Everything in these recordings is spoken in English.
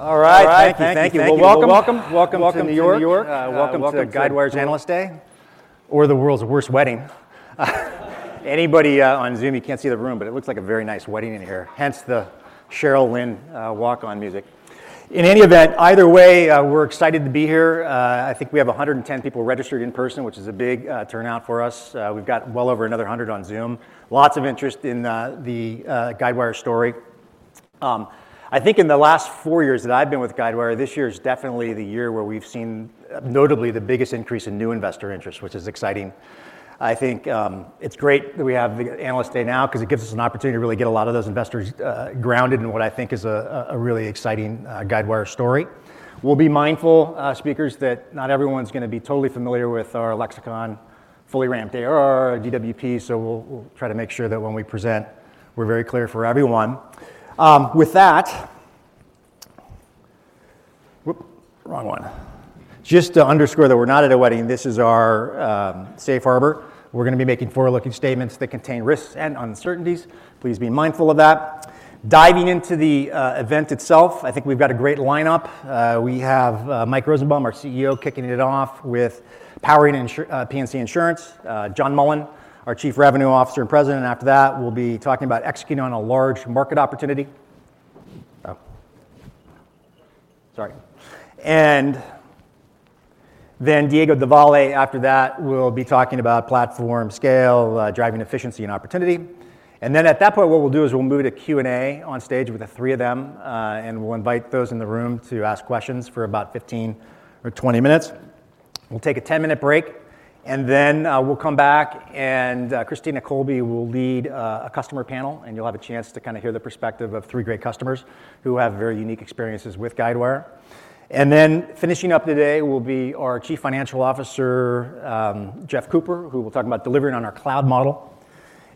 All right. Thank you. Welcome to New York. Welcome to Guidewire's Analyst Day.`Q1 Or the world's worst wedding. Anybody on Zoom, you can't see the room, but it looks like a very nice wedding in here. Hence the Cheryl Lynn walk on music. In any event, either way, we're excited to be here. I think we have 110 people registered in person, which is a big turnout for us. We've got well over another 100 on Zoom. Lots of interest in the Guidewire story. I think in the last four years that I've been with Guidewire, this year is definitely the year where we've seen notably the biggest increase in new investor interest, which is exciting. I think it's great that we have the Analyst Day now because it gives us an opportunity to really get a lot of those investors grounded in what I think is a really exciting Guidewire story. We'll be mindful, speakers, that not everyone's going to be totally familiar with our lexicon, fully ramped ARR, DWP, so we'll try to make sure that when we present, we're very clear for everyone. With that, just to underscore that we're not at a wedding, this is our Safe Harbor. We're going to be making forward-looking statements that contain risks and uncertainties. Please be mindful of that. Diving into the event itself, I think we've got a great lineup. We have Mike Rosenbaum, our CEO, kicking it off with powering P&C insurance. John Mullen, our Chief Revenue Officer and President. After that, we'll be talking about executing on a large market opportunity, and then Diego Devalle, after that, will be talking about platform scale, driving efficiency and opportunity. And then at that point, what we'll do is we'll move to Q&A on stage with the three of them, and we'll invite those in the room to ask questions for about 15 or 20 minutes. We'll take a 10-minute break, and then we'll come back, and Christina Colby will lead a customer panel, and you'll have a chance to kind of hear the perspective of three great customers who have very unique experiences with Guidewire. And then finishing up today will be our Chief Financial Officer, Jeff Cooper, who will talk about delivering on our cloud model.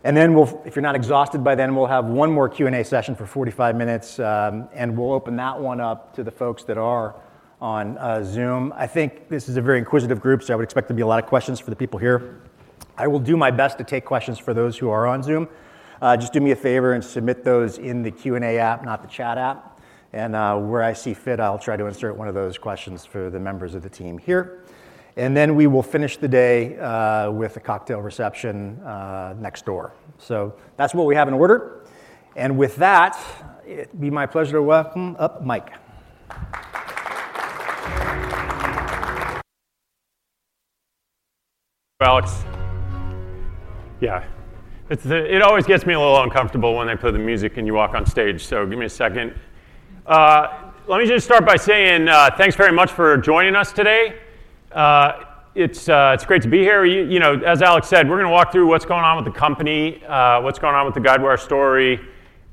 And then if you're not exhausted by then, we'll have one more Q&A session for 45 minutes, and we'll open that one up to the folks that are on Zoom. I think this is a very inquisitive group, so I would expect there to be a lot of questions for the people here. I will do my best to take questions for those who are on Zoom. Just do me a favor and submit those in the Q&A app, not the chat app, and where I see fit, I'll try to insert one of those questions for the members of the team here, and then we will finish the day with a cocktail reception next door, so that's what we have in order, and with that, it'd be my pleasure to welcome up Mike. Alex. Yeah. It always gets me a little uncomfortable when I play the music and you walk on stage, so give me a second. Let me just start by saying thanks very much for joining us today. It's great to be here. As Alex said, we're going to walk through what's going on with the company, what's going on with the Guidewire story,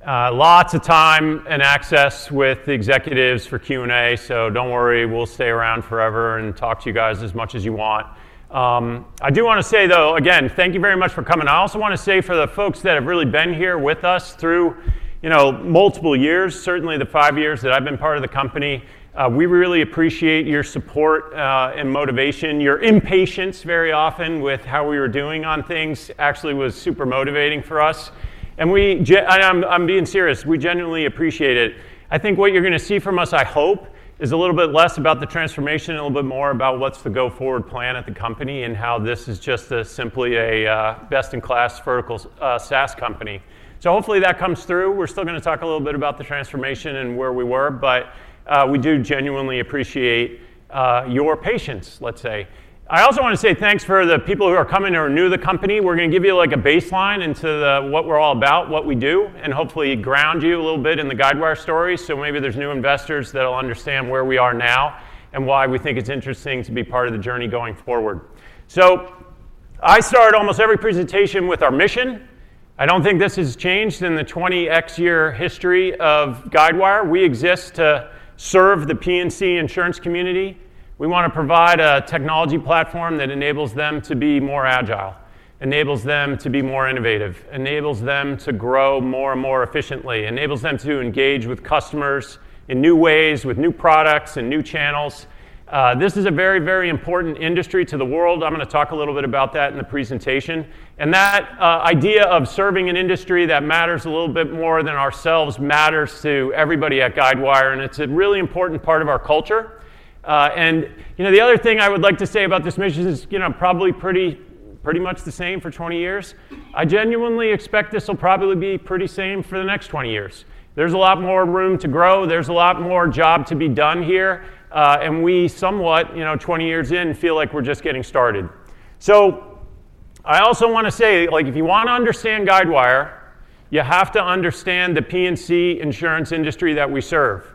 lots of time and access with the executives for Q&A, so don't worry, we'll stay around forever and talk to you guys as much as you want. I do want to say, though, again, thank you very much for coming. I also want to say for the folks that have really been here with us through multiple years, certainly the five years that I've been part of the company, we really appreciate your support and motivation. Your impatience very often with how we were doing on things actually was super motivating for us, and I'm being serious. We genuinely appreciate it. I think what you're going to see from us, I hope, is a little bit less about the transformation and a little bit more about what's the go-forward plan at the company and how this is just simply a best-in-class vertical SaaS company, so hopefully that comes through. We're still going to talk a little bit about the transformation and where we were, but we do genuinely appreciate your patience, let's say. I also want to say thanks for the people who are coming who are new to the company. We're going to give you a baseline into what we're all about, what we do, and hopefully ground you a little bit in the Guidewire story, so maybe there's new investors that'll understand where we are now and why we think it's interesting to be part of the journey going forward. So I start almost every presentation with our mission. I don't think this has changed in the 20-year history of Guidewire. We exist to serve the P&C insurance community. We want to provide a technology platform that enables them to be more agile, enables them to be more innovative, enables them to grow more and more efficiently, enables them to engage with customers in new ways with new products and new channels. This is a very, very important industry to the world. I'm going to talk a little bit about that in the presentation. And that idea of serving an industry that matters a little bit more than ourselves matters to everybody at Guidewire, and it's a really important part of our culture. And the other thing I would like to say about this mission is probably pretty much the same for 20 years. I genuinely expect this will probably be pretty same for the next 20 years. There's a lot more room to grow. There's a lot more job to be done here. And we somewhat, 20 years in, feel like we're just getting started. So I also want to say, if you want to understand Guidewire, you have to understand the P&C insurance industry that we serve.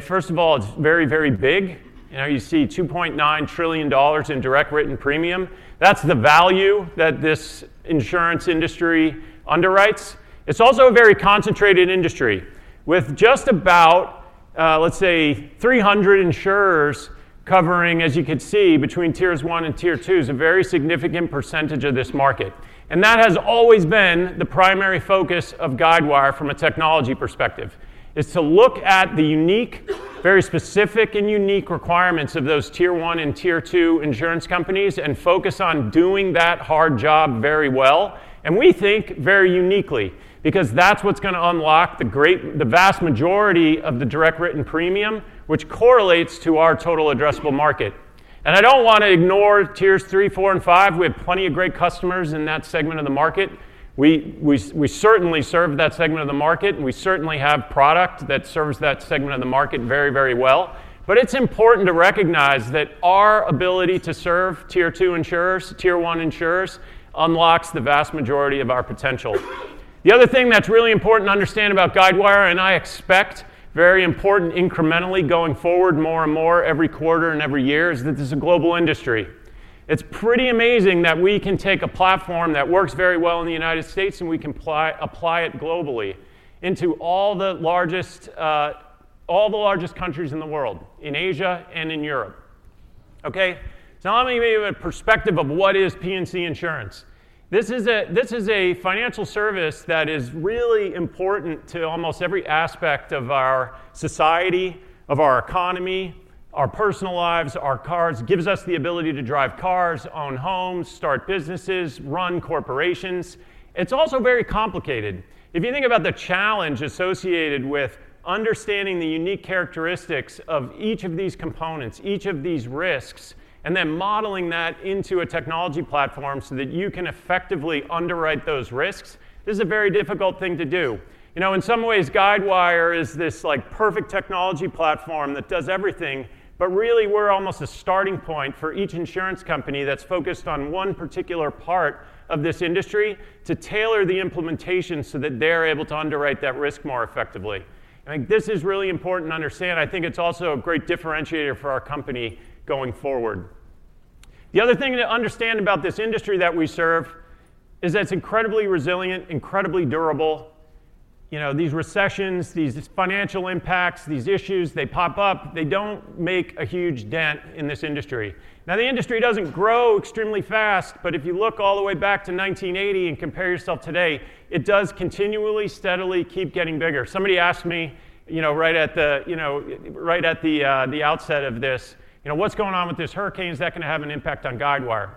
First of all, it's very, very big. You see $2.9 trillion in direct written premium. That's the value that this insurance industry underwrites. It's also a very concentrated industry with just about, let's say, 300 insurers covering, as you could see, between Tier 1 and Tier 2 is a very significant percentage of this market. And that has always been the primary focus of Guidewire from a technology perspective, is to look at the unique, very specific and unique requirements of those Tier 1 and Tier 2 insurance companies and focus on doing that hard job very well. And we think very uniquely because that's what's going to unlock the vast majority of the direct written premium, which correlates to our total addressable market. And I don't want to ignore Tiers 3, 4, and 5. We have plenty of great customers in that segment of the market. We certainly serve that segment of the market, and we certainly have product that serves that segment of the market very, very well. But it's important to recognize that our ability to serve Tier 2 insurers, Tier 1 insurers unlocks the vast majority of our potential. The other thing that's really important to understand about Guidewire, and I expect very important incrementally going forward more and more every quarter and every year, is that this is a global industry. It's pretty amazing that we can take a platform that works very well in the United States and we can apply it globally into all the largest countries in the world, in Asia and in Europe. So I'll give you a perspective of what is P&C insurance. This is a financial service that is really important to almost every aspect of our society, of our economy, our personal lives, our cars. It gives us the ability to drive cars, own homes, start businesses, run corporations. It's also very complicated. If you think about the challenge associated with understanding the unique characteristics of each of these components, each of these risks, and then modeling that into a technology platform so that you can effectively underwrite those risks, this is a very difficult thing to do. In some ways, Guidewire is this perfect technology platform that does everything, but really we're almost a starting point for each insurance company that's focused on one particular part of this industry to tailor the implementation so that they're able to underwrite that risk more effectively. I think this is really important to understand. I think it's also a great differentiator for our company going forward. The other thing to understand about this industry that we serve is that it's incredibly resilient, incredibly durable. These recessions, these financial impacts, these issues, they pop up. They don't make a huge dent in this industry. Now, the industry doesn't grow extremely fast, but if you look all the way back to 1980 and compare yourself today, it does continually steadily keep getting bigger. Somebody asked me right at the outset of this, what's going on with this hurricane? Is that going to have an impact on Guidewire?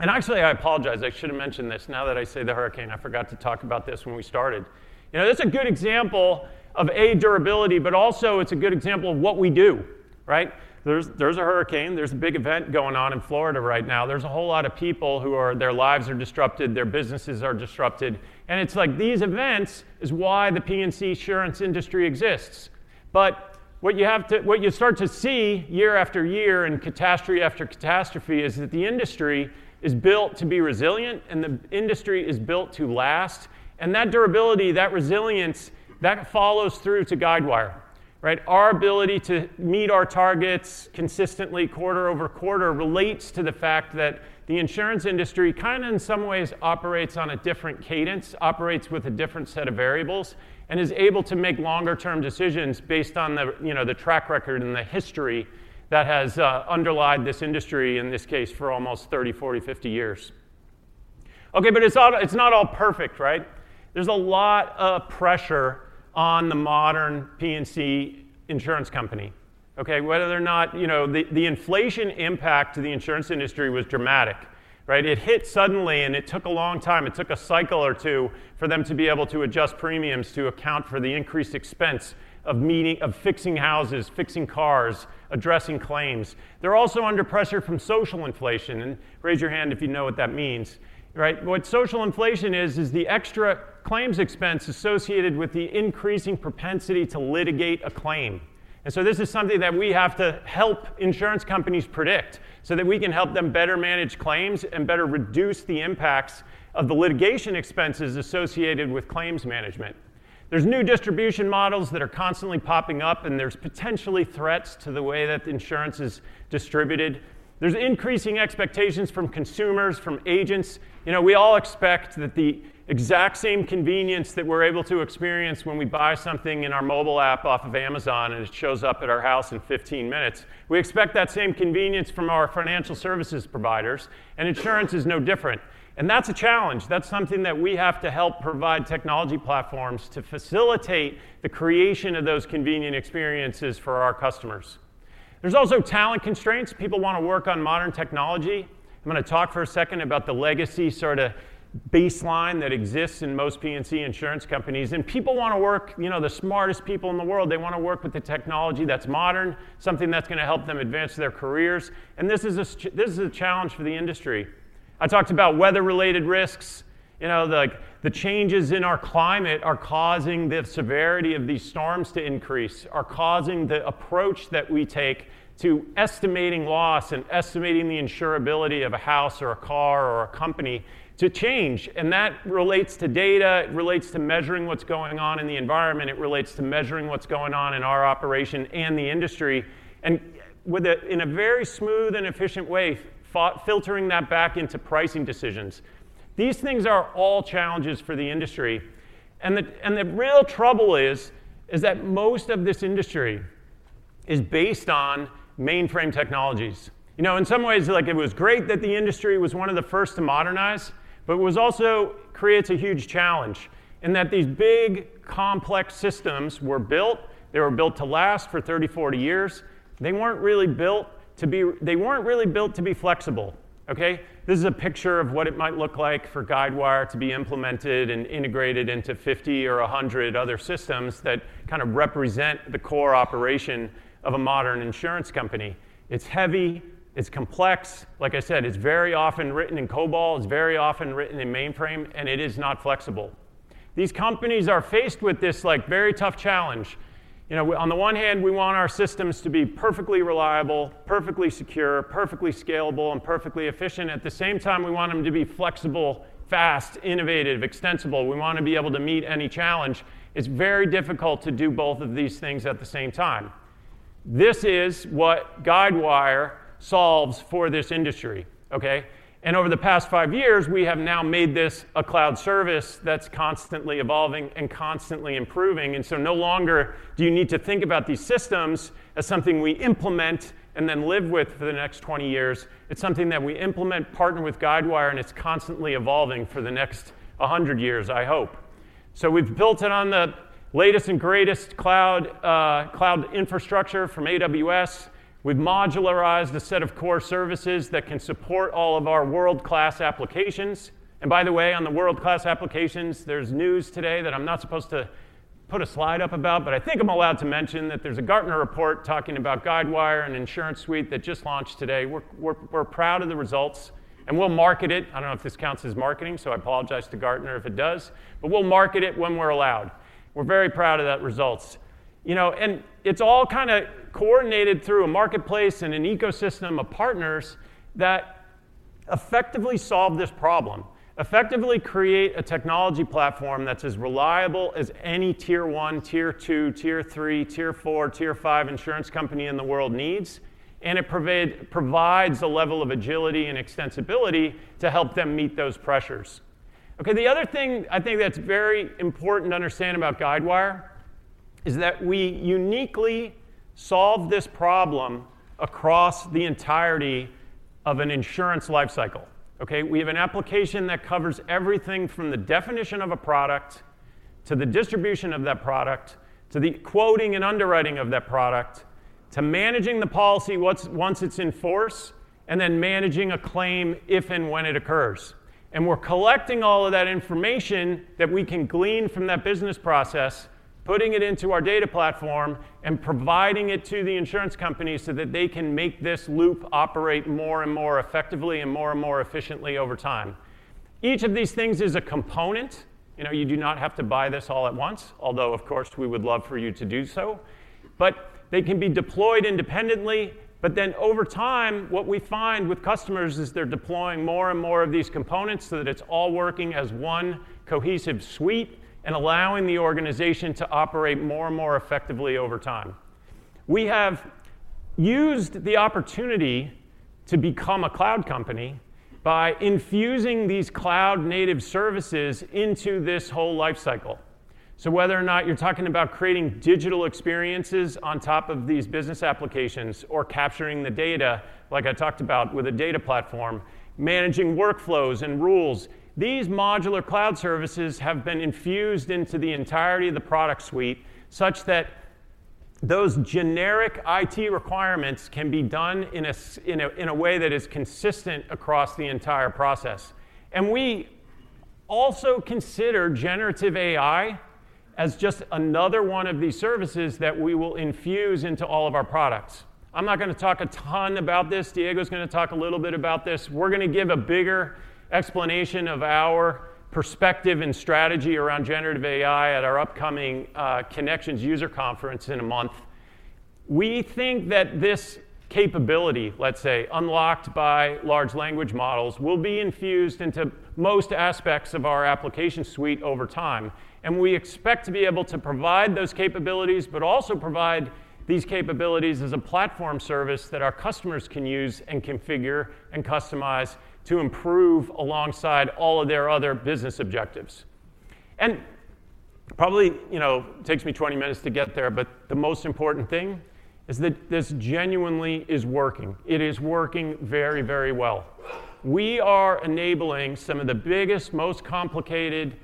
And actually, I apologize. I should have mentioned this. Now that I say the hurricane, I forgot to talk about this when we started. That's a good example of a durability, but also it's a good example of what we do. There's a hurricane. There's a big event going on in Florida right now. There's a whole lot of people, their lives are disrupted, their businesses are disrupted. And it's like these events is why the P&C insurance industry exists. But what you start to see year after year and catastrophe after catastrophe is that the industry is built to be resilient, and the industry is built to last. And that durability, that resilience, that follows through to Guidewire. Our ability to meet our targets consistently quarter over quarter relates to the fact that the insurance industry kind of in some ways operates on a different cadence, operates with a different set of variables, and is able to make longer-term decisions based on the track record and the history that has underlined this industry in this case for almost 30, 40, 50 years. But it's not all perfect. There's a lot of pressure on the modern P&C insurance company. Whether or not the inflation impact to the insurance industry was dramatic. It hit suddenly, and it took a long time. It took a cycle or two for them to be able to adjust premiums to account for the increased expense of fixing houses, fixing cars, addressing claims. They're also under pressure from social inflation. Raise your hand if you know what that means. What social inflation is, is the extra claims expense associated with the increasing propensity to litigate a claim. And so this is something that we have to help insurance companies predict so that we can help them better manage claims and better reduce the impacts of the litigation expenses associated with claims management. There's new distribution models that are constantly popping up, and there's potentially threats to the way that insurance is distributed. There's increasing expectations from consumers, from agents. We all expect that the exact same convenience that we're able to experience when we buy something in our mobile app off of Amazon and it shows up at our house in 15 minutes. We expect that same convenience from our financial services providers, and insurance is no different, and that's a challenge. That's something that we have to help provide technology platforms to facilitate the creation of those convenient experiences for our customers. There's also talent constraints. People want to work on modern technology. I'm going to talk for a second about the legacy sort of baseline that exists in most P&C insurance companies, and people want to work the smartest people in the world. They want to work with the technology that's modern, something that's going to help them advance their careers, and this is a challenge for the industry. I talked about weather-related risks. The changes in our climate are causing the severity of these storms to increase, are causing the approach that we take to estimating loss and estimating the insurability of a house or a car or a company to change. And that relates to data. It relates to measuring what's going on in the environment. It relates to measuring what's going on in our operation and the industry in a very smooth and efficient way, filtering that back into pricing decisions. These things are all challenges for the industry. And the real trouble is that most of this industry is based on mainframe technologies. In some ways, it was great that the industry was one of the first to modernize, but it also creates a huge challenge in that these big, complex systems were built. They were built to last for 30, 40 years. They weren't really built to be flexible. This is a picture of what it might look like for Guidewire to be implemented and integrated into 50 or 100 other systems that kind of represent the core operation of a modern insurance company. It's heavy. It's complex. Like I said, it's very often written in COBOL. It's very often written in mainframe, and it is not flexible. These companies are faced with this very tough challenge. On the one hand, we want our systems to be perfectly reliable, perfectly secure, perfectly scalable, and perfectly efficient. At the same time, we want them to be flexible, fast, innovative, extensible. We want to be able to meet any challenge. It's very difficult to do both of these things at the same time. This is what Guidewire solves for this industry, and over the past five years, we have now made this a cloud service that's constantly evolving and constantly improving. And so no longer do you need to think about these systems as something we implement and then live with for the next 20 years. It's something that we implement, partner with Guidewire, and it's constantly evolving for the next 100 years, I hope. So we've built it on the latest and greatest cloud infrastructure from AWS. We've modularized a set of core services that can support all of our world-class applications. And by the way, on the world-class applications, there's news today that I'm not supposed to put a slide up about, but I think I'm allowed to mention that there's a Gartner report talking about Guidewire and InsuranceSuite that just launched today. We're proud of the results, and we'll market it. I don't know if this counts as marketing, so I apologize to Gartner if it does, but we'll market it when we're allowed. We're very proud of those results, and it's all kind of coordinated through a marketplace and an ecosystem of partners that effectively solve this problem, effectively create a technology platform that's as reliable as any Tier 1, Tier 2, Tier 3, Tier 4, Tier 5 insurance company in the world needs, and it provides a level of agility and extensibility to help them meet those pressures. The other thing I think that's very important to understand about Guidewire is that we uniquely solve this problem across the entirety of an insurance lifecycle. We have an application that covers everything from the definition of a product to the distribution of that product to the quoting and underwriting of that product to managing the policy once it's in force and then managing a claim if and when it occurs. And we're collecting all of that information that we can glean from that business process, putting it into our data platform, and providing it to the insurance companies so that they can make this loop operate more and more effectively and more and more efficiently over time. Each of these things is a component. You do not have to buy this all at once, although, of course, we would love for you to do so. But then over time, what we find with customers is they're deploying more and more of these components so that it's all working as one cohesive suite and allowing the organization to operate more and more effectively over time. We have used the opportunity to become a cloud company by infusing these cloud-native services into this whole lifecycle. So whether or not you're talking about creating digital experiences on top of these business applications or capturing the data, like I talked about with a data platform, managing workflows and rules, these modular cloud services have been infused into the entirety of the product suite such that those generic IT requirements can be done in a way that is consistent across the entire process. And we also consider generative AI as just another one of these services that we will infuse into all of our products. I'm not going to talk a ton about this. Diego's going to talk a little bit about this. We're going to give a bigger explanation of our perspective and strategy around generative AI at our upcoming Connections user conference in a month. We think that this capability, let's say, unlocked by large language models will be infused into most aspects of our application suite over time. We expect to be able to provide those capabilities, but also provide these capabilities as a platform service that our customers can use and configure and customize to improve alongside all of their other business objectives. Probably it takes me 20 minutes to get there, but the most important thing is that this genuinely is working. It is working very, very well. We are enabling some of the biggest, most complicated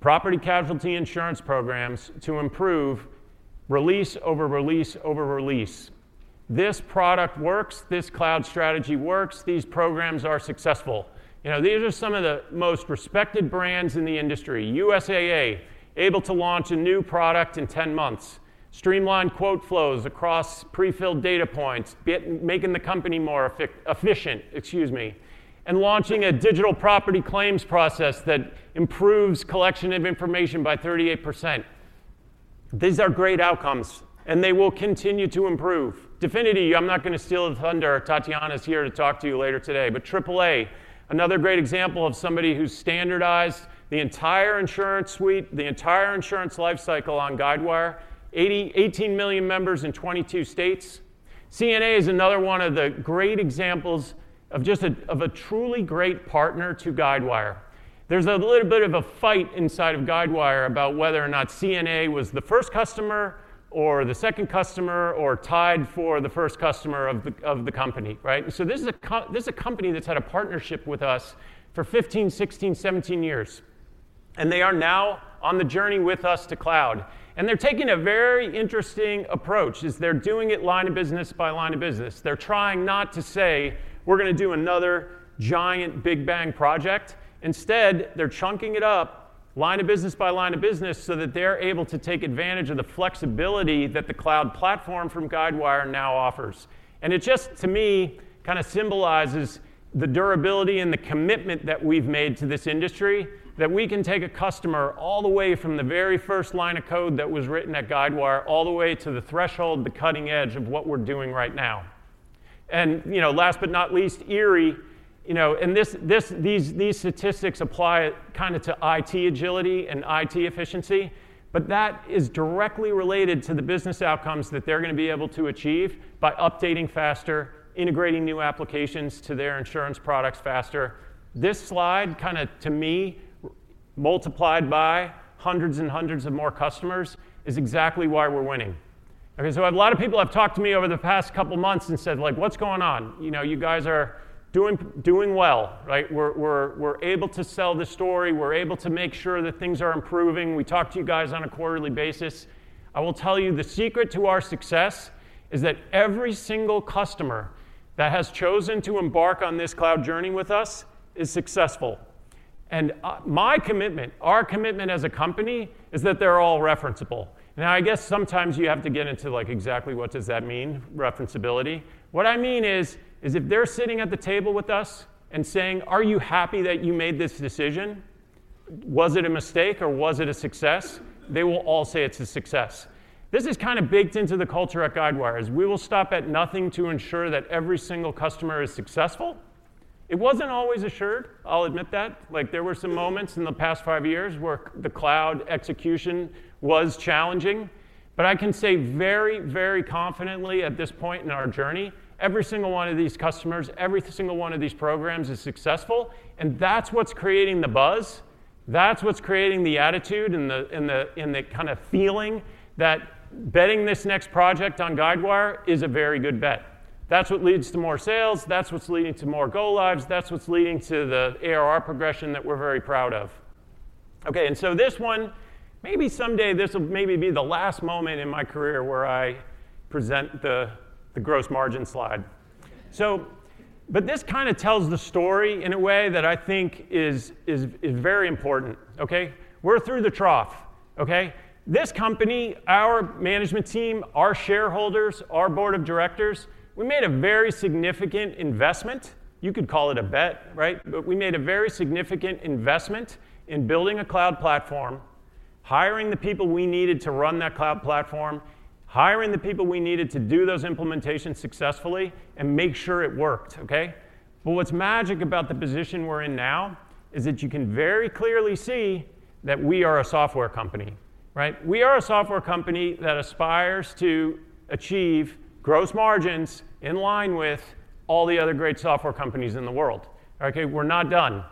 property and casualty insurance programs to improve release over release over release. This product works. This cloud strategy works. These programs are successful. These are some of the most respected brands in the industry. USAA, able to launch a new product in 10 months, streamlined quote flows across prefilled data points, making the company more efficient, excuse me, and launching a digital property claims process that improves collection of information by 38%. These are great outcomes, and they will continue to improve. line of business by line of business so that they're able to take advantage of the flexibility that the cloud platform from Guidewire now offers. It just, to me, kind of symbolizes the durability and the commitment that we've made to this industry that we can take a customer all the way from the very first line of code that was written at Guidewire all the way to the threshold, the cutting edge of what we're doing right now. And last but not least, Erie, and these statistics apply kind of to IT agility and IT efficiency, but that is directly related to the business outcomes that they're going to be able to achieve by updating faster, integrating new applications to their insurance products faster. This slide kind of, to me, multiplied by hundreds and hundreds of more customers is exactly why we're winning. So a lot of people have talked to me over the past couple of months and said, "What's going on? You guys are doing well." We're able to sell the story. We're able to make sure that things are improving. We talk to you guys on a quarterly basis. I will tell you the secret to our success is that every single customer that has chosen to embark on this cloud journey with us is successful. My commitment, our commitment as a company is that they're all referenceable. Now, I guess sometimes you have to get into exactly what does that mean, reference ability. What I mean is if they're sitting at the table with us and saying, "Are you happy that you made this decision? Was it a mistake or was it a success?" They will all say it's a success. This is kind of baked into the culture at Guidewire. We will stop at nothing to ensure that every single customer is successful. It wasn't always assured, I'll admit that. There were some moments in the past five years where the cloud execution was challenging. I can say very, very confidently at this point in our journey, every single one of these customers, every single one of these programs is successful. That's what's creating the buzz. That's what's creating the attitude and the kind of feeling that betting this next project on Guidewire is a very good bet. That's what leads to more sales. That's what's leading to more go-lives. That's what's leading to the ARR progression that we're very proud of. And so this one, maybe someday this will maybe be the last moment in my career where I present the gross margin slide. But this kind of tells the story in a way that I think is very important. We're through the trough. This company, our management team, our shareholders, our board of directors, we made a very significant investment. You could call it a bet, but we made a very significant investment in building a cloud platform, hiring the people we needed to run that cloud platform, hiring the people we needed to do those implementations successfully, and make sure it worked. But what's magic about the position we're in now is that you can very clearly see that we are a software company. We are a software company that aspires to achieve gross margins in line with all the other great software companies in the world. We're not done.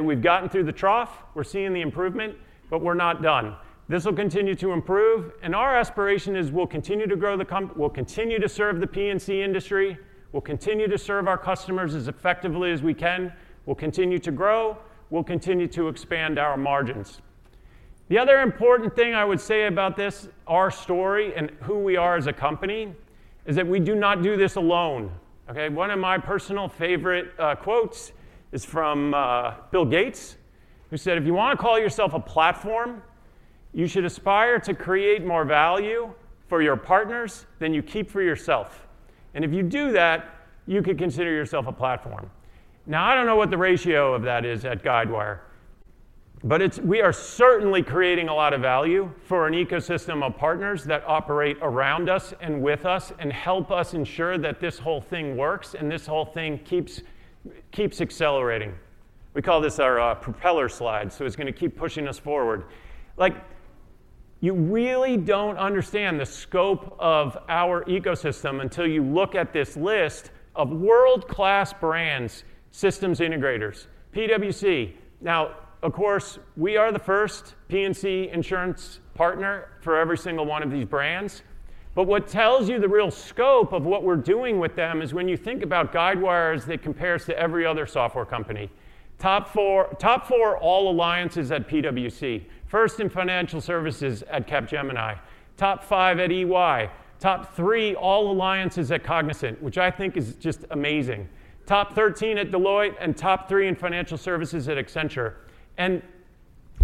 We've gotten through the trough. We're seeing the improvement, but we're not done. This will continue to improve. And our aspiration is we'll continue to grow the company. We'll continue to serve the P&C industry. We'll continue to serve our customers as effectively as we can. We'll continue to grow. We'll continue to expand our margins. The other important thing I would say about this, our story and who we are as a company, is that we do not do this alone. One of my personal favorite quotes is from Bill Gates, who said, "If you want to call yourself a platform, you should aspire to create more value for your partners than you keep for yourself. And if you do that, you could consider yourself a platform." Now, I don't know what the ratio of that is at Guidewire, but we are certainly creating a lot of value for an ecosystem of partners that operate around us and with us and help us ensure that this whole thing works and this whole thing keeps accelerating. We call this our propeller slide, so it's going to keep pushing us forward. You really don't understand the scope of our ecosystem until you look at this list of world-class brands, systems integrators, PwC. Now, of course, we are the first P&C insurance partner for every single one of these brands. But what tells you the real scope of what we're doing with them is when you think about Guidewire as it compares to every other software company. Top four all alliances at PwC. First in financial services at Capgemini. Top five at EY. Top three all alliances at Cognizant, which I think is just amazing. Top 13 at Deloitte and top three in financial services at Accenture. And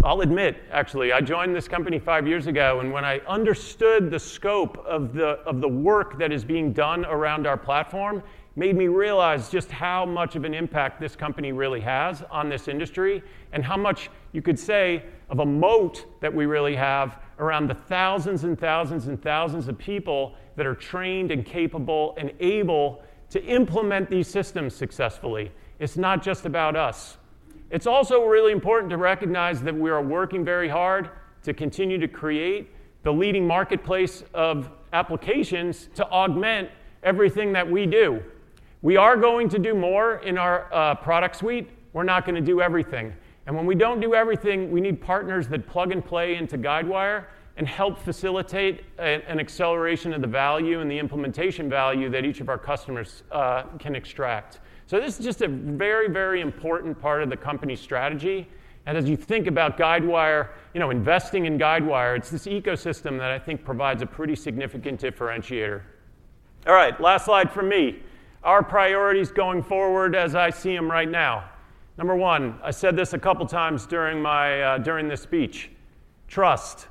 I'll admit, actually, I joined this company five years ago, and when I understood the scope of the work that is being done around our platform, it made me realize just how much of an impact this company really has on this industry and how much you could say of a moat that we really have around the thousands and thousands and thousands of people that are trained and capable and able to implement these systems successfully. It's not just about us. It's also really important to recognize that we are working very hard to continue to create the leading marketplace of applications to augment everything that we do. We are going to do more in our product suite. We're not going to do everything. And when we don't do everything, we need partners that plug and play into Guidewire and help facilitate an acceleration of the value and the implementation value that each of our customers can extract. So this is just a very, very important part of the company's strategy. And as you think about Guidewire, investing in Guidewire, it's this ecosystem that I think provides a pretty significant differentiator. All right, last slide from me. Our priorities going forward as I see them right now. Number one, I said this a couple of times during this speech. Trust.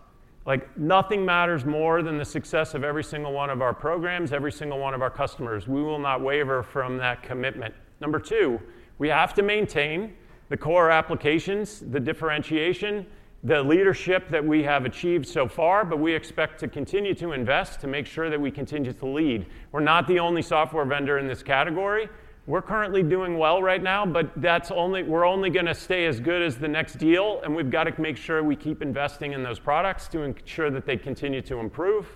Nothing matters more than the success of every single one of our programs, every single one of our customers. We will not waver from that commitment. Number two, we have to maintain the core applications, the differentiation, the leadership that we have achieved so far, but we expect to continue to invest to make sure that we continue to lead. We're not the only software vendor in this category. We're currently doing well right now, but we're only going to stay as good as the next deal, and we've got to make sure we keep investing in those products to ensure that they continue to improve.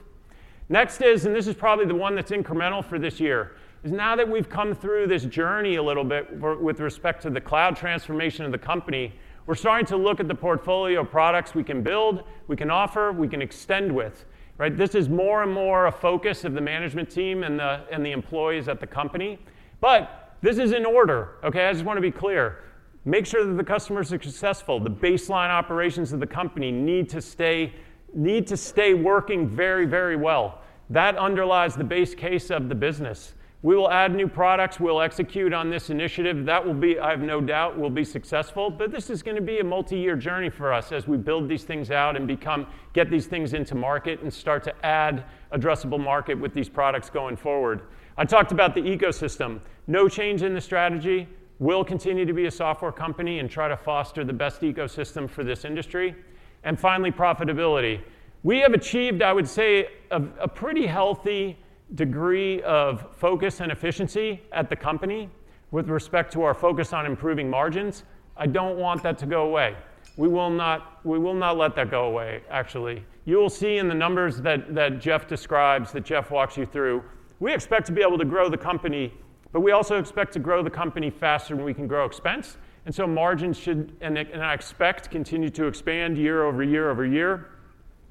Next is, and this is probably the one that's incremental for this year, is now that we've come through this journey a little bit with respect to the cloud transformation of the company, we're starting to look at the portfolio of products we can build, we can offer, we can extend with. This is more and more a focus of the management team and the employees at the company. But this is in order. I just want to be clear. Make sure that the customers are successful. The baseline operations of the company need to stay working very, very well. That underlies the base case of the business. We will add new products. We'll execute on this initiative. That will be, I have no doubt, will be successful. But this is going to be a multi-year journey for us as we build these things out and get these things into market and start to add addressable market with these products going forward. I talked about the ecosystem. No change in the strategy. We'll continue to be a software company and try to foster the best ecosystem for this industry. And finally, profitability. We have achieved, I would say, a pretty healthy degree of focus and efficiency at the company with respect to our focus on improving margins. I don't want that to go away. We will not let that go away, actually. You will see in the numbers that Jeff describes, that Jeff walks you through. We expect to be able to grow the company, but we also expect to grow the company faster than we can grow expense. Margins should, and I expect, continue to expand year-over-year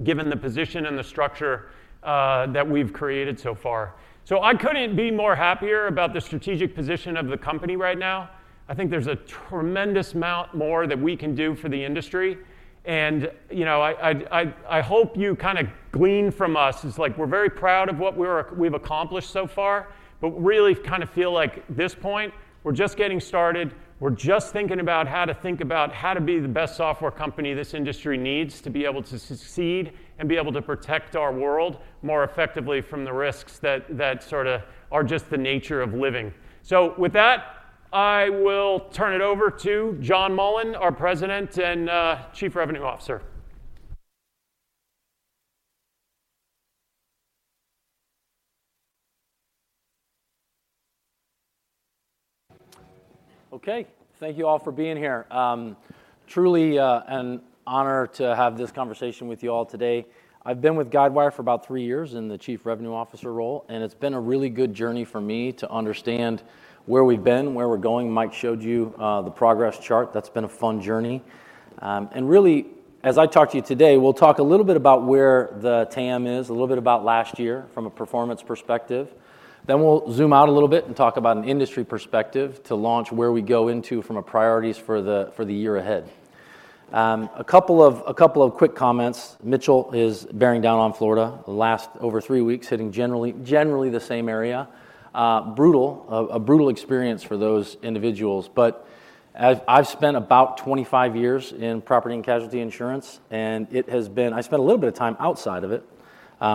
given the position and the structure that we've created so far. So, I couldn't be more happier about the strategic position of the company right now. I think there's a tremendous amount more that we can do for the industry. And I hope you kind of glean from us. It's like we're very proud of what we've accomplished so far, but really kind of feel like this point, we're just getting started. We're just thinking about how to think about how to be the best software company this industry needs to be able to succeed and be able to protect our world more effectively from the risks that sort of are just the nature of living. So, with that, I will turn it over to John Mullen, our President and Chief Revenue Officer. Okay. Thank you all for being here. Truly an honor to have this conversation with you all today. I've been with Guidewire for about three years in the Chief Revenue Officer role, and it's been a really good journey for me to understand where we've been, where we're going. Mike showed you the progress chart. That's been a fun journey, and really, as I talk to you today, we'll talk a little bit about where the TAM is, a little bit about last year from a performance perspective. Then we'll zoom out a little bit and talk about an industry perspective to launch where we go into from priorities for the year ahead. A couple of quick comments. Milton is bearing down on Florida over three weeks, hitting generally the same area. Brutal, a brutal experience for those individuals. But I've spent about 25 years in property and casualty insurance, and I spent a little bit of time outside of it.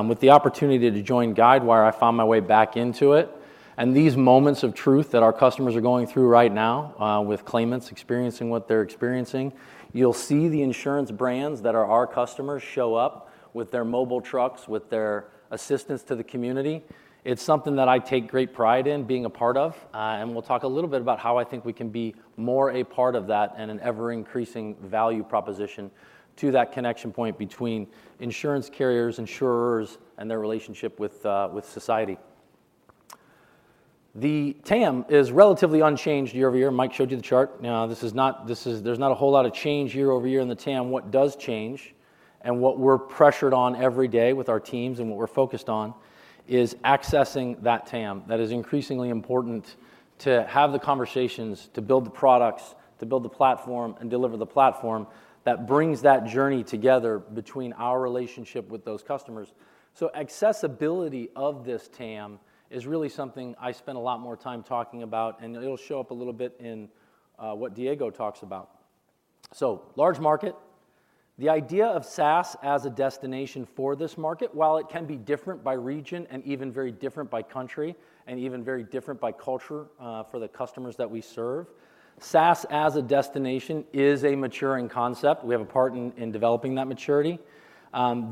With the opportunity to join Guidewire, I found my way back into it. And these moments of truth that our customers are going through right now with claimants experiencing what they're experiencing, you'll see the insurance brands that are our customers show up with their mobile trucks, with their assistance to the community. It's something that I take great pride in being a part of. And we'll talk a little bit about how I think we can be more a part of that and an ever-increasing value proposition to that connection point between insurance carriers, insurers, and their relationship with society. The TAM is relatively unchanged year-over-year. Mike showed you the chart. There's not a whole lot of change year-over-year in the TAM What does change and what we're pressured on every day with our teams and what we're focused on is accessing that TAM. That is increasingly important to have the conversations to build the products, to build the platform, and deliver the platform that brings that journey together between our relationship with those customers, so accessibility of this TAM is really something I spend a lot more time talking about, and it'll show up a little bit in what Diego talks about, so large market, the idea of SaaS as a destination for this market, while it can be different by region and even very different by country and even very different by culture for the customers that we serve. SaaS as a destination is a maturing concept. We have a part in developing that maturity.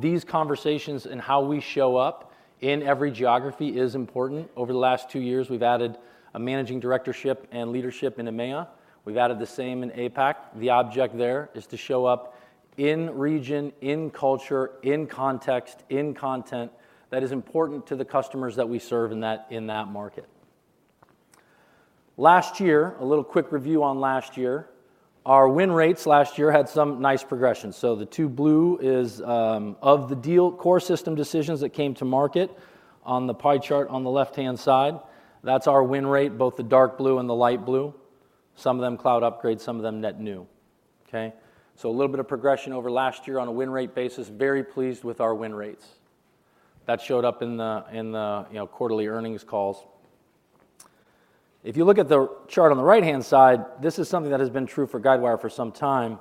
These conversations and how we show up in every geography is important. Over the last two years, we've added a managing directorship and leadership in EMEA. We've added the same in APAC. The objective there is to show up in region, in culture, in context, in content that is important to the customers that we serve in that market. Last year, a little quick review on last year. Our win rates last year had some nice progression. So the two blues of the core system deal decisions that came to market on the pie chart on the left-hand side. That's our win rate, both the dark blue and the light blue. Some of them cloud upgrade, some of them net new. So a little bit of progression over last year on a win rate basis. Very pleased with our win rates. That showed up in the quarterly earnings calls. If you look at the chart on the right-hand side, this is something that has been true for Guidewire for some time.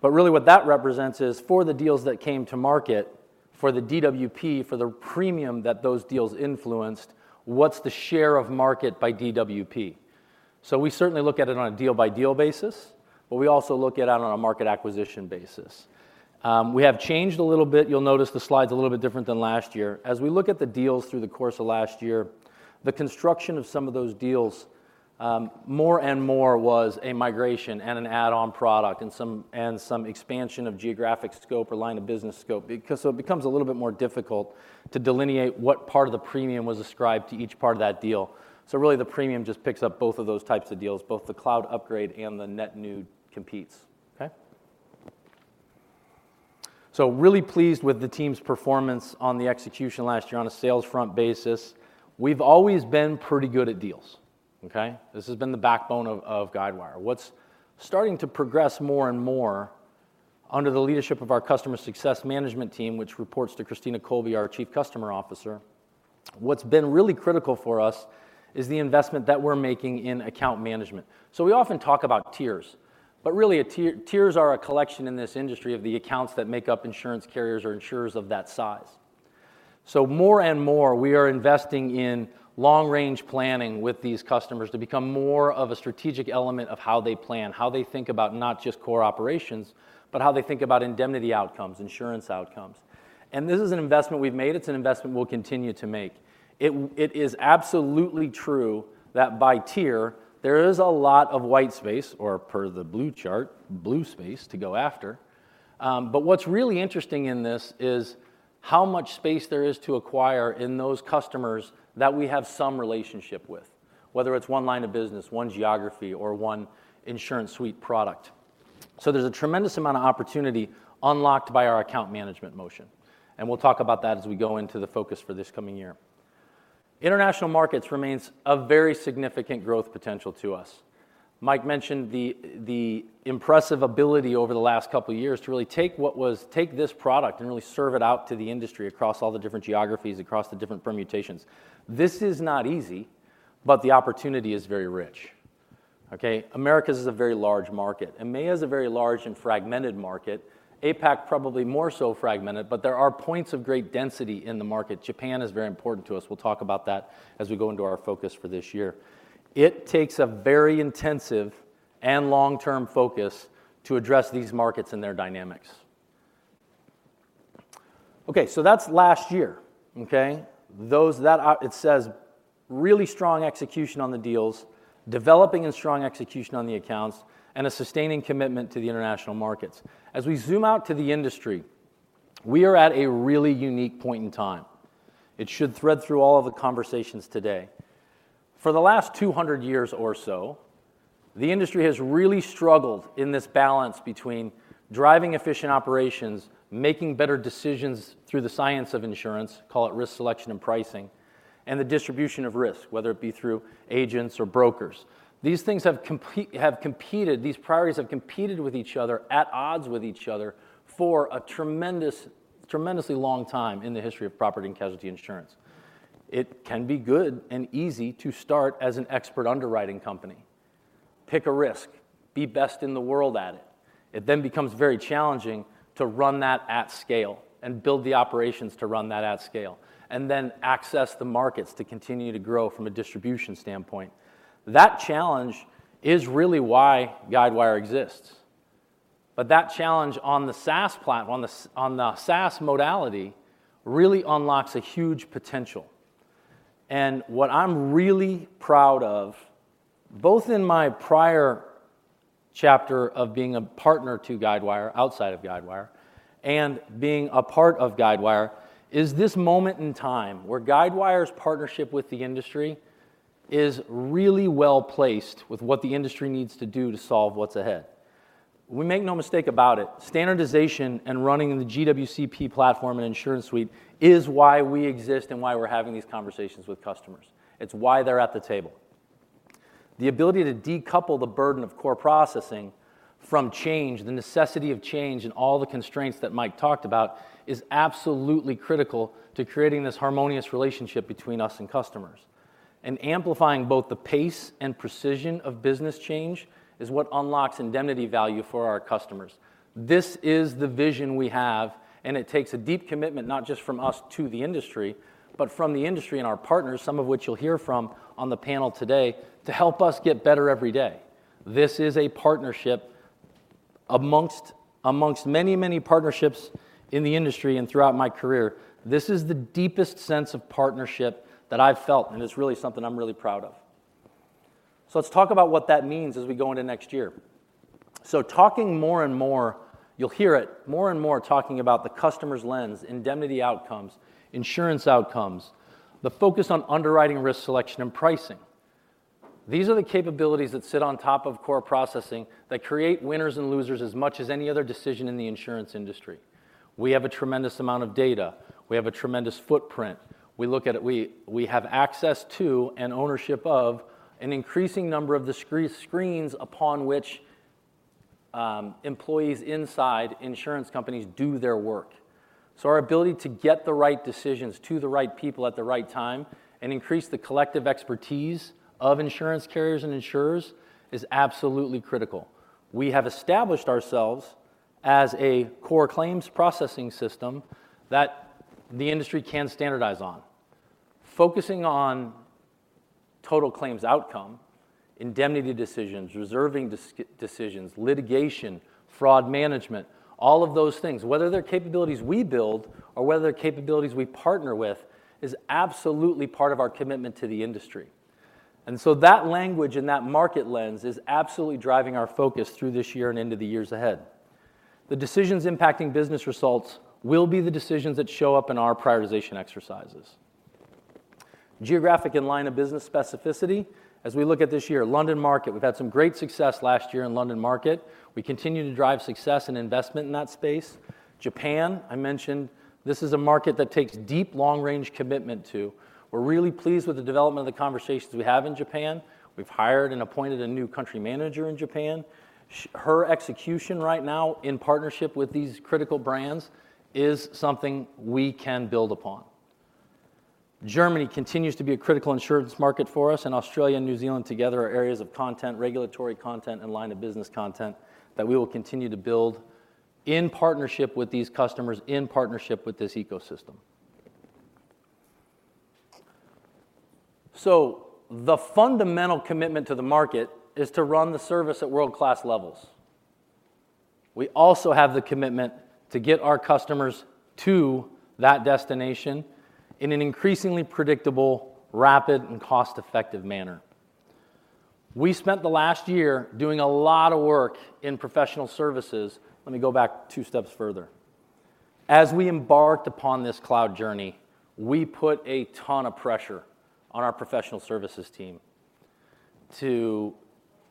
But really what that represents is for the deals that came to market, for the DWP, for the premium that those deals influenced, what's the share of market by DWP? So we certainly look at it on a deal-by-deal basis, but we also look at it on a market acquisition basis. We have changed a little bit. You'll notice the slide's a little bit different than last year. As we look at the deals through the course of last year, the construction of some of those deals more and more was a migration and an add-on product and some expansion of geographic scope or line of business scope. It becomes a little bit more difficult to delineate what part of the premium was ascribed to each part of that deal. Really the premium just picks up both of those types of deals, both the cloud upgrade and the net new competes. Really pleased with the team's performance on the execution last year on a sales front basis. We've always been pretty good at deals. This has been the backbone of Guidewire. What's starting to progress more and more under the leadership of our customer success management team, which reports to Christina Colby, our Chief Customer Officer. What's been really critical for us is the investment that we're making in account management. We often talk about tiers, but really tiers are a collection in this industry of the accounts that make up insurance carriers or insurers of that size. So more and more we are investing in long-range planning with these customers to become more of a strategic element of how they plan, how they think about not just core operations, but how they think about indemnity outcomes, insurance outcomes. And this is an investment we've made. It's an investment we'll continue to make. It is absolutely true that by tier, there is a lot of white space or per the blue chart, blue space to go after. But what's really interesting in this is how much space there is to acquire in those customers that we have some relationship with, whether it's one line of business, one geography, or one InsuranceSuite product. So, there's a tremendous amount of opportunity unlocked by our account management motion. And we'll talk about that as we go into the focus for this coming year. International markets remains a very significant growth potential to us. Mike mentioned the impressive ability over the last couple of years to really take this product and really serve it out to the industry across all the different geographies, across the different permutations. This is not easy, but the opportunity is very rich. America is a very large market. EMEA is a very large and fragmented market. APAC probably more so fragmented, but there are points of great density in the market. Japan is very important to us. We'll talk about that as we go into our focus for this year. It takes a very intensive and long-term focus to address these markets and their dynamics. Okay, so that's last year. It says really strong execution on the deals, developing and strong execution on the accounts, and a sustaining commitment to the international markets. As we zoom out to the industry, we are at a really unique point in time. It should thread through all of the conversations today. For the last 200 years or so, the industry has really struggled in this balance between driving efficient operations, making better decisions through the science of insurance, call it risk selection and pricing, and the distribution of risk, whether it be through agents or brokers. These things have competed. These priorities have competed with each other, at odds with each other for a tremendously long time in the history of property and casualty insurance. It can be good and easy to start as an expert underwriting company. Pick a risk, be best in the world at it. It then becomes very challenging to run that at scale and build the operations to run that at scale and then access the markets to continue to grow from a distribution standpoint. That challenge is really why Guidewire exists, but that challenge on the SaaS modality really unlocks a huge potential, and what I'm really proud of, both in my prior chapter of being a partner to Guidewire, outside of Guidewire, and being a part of Guidewire, is this moment in time where Guidewire's partnership with the industry is really well placed with what the industry needs to do to solve what's ahead. We make no mistake about it. Standardization and running the GWCP platform and InsuranceSuite is why we exist and why we're having these conversations with customers. It's why they're at the table. The ability to decouple the burden of core processing from change, the necessity of change and all the constraints that Mike talked about is absolutely critical to creating this harmonious relationship between us and customers. And amplifying both the pace and precision of business change is what unlocks indemnity value for our customers. This is the vision we have, and it takes a deep commitment not just from us to the industry, but from the industry and our partners, some of which you'll hear from on the panel today to help us get better every day. This is a partnership amongst many, many partnerships in the industry and throughout my career. This is the deepest sense of partnership that I've felt, and it's really something I'm really proud of. So let's talk about what that means as we go into next year. So, talking more and more, you'll hear it more and more talking about the customer's lens, indemnity outcomes, insurance outcomes, the focus on underwriting risk selection and pricing. These are the capabilities that sit on top of core processing that create winners and losers as much as any other decision in the insurance industry. We have a tremendous amount of data. We have a tremendous footprint. We have access to and ownership of an increasing number of the screens upon which employees inside insurance companies do their work. So, our ability to get the right decisions to the right people at the right time and increase the collective expertise of insurance carriers and insurers is absolutely critical. We have established ourselves as a core claims processing system that the industry can standardize on. Focusing on total claims outcome, indemnity decisions, reserving decisions, litigation, fraud management, all of those things, whether they're capabilities we build or whether they're capabilities we partner with, is absolutely part of our commitment to the industry. And so that language and that market lens is absolutely driving our focus through this year and into the years ahead. The decisions impacting business results will be the decisions that show up in our prioritization exercises. Geographic and line of business specificity. As we look at this year, London Market, we've had some great success last year in London Market. We continue to drive success and investment in that space. Japan, I mentioned, this is a market that takes deep long-range commitment to. We're really pleased with the development of the conversations we have in Japan. We've hired and appointed a new country manager in Japan. Her execution right now in partnership with these critical brands is something we can build upon. Germany continues to be a critical insurance market for us, and Australia and New Zealand together are areas of content, regulatory content, and line of business content that we will continue to build in partnership with these customers, in partnership with this ecosystem. So the fundamental commitment to the market is to run the service at world-class levels. We also have the commitment to get our customers to that destination in an increasingly predictable, rapid, and cost-effective manner. We spent the last year doing a lot of work in professional services. Let me go back two steps further. As we embarked upon this cloud journey, we put a ton of pressure on our professional services team to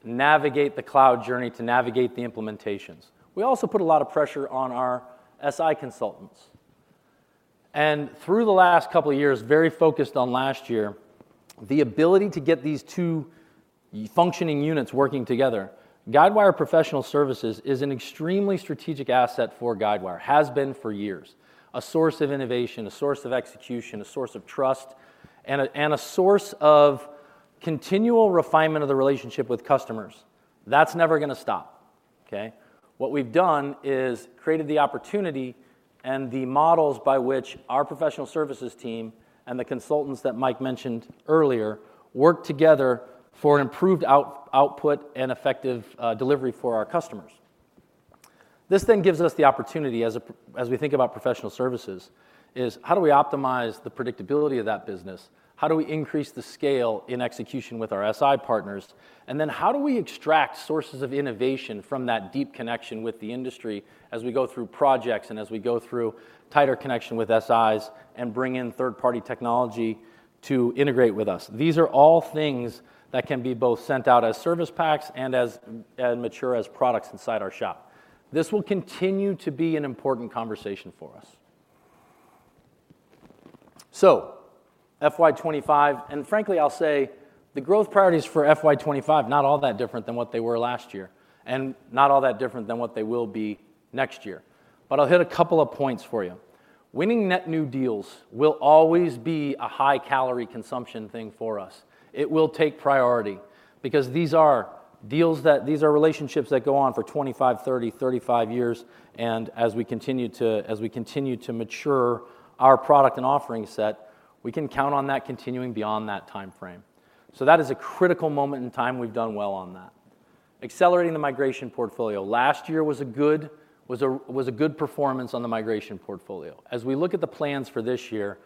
navigate the cloud journey, to navigate the implementations. We also put a lot of pressure on our SI consultants, and through the last couple of years, very focused on last year, the ability to get these two functioning units working together. Guidewire Professional Services is an extremely strategic asset for Guidewire, has been for years, a source of innovation, a source of execution, a source of trust, and a source of continual refinement of the relationship with customers. That's never going to stop. What we've done is created the opportunity and the models by which our professional services team and the consultants that Mike mentioned earlier work together for improved output and effective delivery for our customers. This then gives us the opportunity, as we think about professional services, is how do we optimize the predictability of that business? How do we increase the scale in execution with our SI partners? And then how do we extract sources of innovation from that deep connection with the industry, as we go through projects and as we go through tighter connection with SIs and bring in third-party technology to integrate with us? These are all things that can be both sent out as service packs and as mature as products inside our shop. This will continue to be an important conversation for us. So FY 2025, and frankly, I'll say the growth priorities for FY 2025, not all that different than what they were last year and not all that different than what they will be next year. But I'll hit a couple of points for you. Winning net new deals will always be a high-calorie consumption thing for us. It will take priority because these are deals that these are relationships that go on for 25, 30, 35 years. As we continue to mature our product and offering set, we can count on that continuing beyond that timeframe. That is a critical moment in time. We've done well on that. Accelerating the migration portfolio. Last year was a good performance on the migration portfolio. As we look at the plans for this year,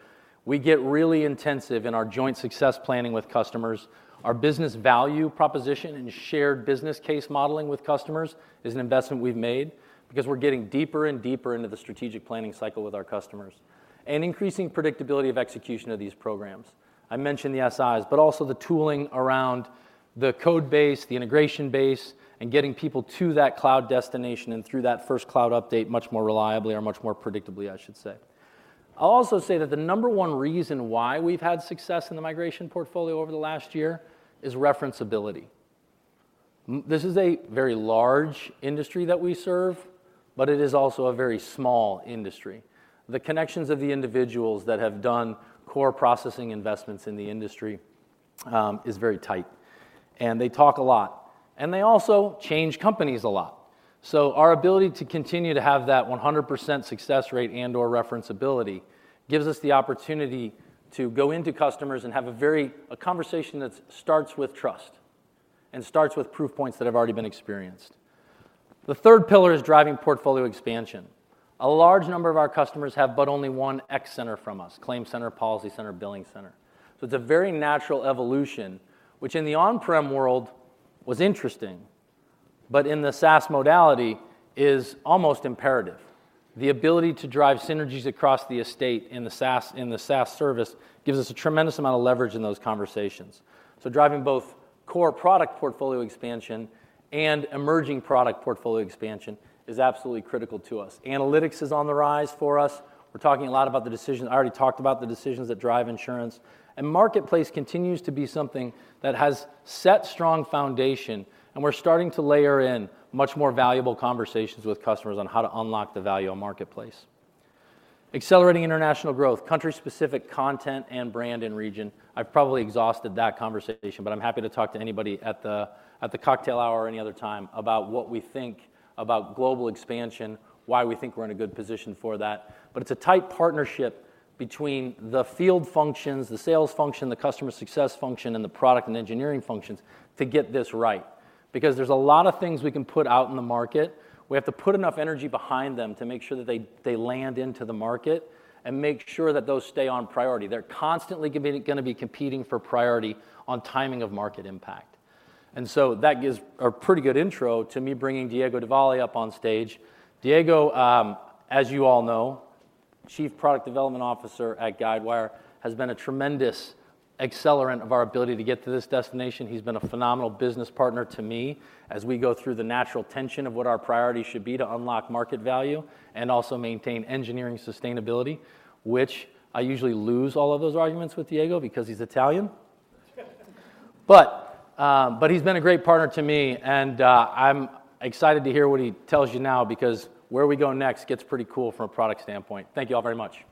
we get really intensive in our joint success planning with customers. Our business value proposition and shared business case modeling with customers is an investment we've made because we're getting deeper and deeper into the strategic planning cycle with our customers and increasing predictability of execution of these programs. I mentioned the SIs, but also the tooling around the code base, the integration base, and getting people to that cloud destination and through that first cloud update much more reliably or much more predictably, I should say. I'll also say that the number one reason why we've had success in the migration portfolio over the last year is referenceability. This is a very large industry that we serve, but it is also a very small industry. The connections of the individuals that have done core processing investments in the industry is very tight, and they talk a lot, and they also change companies a lot. So, our ability to continue to have that 100% success rate and/or referenceability gives us the opportunity to go into customers and have a conversation that starts with trust and starts with proof points that have already been experienced. The third pillar is driving portfolio expansion. A large number of our customers have but only one X center from us: ClaimCenter, PolicyCenter, BillingCenter. So it's a very natural evolution, which in the on-prem world was interesting, but in the SaaS, modality is almost imperative. The ability to drive synergies across the estate in the SaaS service gives us a tremendous amount of leverage in those conversations. So, driving both core product portfolio expansion and emerging product portfolio expansion is absolutely critical to us. Analytics is on the rise for us. We're talking a lot about the decisions. I already talked about the decisions that drive insurance. And marketplace continues to be something that has set strong foundation, and we're starting to layer in much more valuable conversations with customers on how to unlock the value of marketplace. Accelerating international growth, country-specific content and brand and region. I've probably exhausted that conversation, but I'm happy to talk to anybody at the cocktail hour or any other time about what we think about global expansion, why we think we're in a good position for that. But it's a tight partnership between the field functions, the sales function, the customer success function, and the product and engineering functions to get this right. Because there's a lot of things we can put out in the market. We have to put enough energy behind them to make sure that they land into the market and make sure that those stay on priority. They're constantly going to be competing for priority on timing of market impact. And so that gives a pretty good intro to me bringing Diego Devalle up on stage. Diego, as you all know, Chief Product Development Officer at Guidewire, has been a tremendous accelerant of our ability to get to this destination. He's been a phenomenal business partner to me as we go through the natural tension of what our priority should be to unlock market value and also maintain engineering sustainability, which I usually lose all of those arguments with Diego because he's Italian. But he's been a great partner to me, and I'm excited to hear what he tells you now because where we go next gets pretty cool from a product standpoint. Thank you all very much.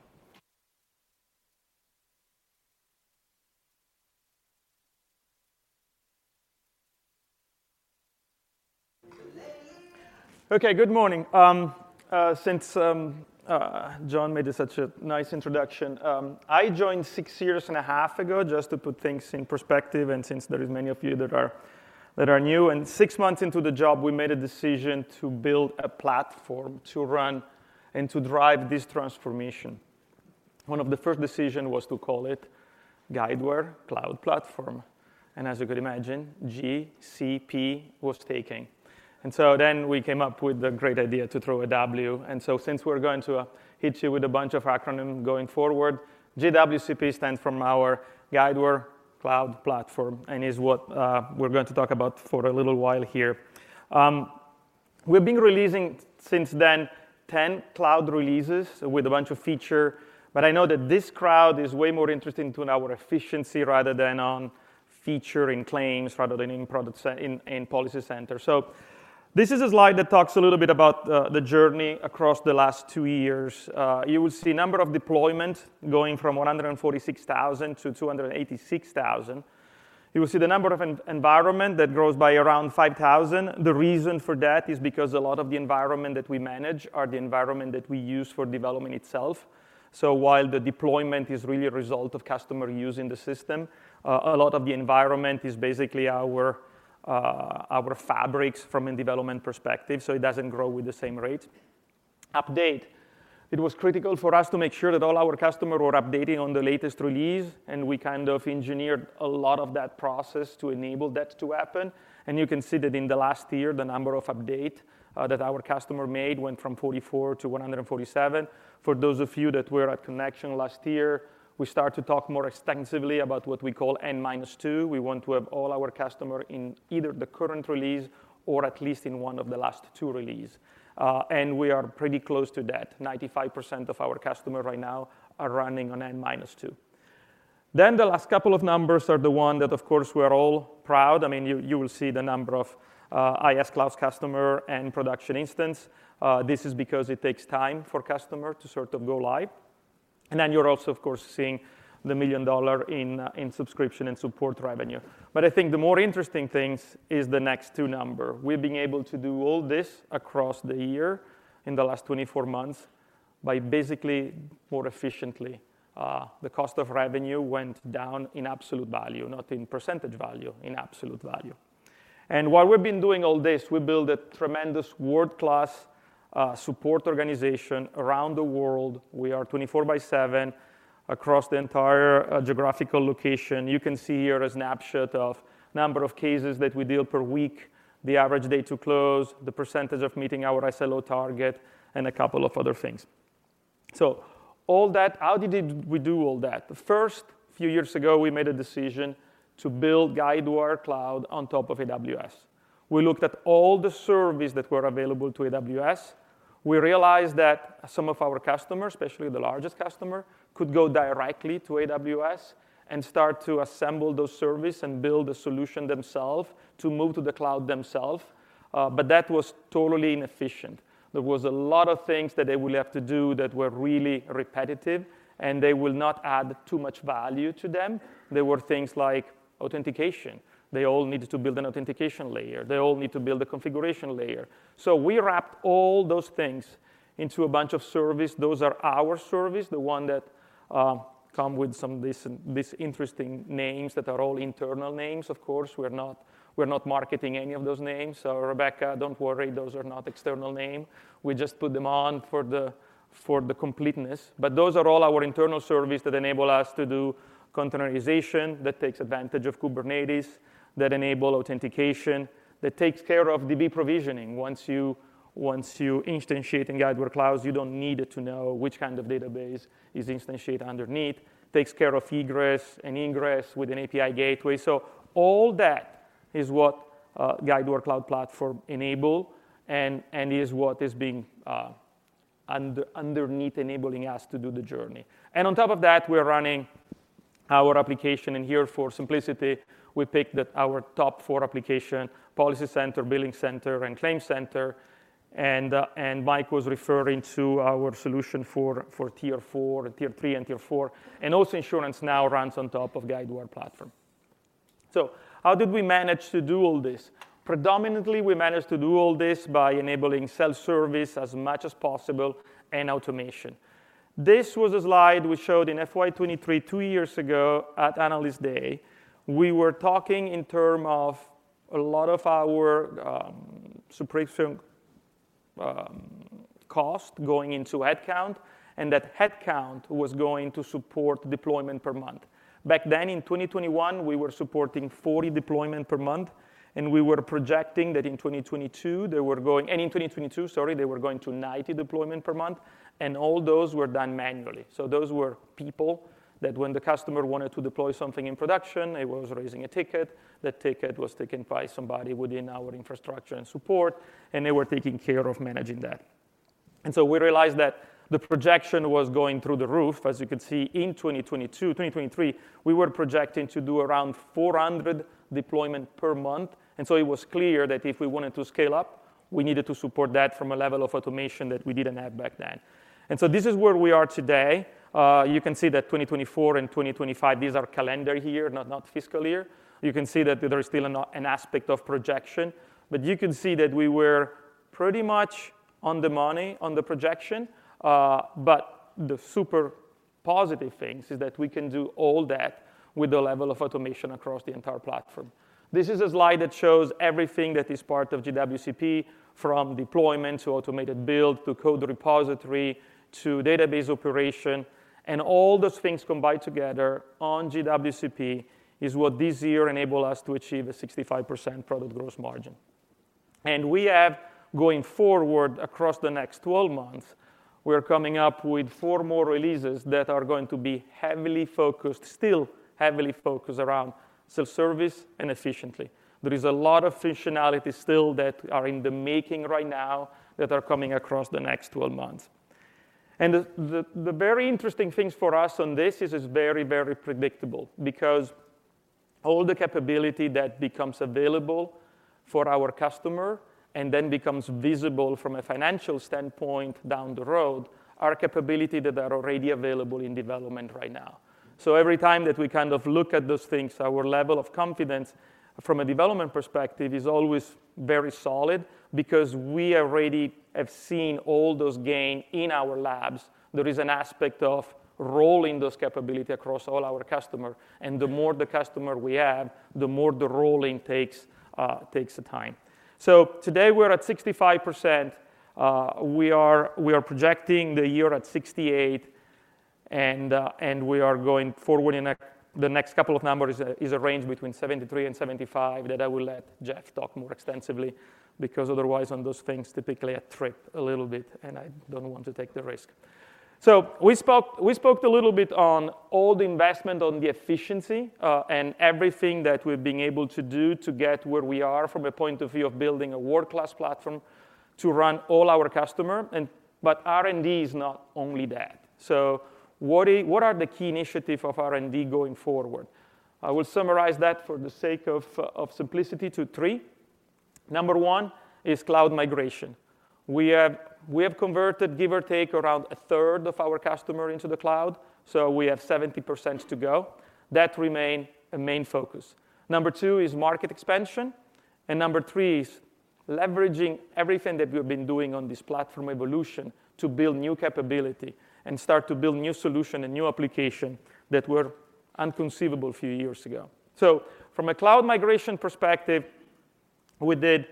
Okay, good morning. Since John made such a nice introduction, I joined six years and a half ago just to put things in perspective. Since there are many of you that are new, and six months into the job, we made a decision to build a platform to run and to drive this transformation. One of the first decisions was to call it Guidewire Cloud Platform. And as you could imagine, GCP was taken. And so then we came up with the great idea to throw a W. And so since we're going to hit you with a bunch of acronyms going forward, GWCP stands for our Guidewire Cloud Platform and is what we're going to talk about for a little while here. We've been releasing since then 10 cloud releases with a bunch of features, but I know that this crowd is way more interested in our efficiency rather than features in claims rather than in policy centers. This is a slide that talks a little bit about the journey across the last two years. You will see a number of deployments going from 146,000 to 286,000. You will see the number of environments that grows by around 5,000. The reason for that is because a lot of the environment that we manage are the environment that we use for development itself. So while the deployment is really a result of customer use in the system, a lot of the environment is basically our fabrics from a development perspective, so it doesn't grow with the same rate. Update. It was critical for us to make sure that all our customers were updating on the latest release, and we kind of engineered a lot of that process to enable that to happen. You can see that in the last year, the number of updates that our customers made went from 44 to 147. For those of you that were at Connection last year, we started to talk more extensively about what we call N-2. We want to have all our customers in either the current release or at least in one of the last two releases. We are pretty close to that. 95% of our customers right now are running on N-2. Then the last couple of numbers are the ones that, of course, we're all proud. I mean, you will see the number of IS Cloud customers and production instances. This is because it takes time for customers to sort of go live. Then you're also, of course, seeing the $1 million in subscription and support revenue. But I think the more interesting thing is the next two numbers. We've been able to do all this across the year in the last 24 months by basically more efficiently. The cost of revenue went down in absolute value, not in percentage value, in absolute value. And while we've been doing all this, we built a tremendous world-class support organization around the world. We are 24 by 7 across the entire geographical location. You can see here a snapshot of the number of cases that we deal with per week, the average day to close, the percentage of meeting our SLO target, and a couple of other things. So all that, how did we do all that? The first few years ago, we made a decision to build Guidewire Cloud on top of AWS. We looked at all the services that were available to AWS. We realized that some of our customers, especially the largest customers, could go directly to AWS and start to assemble those services and build a solution themselves to move to the cloud themselves. But that was totally inefficient. There were a lot of things that they would have to do that were really repetitive, and they would not add too much value to them. There were things like authentication. They all needed to build an authentication layer. They all need to build a configuration layer. So we wrapped all those things into a bunch of services. Those are our services, the ones that come with some of these interesting names that are all internal names. Of course, we're not marketing any of those names. So Rebecca, don't worry. Those are not external names. We just put them on for the completeness. But those are all our internal services that enable us to do containerization that takes advantage of Kubernetes, that enables authentication, that takes care of DB provisioning. Once you instantiate in Guidewire Cloud, you don't need to know which kind of database is instantiated underneath. It takes care of egress and ingress with an API gateway. So all that is what Guidewire Cloud Platform enables and is what is underneath enabling us to do the journey. And on top of that, we're running our application. And here for simplicity, we picked our top four applications: PolicyCenter, BillingCenter, and ClaimCenter. And Mike was referring to our solution for Tier 3 and Tier 4. And also InsuranceNow runs on top of Guidewire Platform. So how did we manage to do all this? Predominantly, we managed to do all this by enabling self-service as much as possible and automation. This was a slide we showed in FY 2023 two years ago at Analyst Day. We were talking in terms of a lot of our subscription cost going into headcount, and that headcount was going to support deployment per month. Back then in 2021, we were supporting 40 deployments per month, and we were projecting that in 2022, they were going to 90 deployments per month, and all those were done manually. So those were people that when the customer wanted to deploy something in production, it was raising a ticket. That ticket was taken by somebody within our infrastructure and support, and they were taking care of managing that. And so we realized that the projection was going through the roof. As you could see, in 2022, 2023, we were projecting to do around 400 deployments per month. It was clear that if we wanted to scale up, we needed to support that from a level of automation that we didn't have back then. This is where we are today. You can see that 2024 and 2025, these are calendar year, not fiscal year. You can see that there is still an aspect of projection. You can see that we were pretty much on the money, on the projection. The super positive thing is that we can do all that with the level of automation across the entire platform. This is a slide that shows everything that is part of GWCP, from deployment to automated build to code repository to database operation. All those things combined together on GWCP is what this year enabled us to achieve a 65% product gross margin. We have, going forward across the next 12 months, we're coming up with four more releases that are going to be heavily focused, still heavily focused around self-service and efficiency. There is a lot of functionality still that is in the making right now that is coming across the next 12 months. The very interesting things for us on this are very, very predictable because all the capability that becomes available for our customer and then becomes visible from a financial standpoint down the road are capabilities that are already available in development right now. Every time that we kind of look at those things, our level of confidence from a development perspective is always very solid because we already have seen all those gains in our labs. There is an aspect of rolling those capabilities across all our customers. And the more customers we have, the more the rolling takes time. So today we're at 65%. We are projecting the year at 68%, and we are going forward, in the next couple of numbers, is a range between 73% and 75% that I will let Jeff talk more extensively because otherwise on those things, typically I trip a little bit, and I don't want to take the risk. So we spoke a little bit on all the investment on the efficiency and everything that we've been able to do to get where we are from a point of view of building a world-class platform to run all our customers. But R&D is not only that. So what are the key initiatives of R&D going forward? I will summarize that for the sake of simplicity to three. Number one is cloud migration. We have converted, give or take, around a third of our customers into the cloud, so we have 70% to go. That remains a main focus. Number two is market expansion. And number three is leveraging everything that we've been doing on this platform evolution to build new capability and start to build new solutions and new applications that were inconceivable a few years ago. So from a cloud migration perspective, we did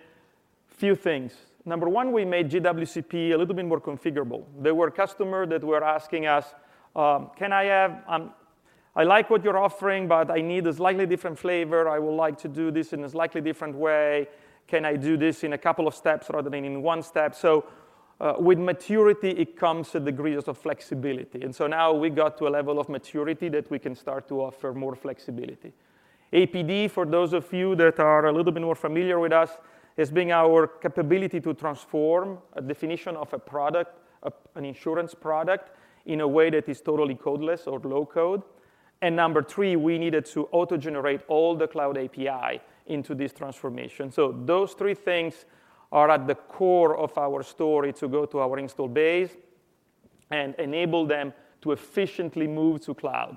a few things. Number one, we made GWCP a little bit more configurable. There were customers that were asking us, "Can I have—I like what you're offering, but I need a slightly different flavor. I would like to do this in a slightly different way. Can I do this in a couple of steps rather than in one step?" So with maturity, it comes with degrees of flexibility. And so now we got to a level of maturity that we can start to offer more flexibility. APD, for those of you that are a little bit more familiar with us, has been our capability to transform a definition of a product, an insurance product, in a way that is totally codeless or low code. And number three, we needed to auto-generate all the cloud API into this transformation. So those three things are at the core of our story to go to our installed base and enable them to efficiently move to cloud.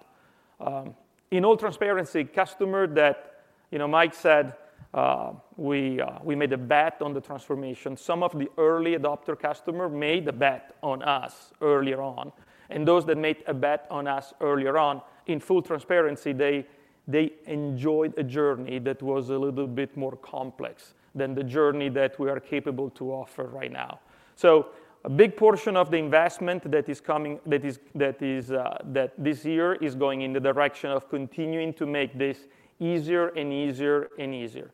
In all transparency, customers that Mike said we made a bet on the transformation. Some of the early adopter customers made a bet on us earlier on. Those that made a bet on us earlier on, in full transparency, they enjoyed a journey that was a little bit more complex than the journey that we are capable to offer right now. A big portion of the investment that is coming, that this year is going in the direction of continuing to make this easier and easier and easier.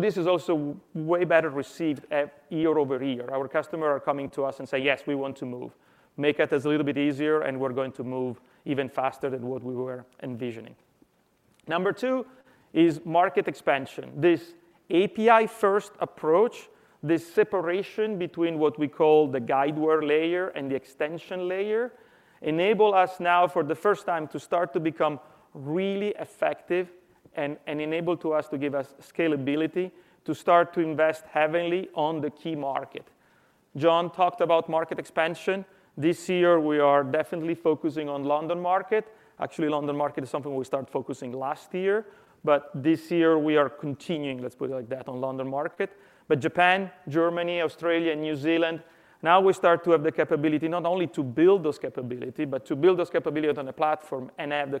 This is also way better received year-over-year. Our customers are coming to us and saying, "Yes, we want to move. Make it a little bit easier, and we're going to move even faster than what we were envisioning." Number two is market expansion. This API-first approach, this separation between what we call the Guidewire layer and the extension layer, enables us now for the first time to start to become really effective and enables us to give us scalability to start to invest heavily on the key market. John talked about market expansion. This year, we are definitely focusing on the London Market. Actually, the London Market is something we started focusing on last year. But this year, we are continuing, let's put it like that, on the London Market. But Japan, Germany, Australia, and New Zealand, now we start to have the capability not only to build those capabilities, but to build those capabilities on a platform and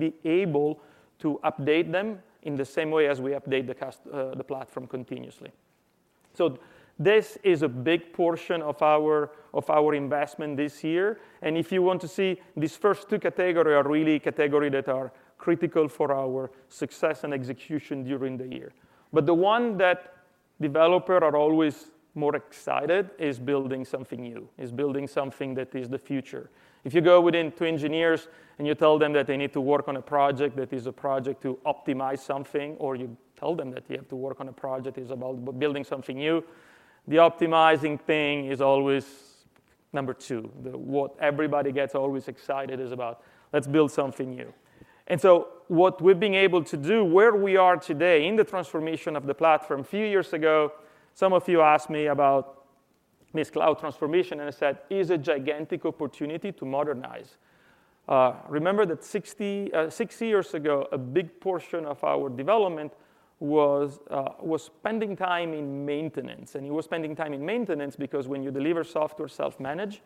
be able to update them in the same way as we update the platform continuously. So this is a big portion of our investment this year. If you want to see, these first two categories are really categories that are critical for our success and execution during the year. But the one that developers are always more excited about is building something new, is building something that is the future. If you go within to engineers and you tell them that they need to work on a project that is a project to optimize something, or you tell them that you have to work on a project that is about building something new, the optimizing thing is always number two. What everybody gets always excited about is, "Let's build something new." And so what we've been able to do, where we are today in the transformation of the platform, a few years ago, some of you asked me about this cloud transformation, and I said, "It's a gigantic opportunity to modernize." Remember that six years ago, a big portion of our development was spending time in maintenance. And it was spending time in maintenance because when you deliver software self-managed,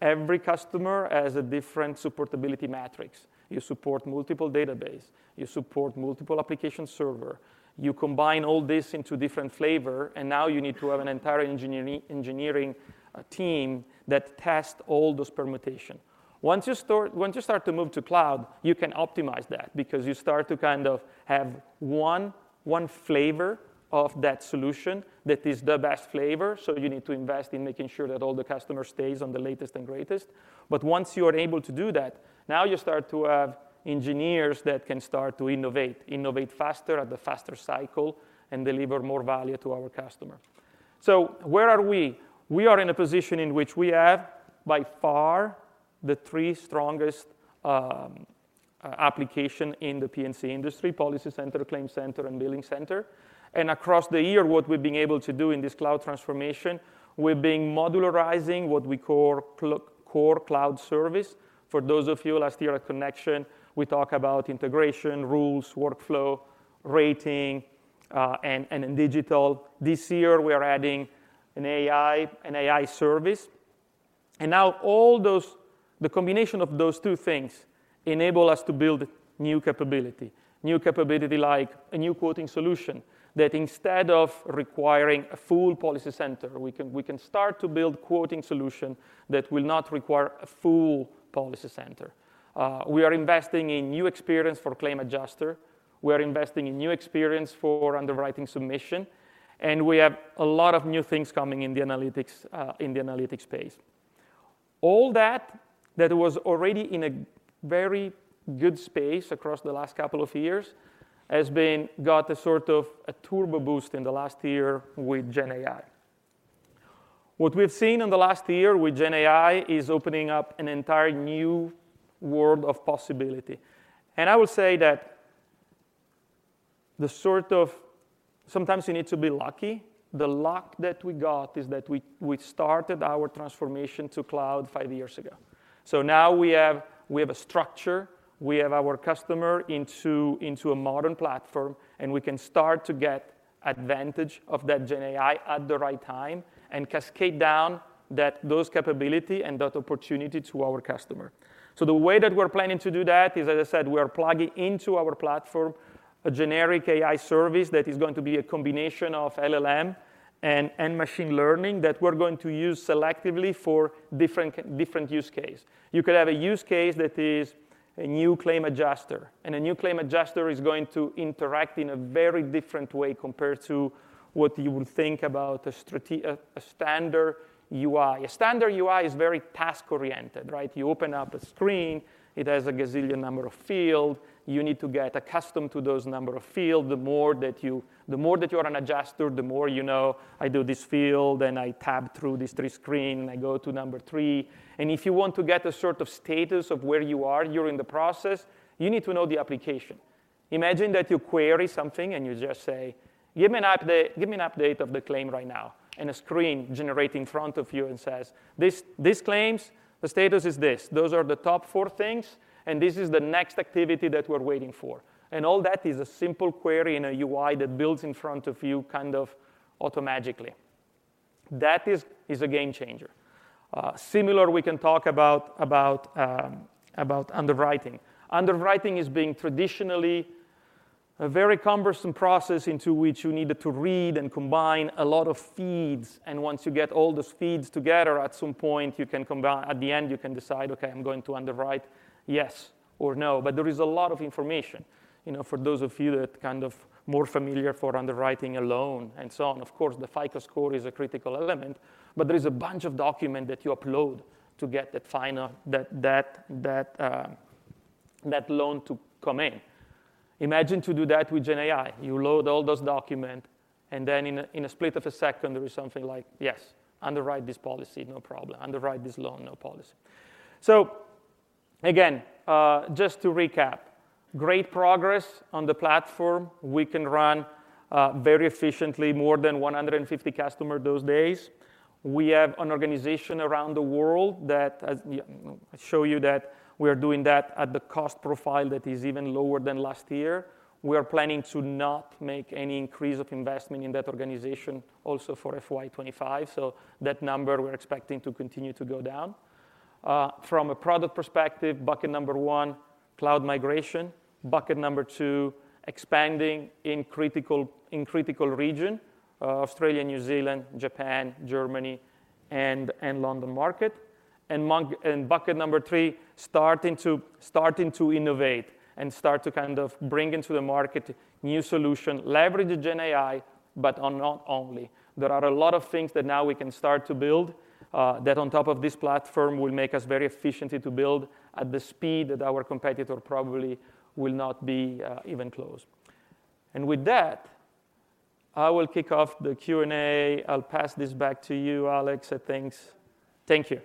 every customer has a different supportability matrix. You support multiple databases. You support multiple application servers. You combine all this into a different flavor, and now you need to have an entire engineering team that tests all those permutations. Once you start to move to cloud, you can optimize that because you start to kind of have one flavor of that solution that is the best flavor. You need to invest in making sure that all the customers stay on the latest and greatest. But once you are able to do that, now you start to have engineers that can start to innovate, innovate faster at the faster cycle, and deliver more value to our customers. So where are we? We are in a position in which we have by far the three strongest applications in the P&C industry: PolicyCenter, ClaimCenter, and BillingCenter. And across the year, what we've been able to do in this cloud transformation, we've been modularizing what we call core cloud service. For those of you last year at Connection, we talked about integration, rules, workflow, rating, and digital. This year, we are adding an AI service. And now the combination of those two things enables us to build new capability, new capability like a new quoting solution that instead of requiring a full PolicyCenter, we can start to build a quoting solution that will not require a full PolicyCenter. We are investing in new experience for claim adjuster. We are investing in new experience for underwriting submission. And we have a lot of new things coming in the analytics space. All that was already in a very good space across the last couple of years has got a sort of a turbo boost in the last year with GenAI. What we've seen in the last year with GenAI is opening up an entirely new world of possibility. And I will say that the sort of sometimes you need to be lucky. The luck that we got is that we started our transformation to cloud five years ago. So now we have a structure. We have our customer into a modern platform, and we can start to get advantage of that GenAI at the right time and cascade down those capabilities and that opportunity to our customers. So the way that we're planning to do that is, as I said, we are plugging into our platform a generative AI service that is going to be a combination of LLM and machine learning that we're going to use selectively for different use cases. You could have a use case that is a new claim adjuster. And a new claim adjuster is going to interact in a very different way compared to what you would think about a standard UI. A standard UI is very task-oriented, right? You open up a screen. It has a gazillion number of fields. You need to get accustomed to those numbers of fields. The more that you are an adjuster, the more you know, "I do this field, and I tab through these three screens, and I go to number three." And if you want to get a sort of status of where you are during the process, you need to know the application. Imagine that you query something and you just say, "Give me an update of the claim right now." And a screen generates in front of you and says, "These claims, the status is this. Those are the top four things, and this is the next activity that we're waiting for." And all that is a simple query in a UI that builds in front of you kind of automagically. That is a game changer. Similar, we can talk about underwriting. Underwriting has been traditionally a very cumbersome process into which you needed to read and combine a lot of feeds. And once you get all those feeds together, at some point, at the end, you can decide, "Okay, I'm going to underwrite, yes or no." But there is a lot of information. For those of you that are kind of more underwriting a loan and so on, of course, the FICO score is a critical element. But there is a bunch of documents that you upload to get that loan to come in. Imagine to do that with GenAI. You load all those documents, and then in a split second, there is something like, "Yes, underwrite this policy, no problem. Underwrite this loan, no policy." So again, just to recap, great progress on the platform. We can run very efficiently more than 150 customers these days. We have an organization around the world that I'll show you that we are doing that at the cost profile that is even lower than last year. We are planning to not make any increase of investment in that organization also for FY 2025. So that number, we're expecting to continue to go down. From a product perspective, bucket number one, cloud migration. Bucket number two, expanding in critical region: Australia, New Zealand, Japan, Germany, and London Market. And bucket number three, starting to innovate and start to kind of bring into the market new solutions, leverage GenAI, but not only. There are a lot of things that now we can start to build that on top of this platform will make us very efficient to build at the speed that our competitors probably will not be even close. And with that, I will kick off the Q&A. I'll pass this back to you, Alex. Thanks. Thank you.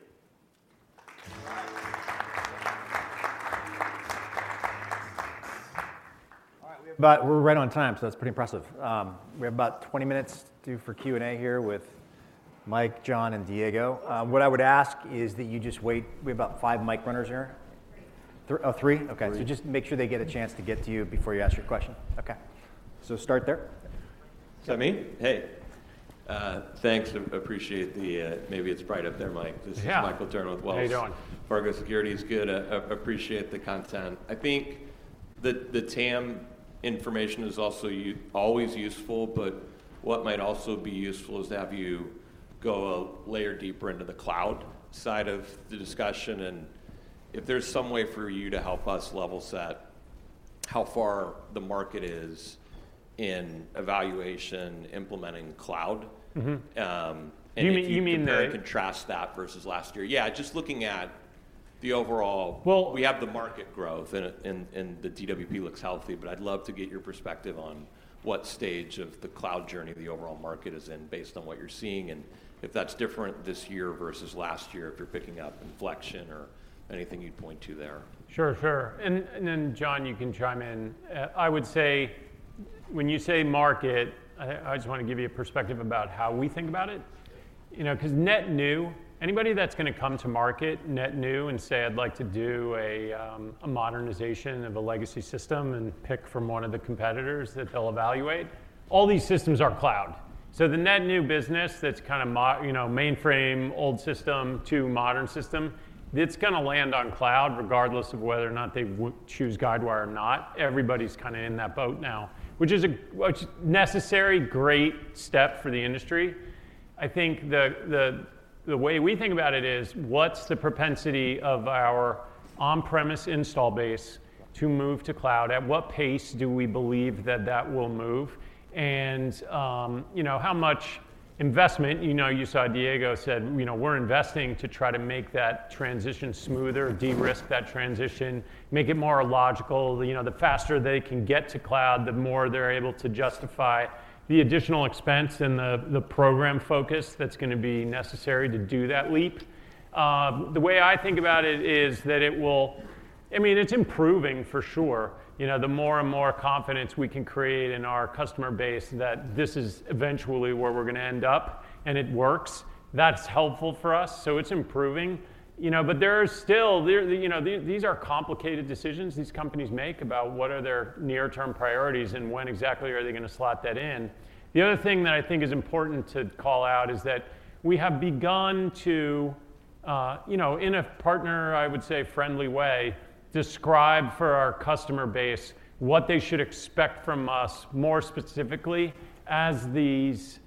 But we're right on time, so that's pretty impressive. We have about 20 minutes for Q&A here with Mike, John, and Diego. What I would ask is that you just wait. We have about five mic runners here. Three. Oh, three? Okay. So just make sure they get a chance to get to you before you ask your question. Okay. So, start there. Is that me? Hey. Thanks. Appreciate the, maybe it's bright up there, Mike. This is Michael Turrin with Wells Fargo. Yeah, how are you doing? Fargo Securities is good. Appreciate the content. I think the TAM information is also always useful, but what might also be useful is to have you go a layer deeper into the cloud side of the discussion, and if there's some way for you to help us level set how far the market is in evaluating implementing cloud. You mean the. If you can contrast that versus last year. Yeah, just looking at the overall, we have the market growth, and the DWP looks healthy. I'd love to get your perspective on what stage of the cloud journey the overall market is in based on what you're seeing and if that's different this year versus last year if you're picking up inflection or anything you'd point to there. Sure, sure. And then, John, you can chime in. I would say when you say market, I just want to give you a perspective about how we think about it. Because net new, anybody that's going to come to market net new and say, "I'd like to do a modernization of a legacy system and pick from one of the competitors that they'll evaluate," all these systems are cloud. So the net new business that's kind of mainframe, old system to modern system, it's going to land on cloud regardless of whether or not they choose Guidewire or not. Everybody's kind of in that boat now, which is a necessary, great step for the industry. I think the way we think about it is, what's the propensity of our on-premise installed base to move to cloud? At what pace do we believe that that will move? And how much investment? You saw Diego said, "We're investing to try to make that transition smoother, de-risk that transition, make it more logical." The faster they can get to cloud, the more they're able to justify the additional expense and the program focus that's going to be necessary to do that leap. The way I think about it is that it will, I mean, it's improving for sure. The more and more confidence we can create in our customer base that this is eventually where we're going to end up, and it works, that's helpful for us. So it's improving. But there are still, these are complicated decisions these companies make about what are their near-term priorities and when exactly are they going to slot that in. The other thing that I think is important to call out is that we have begun to, in a partner, I would say, friendly way, describe for our customer base what they should expect from us more specifically as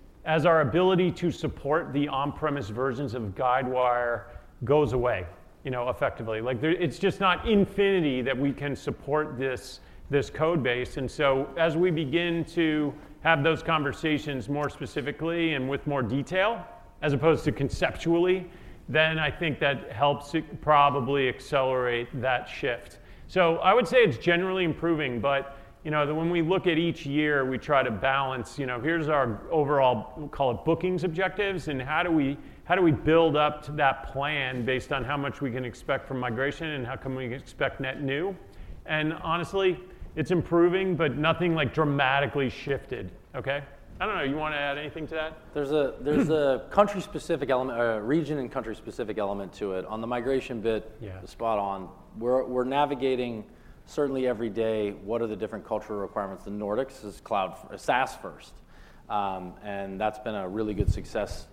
our ability to support the on-premise versions of Guidewire goes away effectively. It's just not infinity that we can support this code base, and so as we begin to have those conversations more specifically and with more detail as opposed to conceptually, then I think that helps probably accelerate that shift, so I would say it's generally improving, but when we look at each year, we try to balance, here's our overall, we'll call it bookings objectives, and how do we build up to that plan based on how much we can expect from migration and how much we expect net new? And honestly, it's improving, but nothing like dramatically shifted, okay? I don't know. You want to add anything to that? There's a country-specific element or a region and country-specific element to it. On the migration bit, spot on. We're navigating certainly every day what the different cultural requirements are. The Nordics is SaaS-first, and that's been a really good success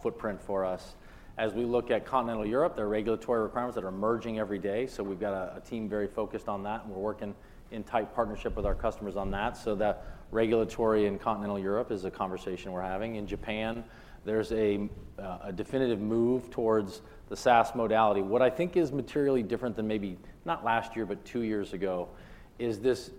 footprint for us. As we look at Continental Europe, there are regulatory requirements that are emerging every day, so we've got a team very focused on that, and we're working in tight partnership with our customers on that. So that regulatory in Continental Europe is a conversation we're having. In Japan, there's a definitive move towards the SaaS modality. What I think is materially different than maybe not last year, but two years ago is this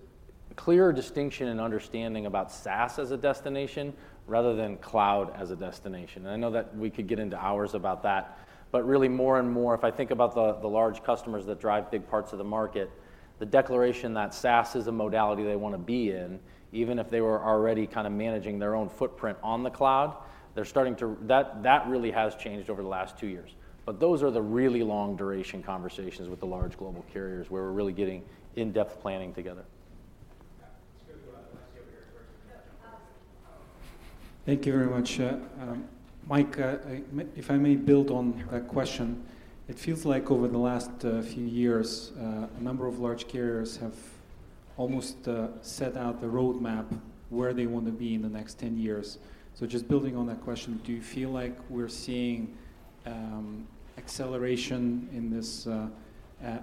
clear distinction and understanding about SaaS as a destination rather than cloud as a destination, and I know that we could get into hours about that. But really more and more, if I think about the large customers that drive big parts of the market, the declaration that SaaS is a modality they want to be in, even if they were already kind of managing their own footprint on the cloud, that really has changed over the last two years. But those are the really long-duration conversations with the large global carriers where we're really getting in-depth planning together. Thank you very much, Mike. If I may build on that question, it feels like over the last few years, a number of large carriers have almost set out the roadmap where they want to be in the next 10 years. So just building on that question, do you feel like we're seeing acceleration in this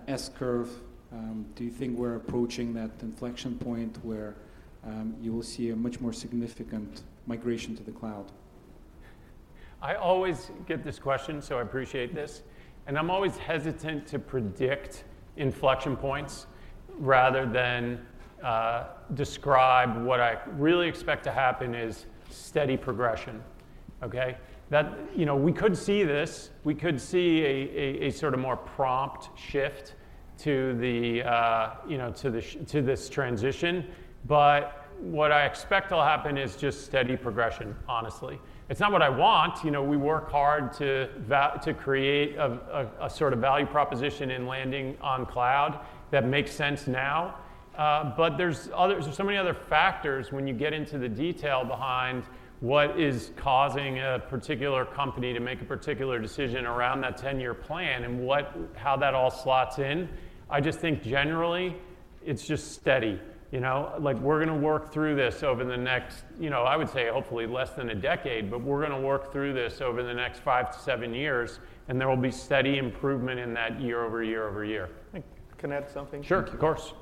S-curve? Do you think we're approaching that inflection point where you will see a much more significant migration to the cloud? I always get this question, so I appreciate this, and I'm always hesitant to predict inflection points rather than describe what I really expect to happen is steady progression, okay? We could see this. We could see a sort of more prompt shift to this transition, but what I expect will happen is just steady progression, honestly. It's not what I want. We work hard to create a sort of value proposition in landing on cloud that makes sense now, but there's so many other factors when you get into the detail behind what is causing a particular company to make a particular decision around that 10-year plan and how that all slots in. I just think generally it's just steady. We're going to work through this over the next, I would say hopefully less than a decade, but we're going to work through this over the next five to seven years, and there will be steady improvement in that year-over-year. Can I add something? Sure, of course.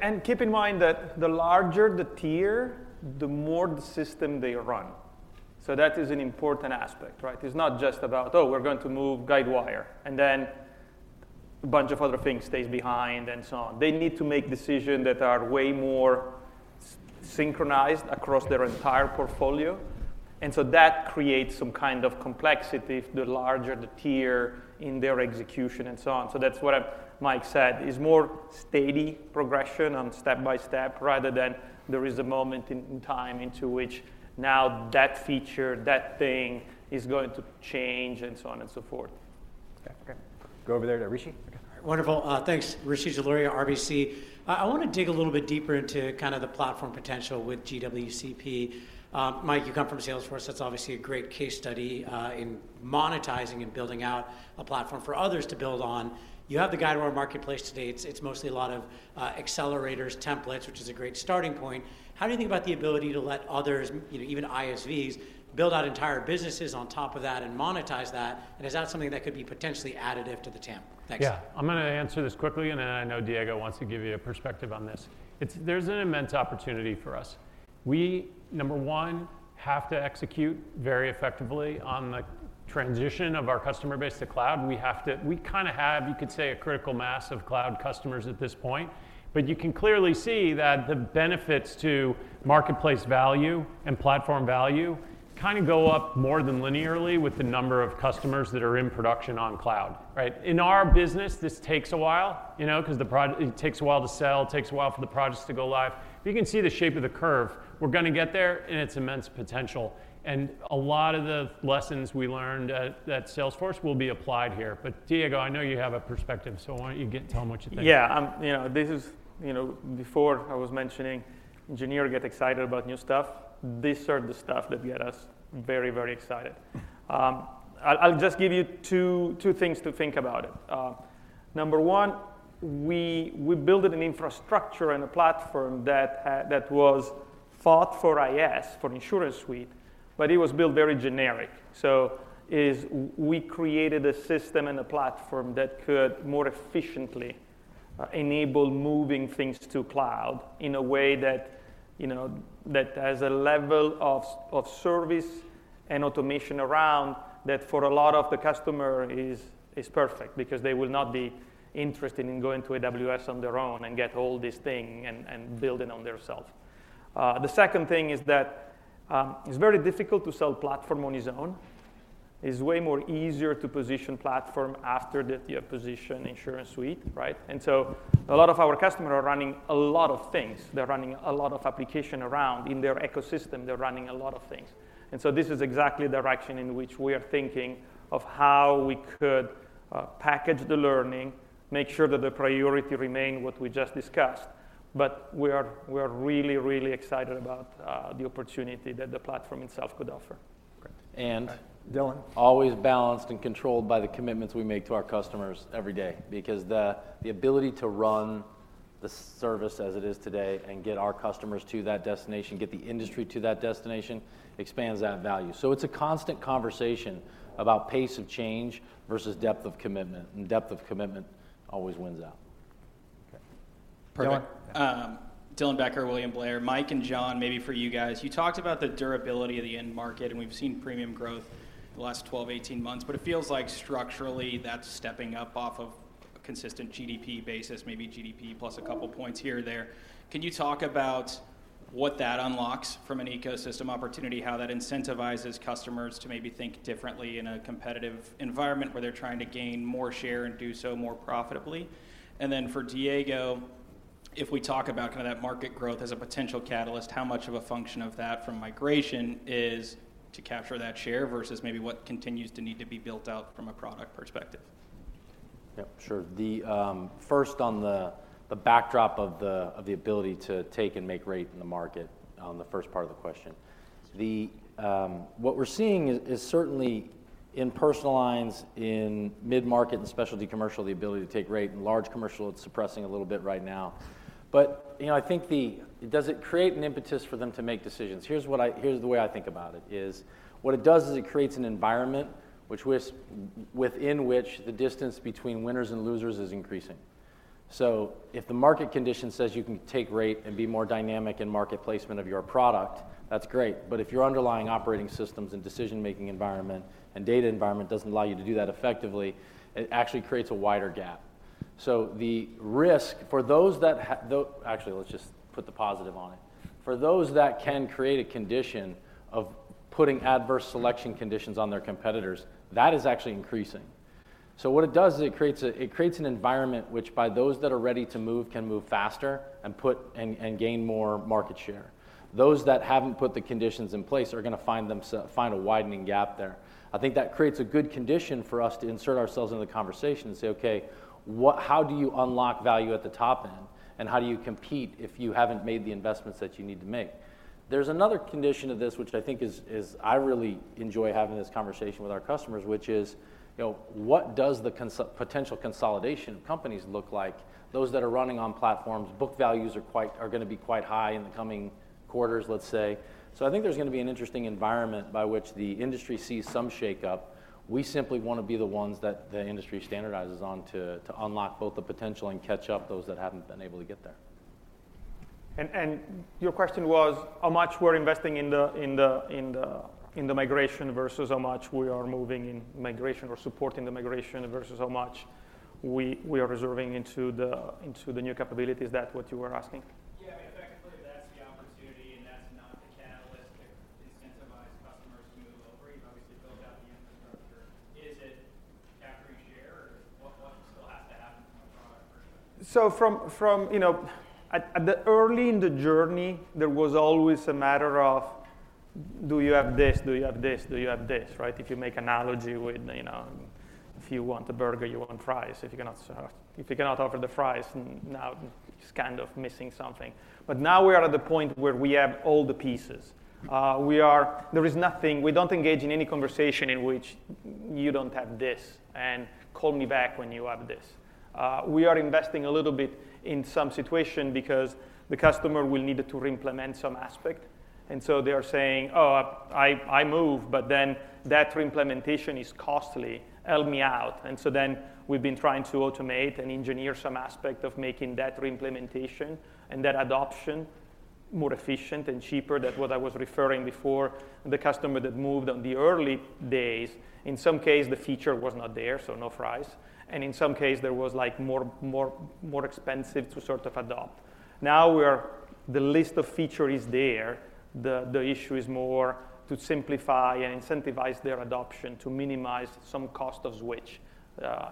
And keep in mind that the larger the tier, the more the system they run. So that is an important aspect, right? It's not just about, oh, we're going to move Guidewire, and then a bunch of other things stays behind and so on. They need to make decisions that are way more synchronized across their entire portfolio. And so that creates some kind of complexity if the larger the tier in their execution and so on. So that's what Mike said, is more steady progression on step by step rather than there is a moment in time into which now that feature, that thing is going to change and so on and so forth. Okay. Go over there to Rishi. Wonderful. Thanks. Rishi Jaluria, RBC. I want to dig a little bit deeper into kind of the platform potential with GWCP. Mike, you come from Salesforce. That's obviously a great case study in monetizing and building out a platform for others to build on. You have the Guidewire Marketplace today. It's mostly a lot of accelerators, templates, which is a great starting point. How do you think about the ability to let others, even ISVs, build out entire businesses on top of that and monetize that? And is that something that could be potentially additive to the TAM? Thanks. Yeah. I'm going to answer this quickly, and I know Diego wants to give you a perspective on this. There's an immense opportunity for us. We, number one, have to execute very effectively on the transition of our customer base to cloud. We kind of have, you could say, a critical mass of cloud customers at this point, but you can clearly see that the benefits to marketplace value and platform value kind of go up more than linearly with the number of customers that are in production on cloud, right? In our business, this takes a while because it takes a while to sell, takes a while for the products to go live, but you can see the shape of the curve. We're going to get there, and it's immense potential, and a lot of the lessons we learned at Salesforce will be applied here. But Diego, I know you have a perspective, so I want you to tell them what you think. Yeah. Before I was mentioning engineers get excited about new stuff, this is the stuff that gets us very, very excited. I'll just give you two things to think about it. Number one, we built an infrastructure and a platform that was thought for IS, for InsuranceSuite, but it was built very generic. So, we created a system and a platform that could more efficiently enable moving things to cloud in a way that has a level of service and automation around that for a lot of the customers. It is perfect because they will not be interested in going to AWS on their own and get all this thing and build it on themselves. The second thing is that it's very difficult to sell a platform on its own. It's way more easier to position a platform after that you have positioned InsuranceSuite, right? And so, a lot of our customers are running a lot of things. They're running a lot of applications around. In their ecosystem, they're running a lot of things. And so, this is exactly the direction in which we are thinking of how we could package the learning, make sure that the priority remains what we just discussed. But we are really, really excited about the opportunity that the platform itself could offer. And Dylan. Always balanced and controlled by the commitments we make to our customers every day. Because the ability to run the service as it is today and get our customers to that destination, get the industry to that destination, expands that value. So, it's a constant conversation about pace of change versus depth of commitment. And depth of commitment always wins out. Perfect. Okay. Dylan Becker, William Blair, Mike, and John, maybe for you guys, you talked about the durability of the end market. And we've seen premium growth the last 12, 18 months. But it feels like structurally that's stepping up off of a consistent GDP basis, maybe GDP plus a couple points here or there. Can you talk about what that unlocks from an ecosystem opportunity, how that incentivizes customers to maybe think differently in a competitive environment where they're trying to gain more share and do so more profitably? And then for Diego, if we talk about kind of that market growth as a potential catalyst, how much of a function of that from migration is to capture that share versus maybe what continues to need to be built out from a product perspective? Yep, sure. First, on the backdrop of the ability to take and make rate in the market on the first part of the question, what we're seeing is certainly in personal lines, in mid-market and specialty commercial, the ability to take rate. In large commercial, it's suppressing a little bit right now. But I think it doesn't create an impetus for them to make decisions. Here's the way I think about it. What it does is it creates an environment within which the distance between winners and losers is increasing. So if the market condition says you can take rate and be more dynamic in market placement of your product, that's great. But if your underlying operating systems and decision-making environment and data environment doesn't allow you to do that effectively, it actually creates a wider gap. So the risk for those that actually, let's just put the positive on it. For those that can create a condition of putting adverse selection conditions on their competitors, that is actually increasing. So what it does is it creates an environment which by those that are ready to move can move faster and gain more market share. Those that haven't put the conditions in place are going to find a widening gap there. I think that creates a good condition for us to insert ourselves in the conversation and say, "Okay, how do you unlock value at the top end? And how do you compete if you haven't made the investments that you need to make?" There's another condition of this which I think is I really enjoy having this conversation with our customers, which is what does the potential consolidation of companies look like? Those that are running on platforms, book values are going to be quite high in the coming quarters, let's say. So I think there's going to be an interesting environment by which the industry sees some shakeup. We simply want to be the ones that the industry standardizes on to unlock both the potential and catch up those that haven't been able to get there. Your question was how much we're investing in the migration versus how much we are moving in migration or supporting the migration versus how much we are reserving into the new capabilities. Is that what you were asking? Yeah, I mean, effectively, that's the opportunity. And that's not the catalyst to incentivize customers to move over. You've obviously built out the infrastructure. Is it capturing share? Or what still has to happen from a product perspective? So early in the journey, there was always a matter of, "Do you have this? Do you have this? Do you have this?" Right? If you make an analogy with if you want a burger, you want fries. If you cannot offer the fries, now it's kind of missing something. But now we are at the point where we have all the pieces. There is nothing. We don't engage in any conversation in which you don't have this and call me back when you have this. We are investing a little bit in some situation because the customer will need to re-implement some aspect. And so they are saying, "Oh, I'm out." But then that re-implementation is costly. Help me out. And so then we've been trying to automate and engineer some aspect of making that re-implementation and that adoption more efficient and cheaper than what I was referring to before. The customers that moved on in the early days, in some cases, the feature was not there, so no surprise. And in some cases, it was more expensive to sort of adopt. Now the list of features is there. The issue is more to simplify and incentivize their adoption to minimize some cost of switch.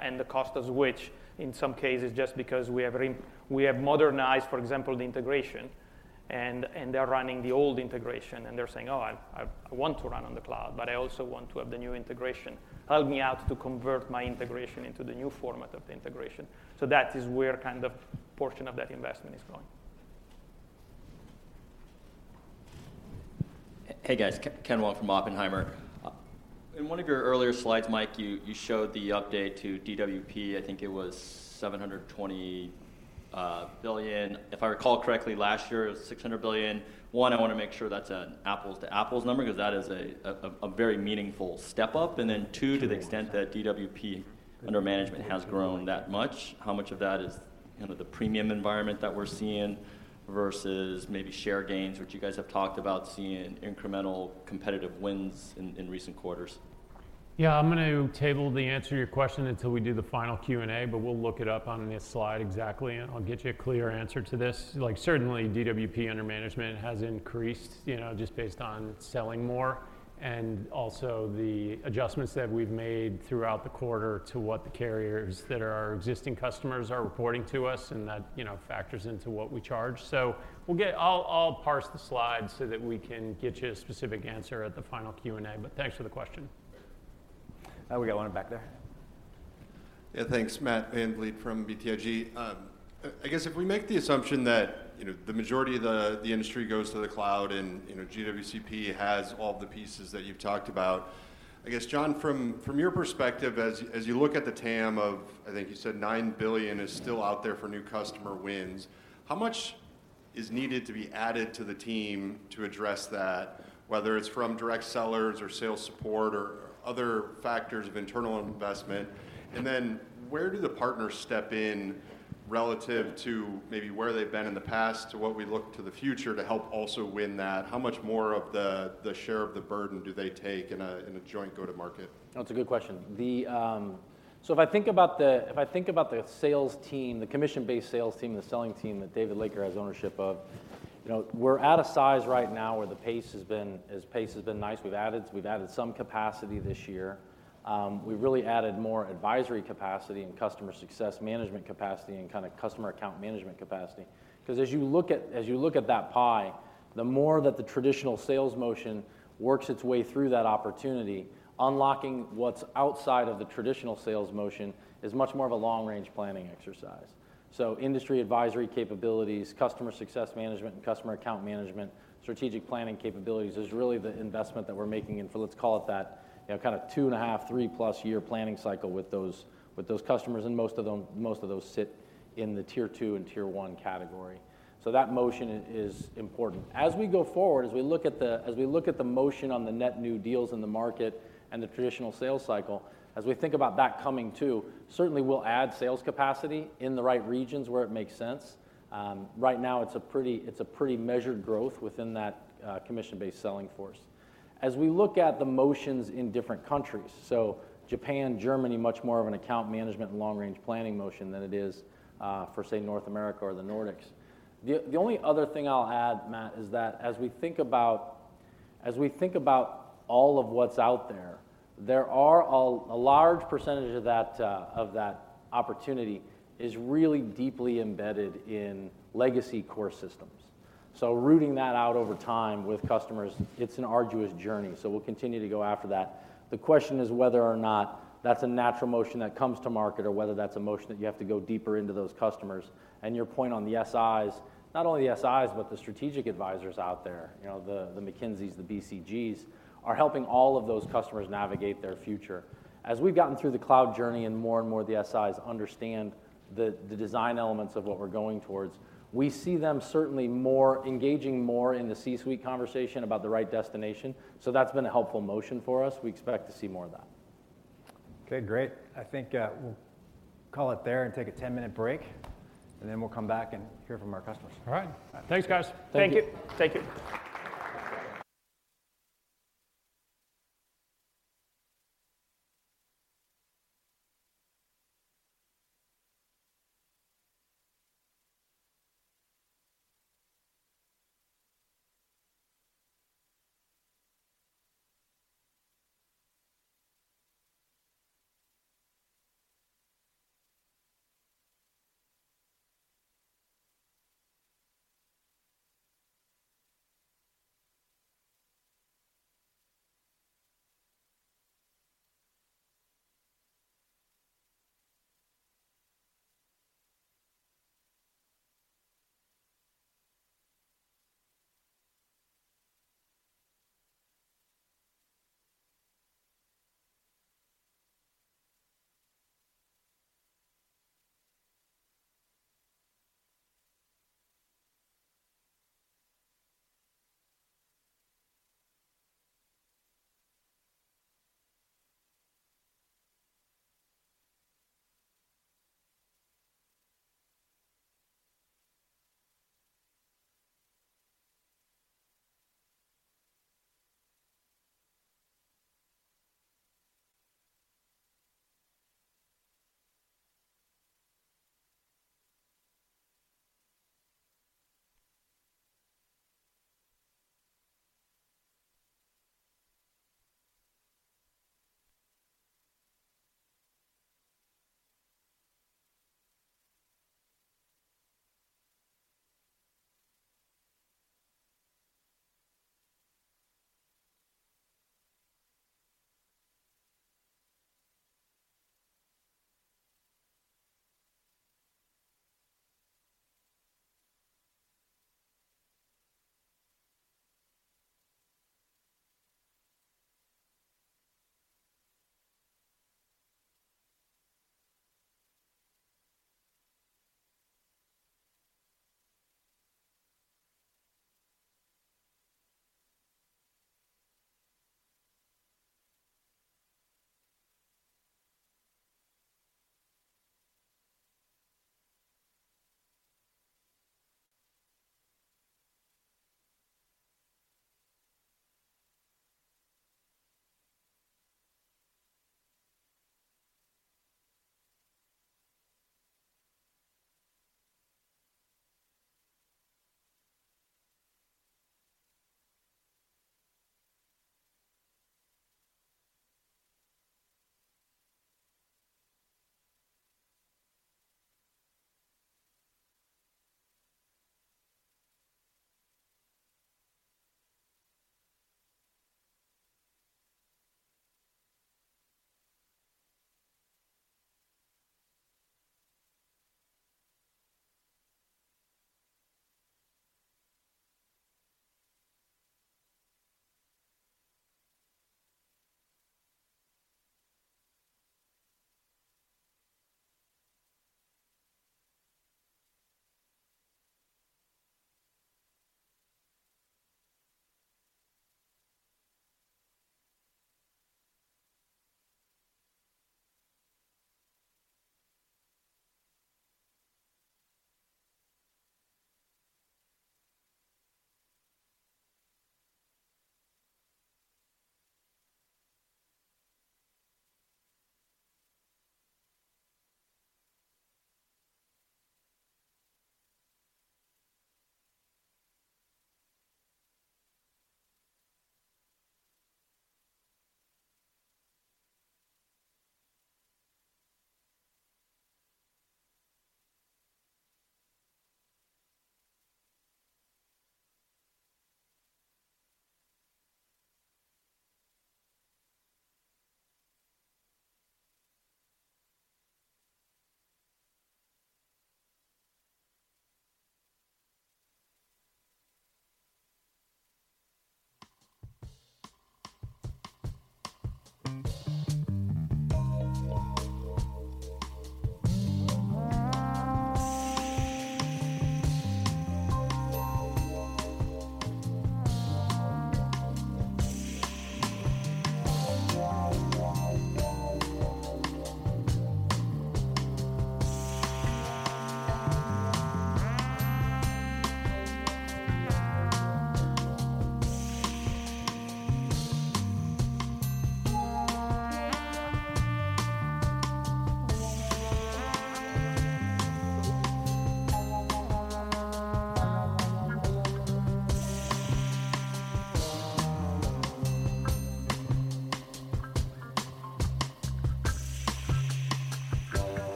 And the cost of switch, in some cases, just because we have modernized, for example, the integration. And they're running the old integration. And they're saying, "Oh, I want to run on the cloud, but I also want to have the new integration. Help me out to convert my integration into the new format of the integration." So that is where kind of a portion of that investment is going. Hey, guys. Ken Wong from Oppenheimer. In one of your earlier slides, Mike, you showed the update to DWP. I think it was $720 billion. If I recall correctly, last year, it was $600 billion. One, I want to make sure that's an apples-to-apples number because that is a very meaningful step up. And then two, to the extent that DWP under management has grown that much, how much of that is the premium environment that we're seeing versus maybe share gains, which you guys have talked about seeing incremental competitive wins in recent quarters? Yeah, I'm going to table the answer to your question until we do the final Q&A, but we'll look it up on this slide exactly, and I'll get you a clear answer to this. Certainly, DWP under management has increased just based on selling more and also the adjustments that we've made throughout the quarter to what the carriers that are our existing customers are reporting to us, and that factors into what we charge. So, I'll parse the slides so that we can get you a specific answer at the final Q&A, but thanks for the question. We got one back there. Yeah, thanks, Matt VanVliet from BTIG. I guess if we make the assumption that the majority of the industry goes to the cloud and GWCP has all the pieces that you've talked about, I guess, John, from your perspective, as you look at the TAM of, I think you said, nine billion is still out there for new customer wins, how much is needed to be added to the team to address that, whether it's from direct sellers or sales support or other factors of internal investment? And then where do the partners step in relative to maybe where they've been in the past to what we look to the future to help also win that? How much more of the share of the burden do they take in a joint go-to-market? That's a good question. So, if I think about the sales team, the commission-based sales team, the selling team that David Laker has ownership of, we're at a size right now where the pace has been nice. We've added some capacity this year. We've really added more advisory capacity and customer success management capacity and kind of customer account management capacity. Because as you look at that pie, the more that the traditional sales motion works its way through that opportunity, unlocking what's outside of the traditional sales motion is much more of a long-range planning exercise. So, industry advisory capabilities, customer success management, and customer account management, strategic planning capabilities is really the investment that we're making in, let's call it that, kind of two and a half, three-plus year planning cycle with those customers. And most of those sit in the Tier 2 and Tier 1 category. So that motion is important. As we go forward, as we look at the motion on the net new deals in the market and the traditional sales cycle, as we think about that coming too, certainly we'll add sales capacity in the right regions where it makes sense. Right now, it's a pretty measured growth within that commission-based selling force. As we look at the motions in different countries, so Japan, Germany, much more of an account management and long-range planning motion than it is for, say, North America or the Nordics. The only other thing I'll add, Matt, is that as we think about all of what's out there, a large percentage of that opportunity is really deeply embedded in legacy core systems. So rooting that out over time with customers, it's an arduous journey. So we'll continue to go after that. The question is whether or not that's a natural motion that comes to market or whether that's a motion that you have to go deeper into those customers. And your point on the SIs, not only the SIs, but the strategic advisors out there, the McKinseys, the BCGs, are helping all of those customers navigate their future. As we've gotten through the cloud journey and more and more of the SIs understand the design elements of what we're going towards, we see them certainly engaging more in the C-suite conversation about the right destination. So that's been a helpful motion for us. We expect to see more of that. Okay, great. I think we'll call it there and take a 10-minute break. And then we'll come back and hear from our customers. All right. Thanks, guys. Thank you. Thank you.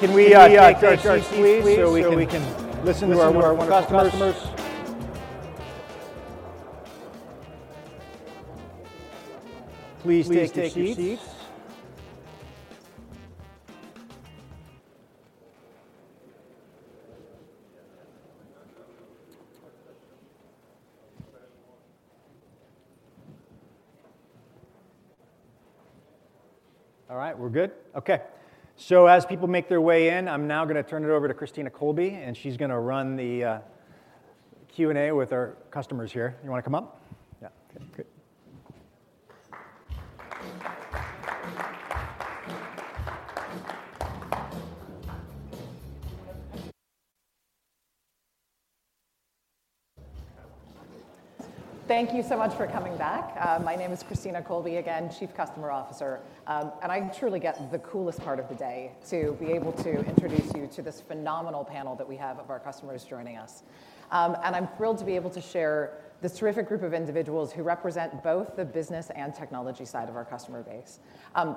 Thank you. Take care. Can we take our seats so we can listen to our customers? Please take your seats. All right, we're good? Okay. So, as people make their way in, I'm now going to turn it over to Christina Colby, and she's going to run the Q&A with our customers here. You want to come up? Yeah. Okay, great. Thank you so much for coming back. My name is Christina Colby, again, Chief Customer Officer. And I truly get the coolest part of the day to be able to introduce you to this phenomenal panel that we have of our customers joining us. And I'm thrilled to be able to share this terrific group of individuals who represent both the business and technology side of our customer base.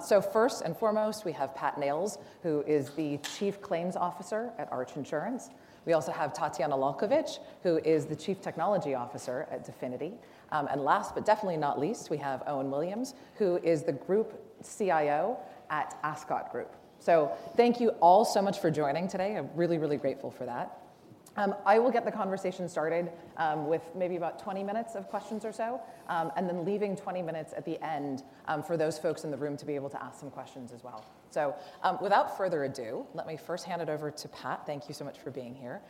So, first and foremost, we have Pat Nails, who is the Chief Claims Officer at Arch Insurance. We also have Tatjana Lalkovic, who is the Chief Technology Officer at Definity. And last but definitely not least, we have Owen Williams, who is the Group CIO at Ascot Group. So, thank you all so much for joining today. I'm really, really grateful for that. I will get the conversation started with maybe about 20 minutes of questions or so and then leaving 20 minutes at the end for those folks in the room to be able to ask some questions as well. So, without further ado, let me firsthand it over to Pat. Thank you so much for being here.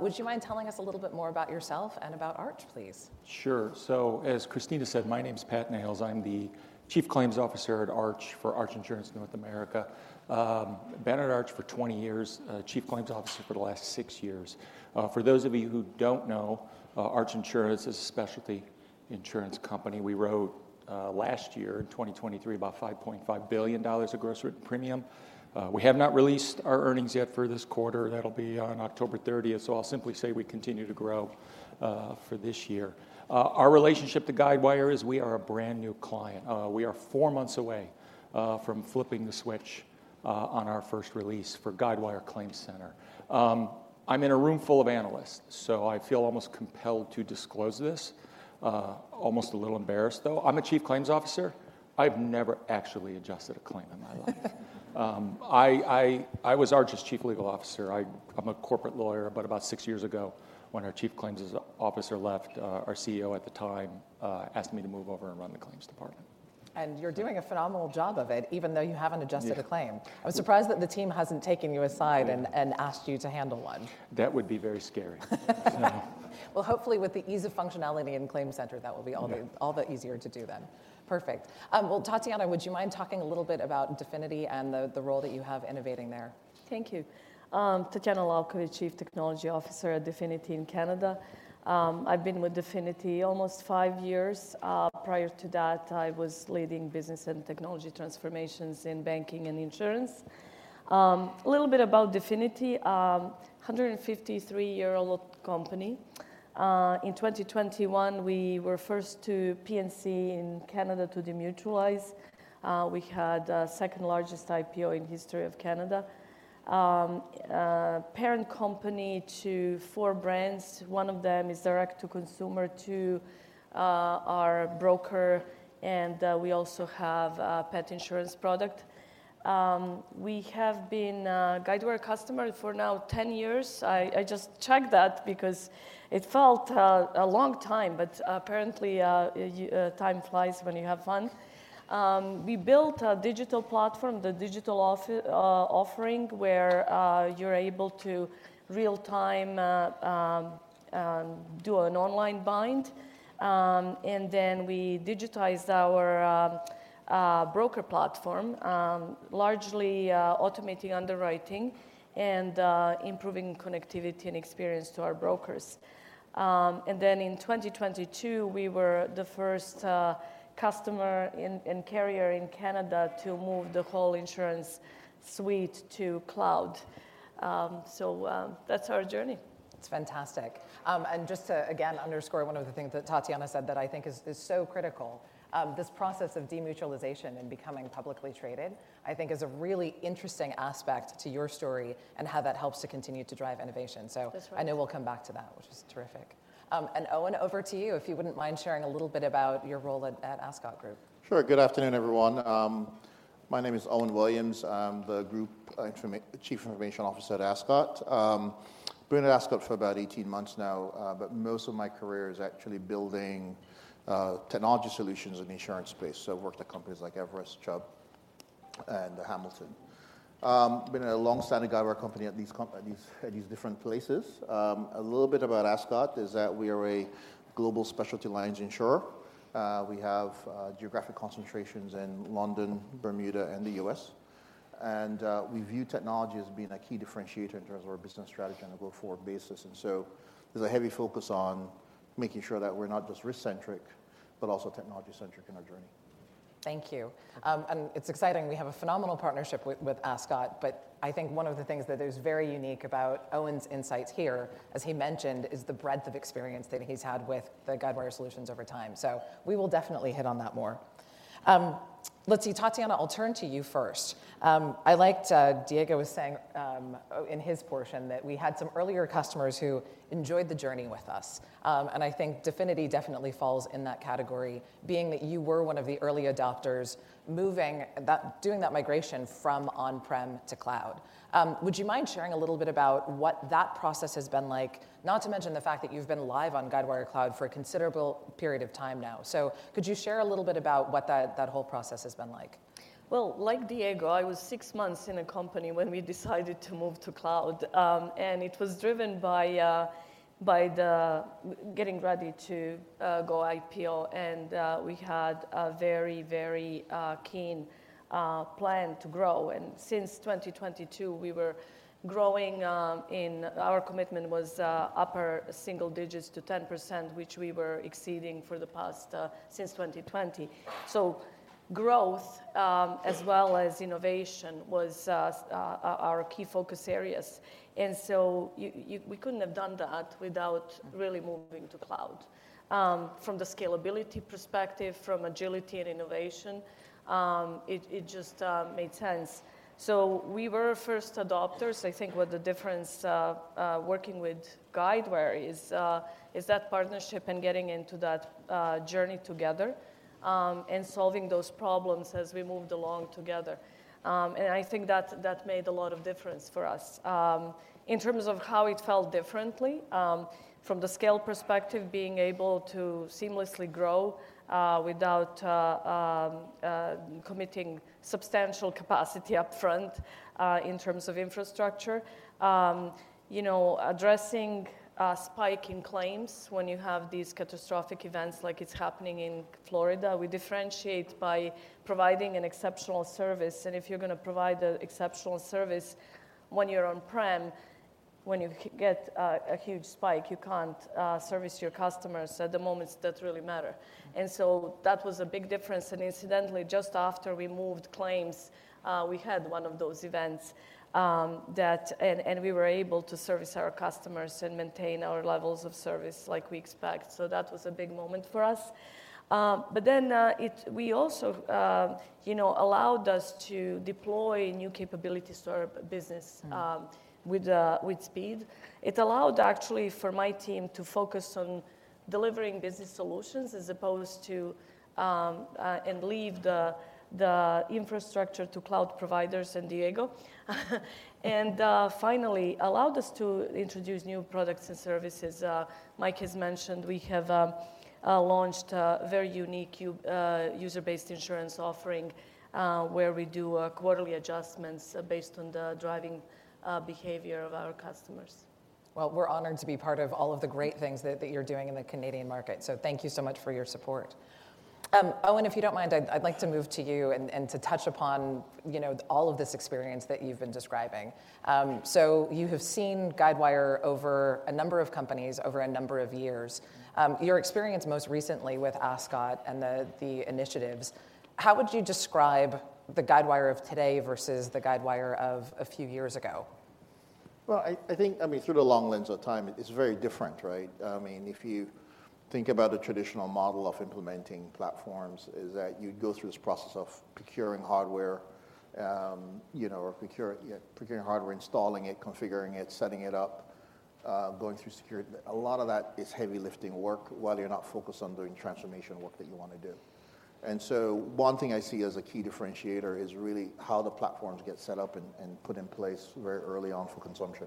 Would you mind telling us a little bit more about yourself and about Arch, please? Sure. So, as Christina said, my name's Pat Nails. I'm the Chief Claims Officer at Arch for Arch Insurance North America. Been at Arch for 20 years, Chief Claims Officer for the last six years. For those of you who don't know, Arch Insurance is a specialty insurance company. We wrote last year in 2023 about $5.5 billion of gross written premium. We have not released our earnings yet for this quarter. That'll be on October 30th. So, I'll simply say we continue to grow for this year. Our relationship to Guidewire is we are a brand-new client. We are four months away from flipping the switch on our first release for Guidewire ClaimCenter. I'm in a room full of analysts, so I feel almost compelled to disclose this, almost a little embarrassed, though. I'm a Chief Claims Officer. I've never actually adjusted a claim in my life. I was Arch's Chief Legal Officer. I'm a corporate lawyer, but about six years ago, when our Chief Claims Officer left, our CEO at the time asked me to move over and run the claims department. You're doing a phenomenal job of it, even though you haven't adjusted a claim. Yes. I'm surprised that the team hasn't taken you aside and asked you to handle one. That would be very scary. Hopefully with the ease of functionality in ClaimCenter, that will be all the easier to do then. Perfect. Tatjana, would you mind talking a little bit about Definity and the role that you have innovating there? Thank you. Tatjana Lalkovic, Chief Technology Officer at Definity in Canada. I've been with Definity almost five years. Prior to that, I was leading business and technology transformations in banking and insurance. A little bit about Definity: 153-year-old company. In 2021, we were first P&C in Canada to demutualize. We had the second largest IPO in the history of Canada. Parent company to four brands. One of them is direct-to-consumer to our broker, and we also have a pet insurance product. We have been Guidewire customers for now 10 years. I just checked that because it felt a long time, but apparently time flies when you have fun. We built a digital platform, the digital offering, where you're able to real-time do an online bind. And then we digitized our broker platform, largely automating underwriting and improving connectivity and experience to our brokers. Then in 2022, we were the first customer and carrier in Canada to move the whole InsuranceSuite to cloud. That's our journey. That's fantastic. And just to, again, underscore one of the things that Tatjana said that I think is so critical, this process of demutualization and becoming publicly traded, I think is a really interesting aspect to your story and how that helps to continue to drive innovation. So, I know we'll come back to that, which is terrific. And Owen, over to you, if you wouldn't mind sharing a little bit about your role at Ascot Group. Sure. Good afternoon, everyone. My name is Owen Williams. I'm the Group Chief Information Officer at Ascot. I've been at Ascot for about 18 months now, but most of my career is actually building technology solutions in the insurance space. So, I've worked at companies like Everest, Chubb, and Hamilton. I've been a long-standing Guidewire customer at these different places. A little bit about Ascot is that we are a global specialty lines insurer. We have geographic concentrations in London, Bermuda, and the US. And we view technology as being a key differentiator in terms of our business strategy on a go-forward basis. And so, there's a heavy focus on making sure that we're not just risk-centric, but also technology-centric in our journey. Thank you, and it's exciting. We have a phenomenal partnership with Ascot, but I think one of the things that is very unique about Owen's insights here, as he mentioned, is the breadth of experience that he's had with the Guidewire solutions over time, so we will definitely hit on that more. Let's see, Tatjana. I'll turn to you first. I liked Diego was saying in his portion that we had some earlier customers who enjoyed the journey with us, and I think Definity definitely falls in that category, being that you were one of the early adopters doing that migration from on-prem to cloud. Would you mind sharing a little bit about what that process has been like, not to mention the fact that you've been live on Guidewire Cloud for a considerable period of time now? So, could you share a little bit about what that whole process has been like? Like Diego, I was six months in a company when we decided to move to cloud. It was driven by getting ready to go IPO. We had a very, very keen plan to grow. Since 2022, we were growing. Our commitment was upper single digits to 10%, which we were exceeding for the past since 2020. Growth, as well as innovation, was our key focus areas. We couldn't have done that without really moving to cloud. From the scalability perspective, from agility and innovation, it just made sense. We were first adopters. I think what the difference working with Guidewire is that partnership and getting into that journey together and solving those problems as we moved along together. I think that made a lot of difference for us. In terms of how it felt differently, from the scale perspective, being able to seamlessly grow without committing substantial capacity upfront in terms of infrastructure, addressing spike in claims when you have these catastrophic events like it's happening in Florida, we differentiate by providing an exceptional service, and if you're going to provide an exceptional service when you're on-prem, when you get a huge spike, you can't service your customers at the moments that really matter, and so that was a big difference, and incidentally, just after we moved claims, we had one of those events that we were able to service our customers and maintain our levels of service like we expect, so that was a big moment for us, but then it also allowed us to deploy new capabilities to our business with speed. It allowed actually for my team to focus on delivering business solutions as opposed to and leave the infrastructure to cloud providers and Diego. And finally, it allowed us to introduce new products and services. Mike has mentioned we have launched a very unique user-based insurance offering where we do quarterly adjustments based on the driving behavior of our customers. We're honored to be part of all of the great things that you're doing in the Canadian market. Thank you so much for your support. Owen, if you don't mind, I'd like to move to you and to touch upon all of this experience that you've been describing. You have seen Guidewire over a number of companies over a number of years. Your experience most recently with Ascot and the initiatives, how would you describe the Guidewire of today versus the Guidewire of a few years ago? I think, I mean, through the long lens of time, it's very different, right? I mean, if you think about a traditional model of implementing platforms, it's that you'd go through this process of procuring hardware or procuring hardware, installing it, configuring it, setting it up, going through security. A lot of that is heavy-lifting work while you're not focused on doing transformation work that you want to do. And so one thing I see as a key differentiator is really how the platforms get set up and put in place very early on for consumption.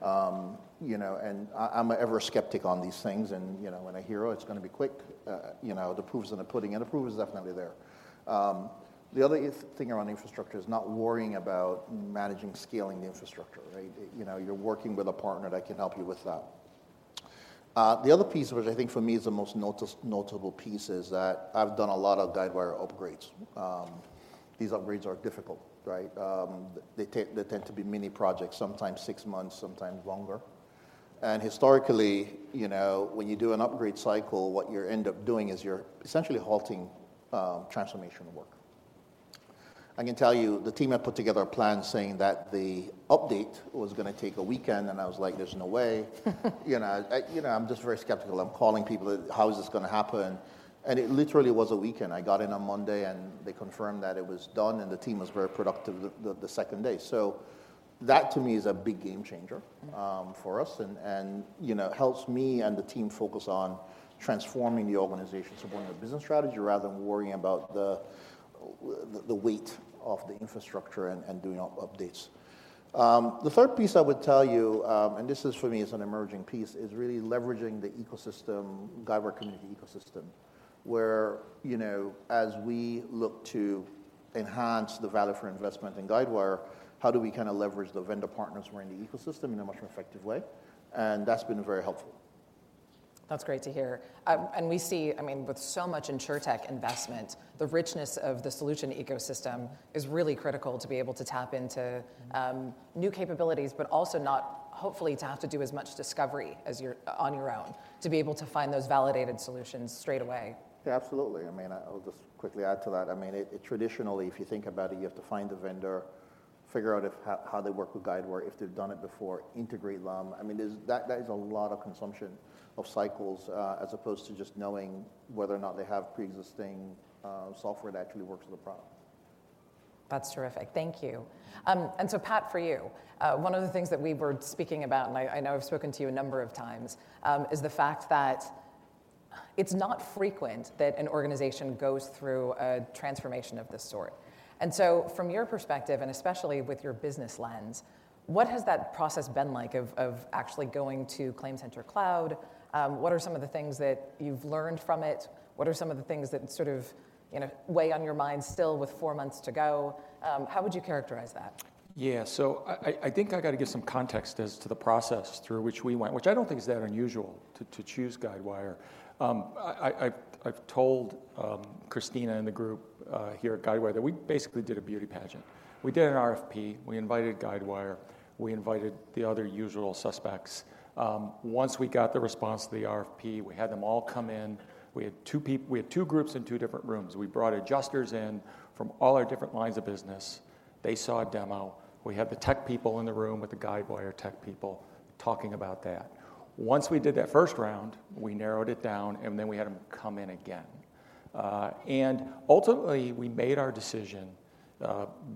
And I'm ever skeptical on these things. And when I hear it's going to be quick, the proof is in the pudding, and the proof is definitely there. The other thing around infrastructure is not worrying about managing scaling the infrastructure, right? You're working with a partner that can help you with that. The other piece, which I think for me is the most notable piece, is that I've done a lot of Guidewire upgrades. These upgrades are difficult, right? They tend to be mini projects, sometimes six months, sometimes longer, and historically, when you do an upgrade cycle, what you end up doing is you're essentially halting transformation work. I can tell you the team had put together a plan saying that the update was going to take a weekend, and I was like, there's no way. I'm just very skeptical. I'm calling people, how is this going to happen, and it literally was a weekend. I got in on Monday, and they confirmed that it was done, and the team was very productive the second day. That to me is a big game changer for us and helps me and the team focus on transforming the organization, supporting the business strategy rather than worrying about the weight of the infrastructure and doing updates. The third piece I would tell you, and this is for me as an emerging piece, is really leveraging the ecosystem, Guidewire Community ecosystem, where as we look to enhance the value for investment in Guidewire, how do we kind of leverage the vendor partners who are in the ecosystem in a much more effective way? And that's been very helpful. That's great to hear, and we see, I mean, with so much insurtech investment, the richness of the solution ecosystem is really critical to be able to tap into new capabilities, but also not hopefully to have to do as much discovery on your own to be able to find those validated solutions straight away. Yeah, absolutely. I mean, I'll just quickly add to that. I mean, traditionally, if you think about it, you have to find the vendor, figure out how they work with Guidewire, if they've done it before, integrate them. I mean, that is a lot of consumption of cycles as opposed to just knowing whether or not they have pre-existing software that actually works with the product. That's terrific. Thank you, and so Pat, for you, one of the things that we were speaking about, and I know I've spoken to you a number of times, is the fact that it's not frequent that an organization goes through a transformation of this sort, and so from your perspective, and especially with your business lens, what has that process been like of actually going to ClaimCenter Cloud? What are some of the things that you've learned from it? What are some of the things that sort of weigh on your mind still with four months to go? How would you characterize that? Yeah, so I think I got to give some context as to the process through which we went, which I don't think is that unusual to choose Guidewire. I've told Christina and the group here at Guidewire that we basically did a beauty pageant. We did an RFP. We invited Guidewire. We invited the other usual suspects. Once we got the response to the RFP, we had them all come in. We had two groups in two different rooms. We brought adjusters in from all our different lines of business. They saw a demo. We had the tech people in the room with the Guidewire tech people talking about that. Once we did that first round, we narrowed it down, and then we had them come in again. And ultimately, we made our decision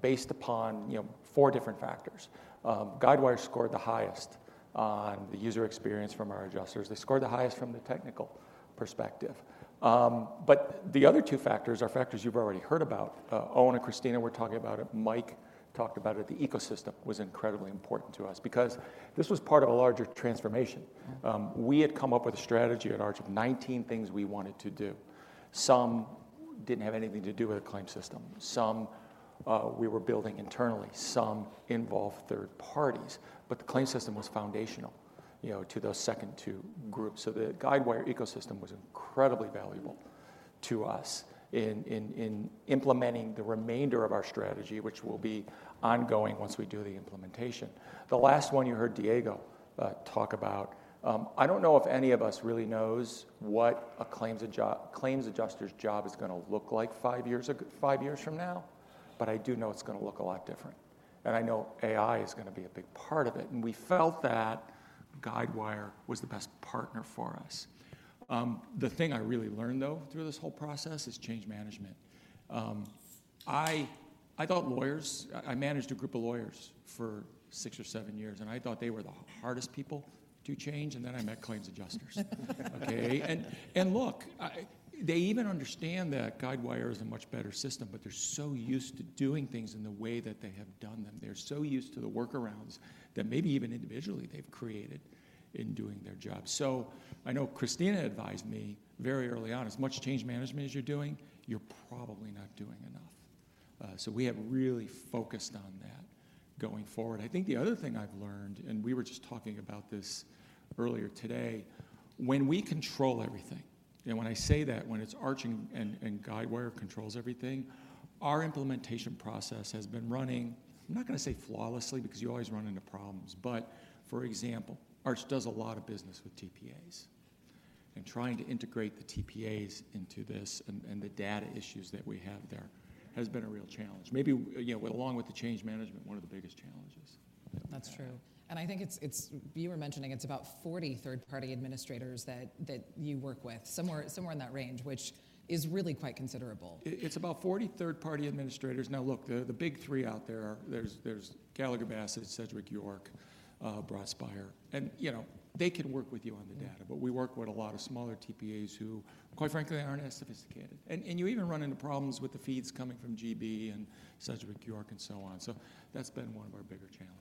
based upon four different factors. Guidewire scored the highest on the user experience from our adjusters. They scored the highest from the technical perspective, but the other two factors, our factors you've already heard about, Owen and Christina were talking about it, Mike talked about it, the ecosystem was incredibly important to us because this was part of a larger transformation. We had come up with a strategy at large of 19 things we wanted to do. Some didn't have anything to do with a claim system. Some we were building internally. Some involved third parties, but the claim system was foundational to those second two groups, so the Guidewire ecosystem was incredibly valuable to us in implementing the remainder of our strategy, which will be ongoing once we do the implementation. The last one you heard Diego talk about. I don't know if any of us really knows what a claims adjuster's job is going to look like five years from now, but I do know it's going to look a lot different, and I know AI is going to be a big part of it. And we felt that Guidewire was the best partner for us. The thing I really learned, though, through this whole process is change management. I thought, lawyers I managed a group of lawyers for six or seven years, and I thought they were the hardest people to change. And then I met claims adjusters. Okay? And look, they even understand that Guidewire is a much better system, but they're so used to doing things in the way that they have done them. They're so used to the workarounds that maybe even individually they've created in doing their job. So I know Christina advised me very early on, as much change management as you're doing, you're probably not doing enough. So we have really focused on that going forward. I think the other thing I've learned, and we were just talking about this earlier today, when we control everything. And when I say that, when it's Arch and Guidewire controls everything, our implementation process has been running. I'm not going to say flawlessly because you always run into problems. But for example, Arch does a lot of business with TPAs. And trying to integrate the TPAs into this and the data issues that we have there has been a real challenge. Maybe along with the change management, one of the biggest challenges. That's true, and I think you were mentioning it's about 40 third-party administrators that you work with, somewhere in that range, which is really quite considerable. It's about 40 third-party administrators. Now look, the big three out there, there's Gallagher Bassett, Sedgwick, Broadspire. And they can work with you on the data, but we work with a lot of smaller TPAs who, quite frankly, aren't as sophisticated. And you even run into problems with the feeds coming from GB and Sedgwick and so on. So that's been one of our bigger challenges.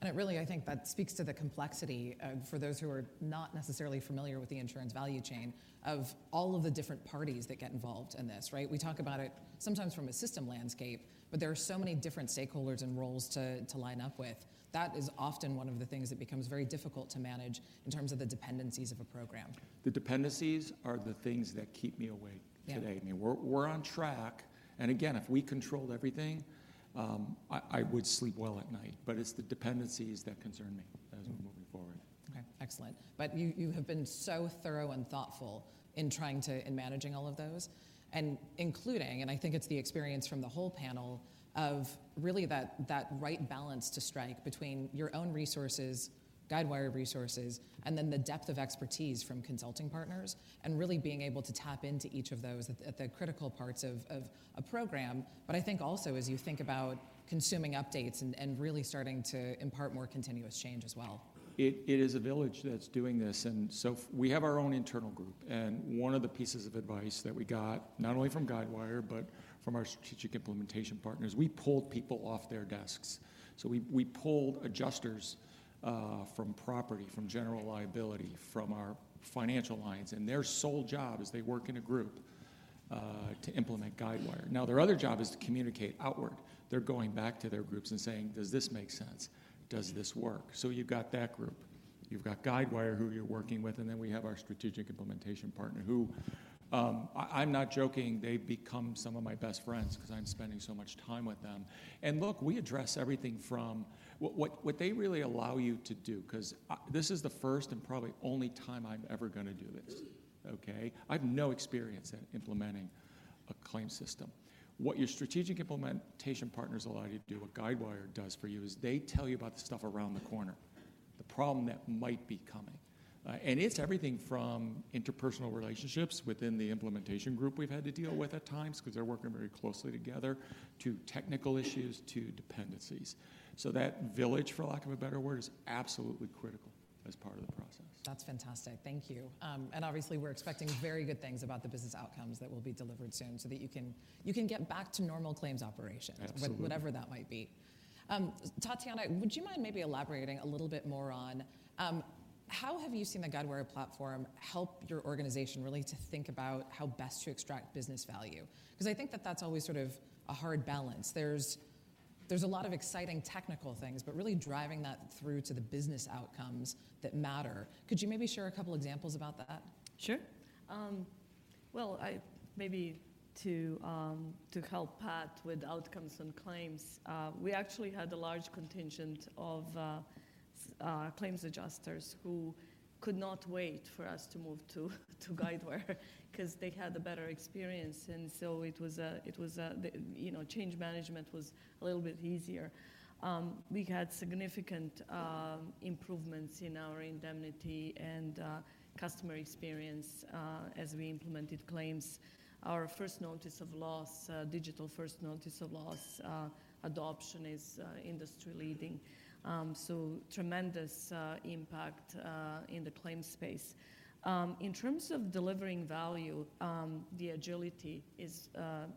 And really, I think that speaks to the complexity for those who are not necessarily familiar with the insurance value chain of all of the different parties that get involved in this, right? We talk about it sometimes from a system landscape, but there are so many different stakeholders and roles to line up with. That is often one of the things that becomes very difficult to manage in terms of the dependencies of a program. The dependencies are the things that keep me awake today. I mean, we're on track, and again, if we controlled everything, I would sleep well at night, but it's the dependencies that concern me as we're moving forward. Okay, excellent. But you have been so thorough and thoughtful in trying to manage all of those, and including, and I think it's the experience from the whole panel of really that right balance to strike between your own resources, Guidewire resources, and then the depth of expertise from consulting partners and really being able to tap into each of those at the critical parts of a program. But I think also, as you think about consuming updates and really starting to impart more continuous change as well. It is a village that's doing this. And so, we have our own internal group. And one of the pieces of advice that we got not only from Guidewire, but from our strategic implementation partners, we pulled people off their desks. So, we pulled adjusters from property, from general liability, from our financial lines. And their sole job is they work in a group to implement Guidewire. Now their other job is to communicate outward. They're going back to their groups and saying, does this make sense? Does this work? So, you've got that group. You've got Guidewire, who you're working with. And then we have our strategic implementation partner, who I'm not joking, they've become some of my best friends because I'm spending so much time with them. And look, we address everything from what they really allow you to do because this is the first and probably only time, I'm ever going to do this, okay? I have no experience in implementing a claim system. What your strategic implementation partners allow you to do, what Guidewire does for you is they tell you about the stuff around the corner, the problem that might be coming. And it's everything from interpersonal relationships within the implementation group we've had to deal with at times because they're working very closely together, to technical issues, to dependencies. So that village, for lack of a better word, is absolutely critical as part of the process. That's fantastic. Thank you and obviously, we're expecting very good things about the business outcomes that will be delivered soon so that you can get back to normal claims operations, whatever that might be. Tatjana, would you mind maybe elaborating a little bit more on how have you seen the Guidewire platform help your organization really to think about how best to extract business value? Because I think that that's always sort of a hard balance. There's a lot of exciting technical things, but really driving that through to the business outcomes that matter. Could you maybe share a couple of examples about that? Sure. Well, maybe to help Pat with outcomes and claims, we actually had a large contingent of claims adjusters who could not wait for us to move to Guidewire because they had a better experience, and so change management was a little bit easier. We had significant improvements in our indemnity and customer experience as we implemented claims. Our First Notice of Loss, digital First Notice of Loss adoption is industry-leading, so tremendous impact in the claim space. In terms of delivering value, the agility is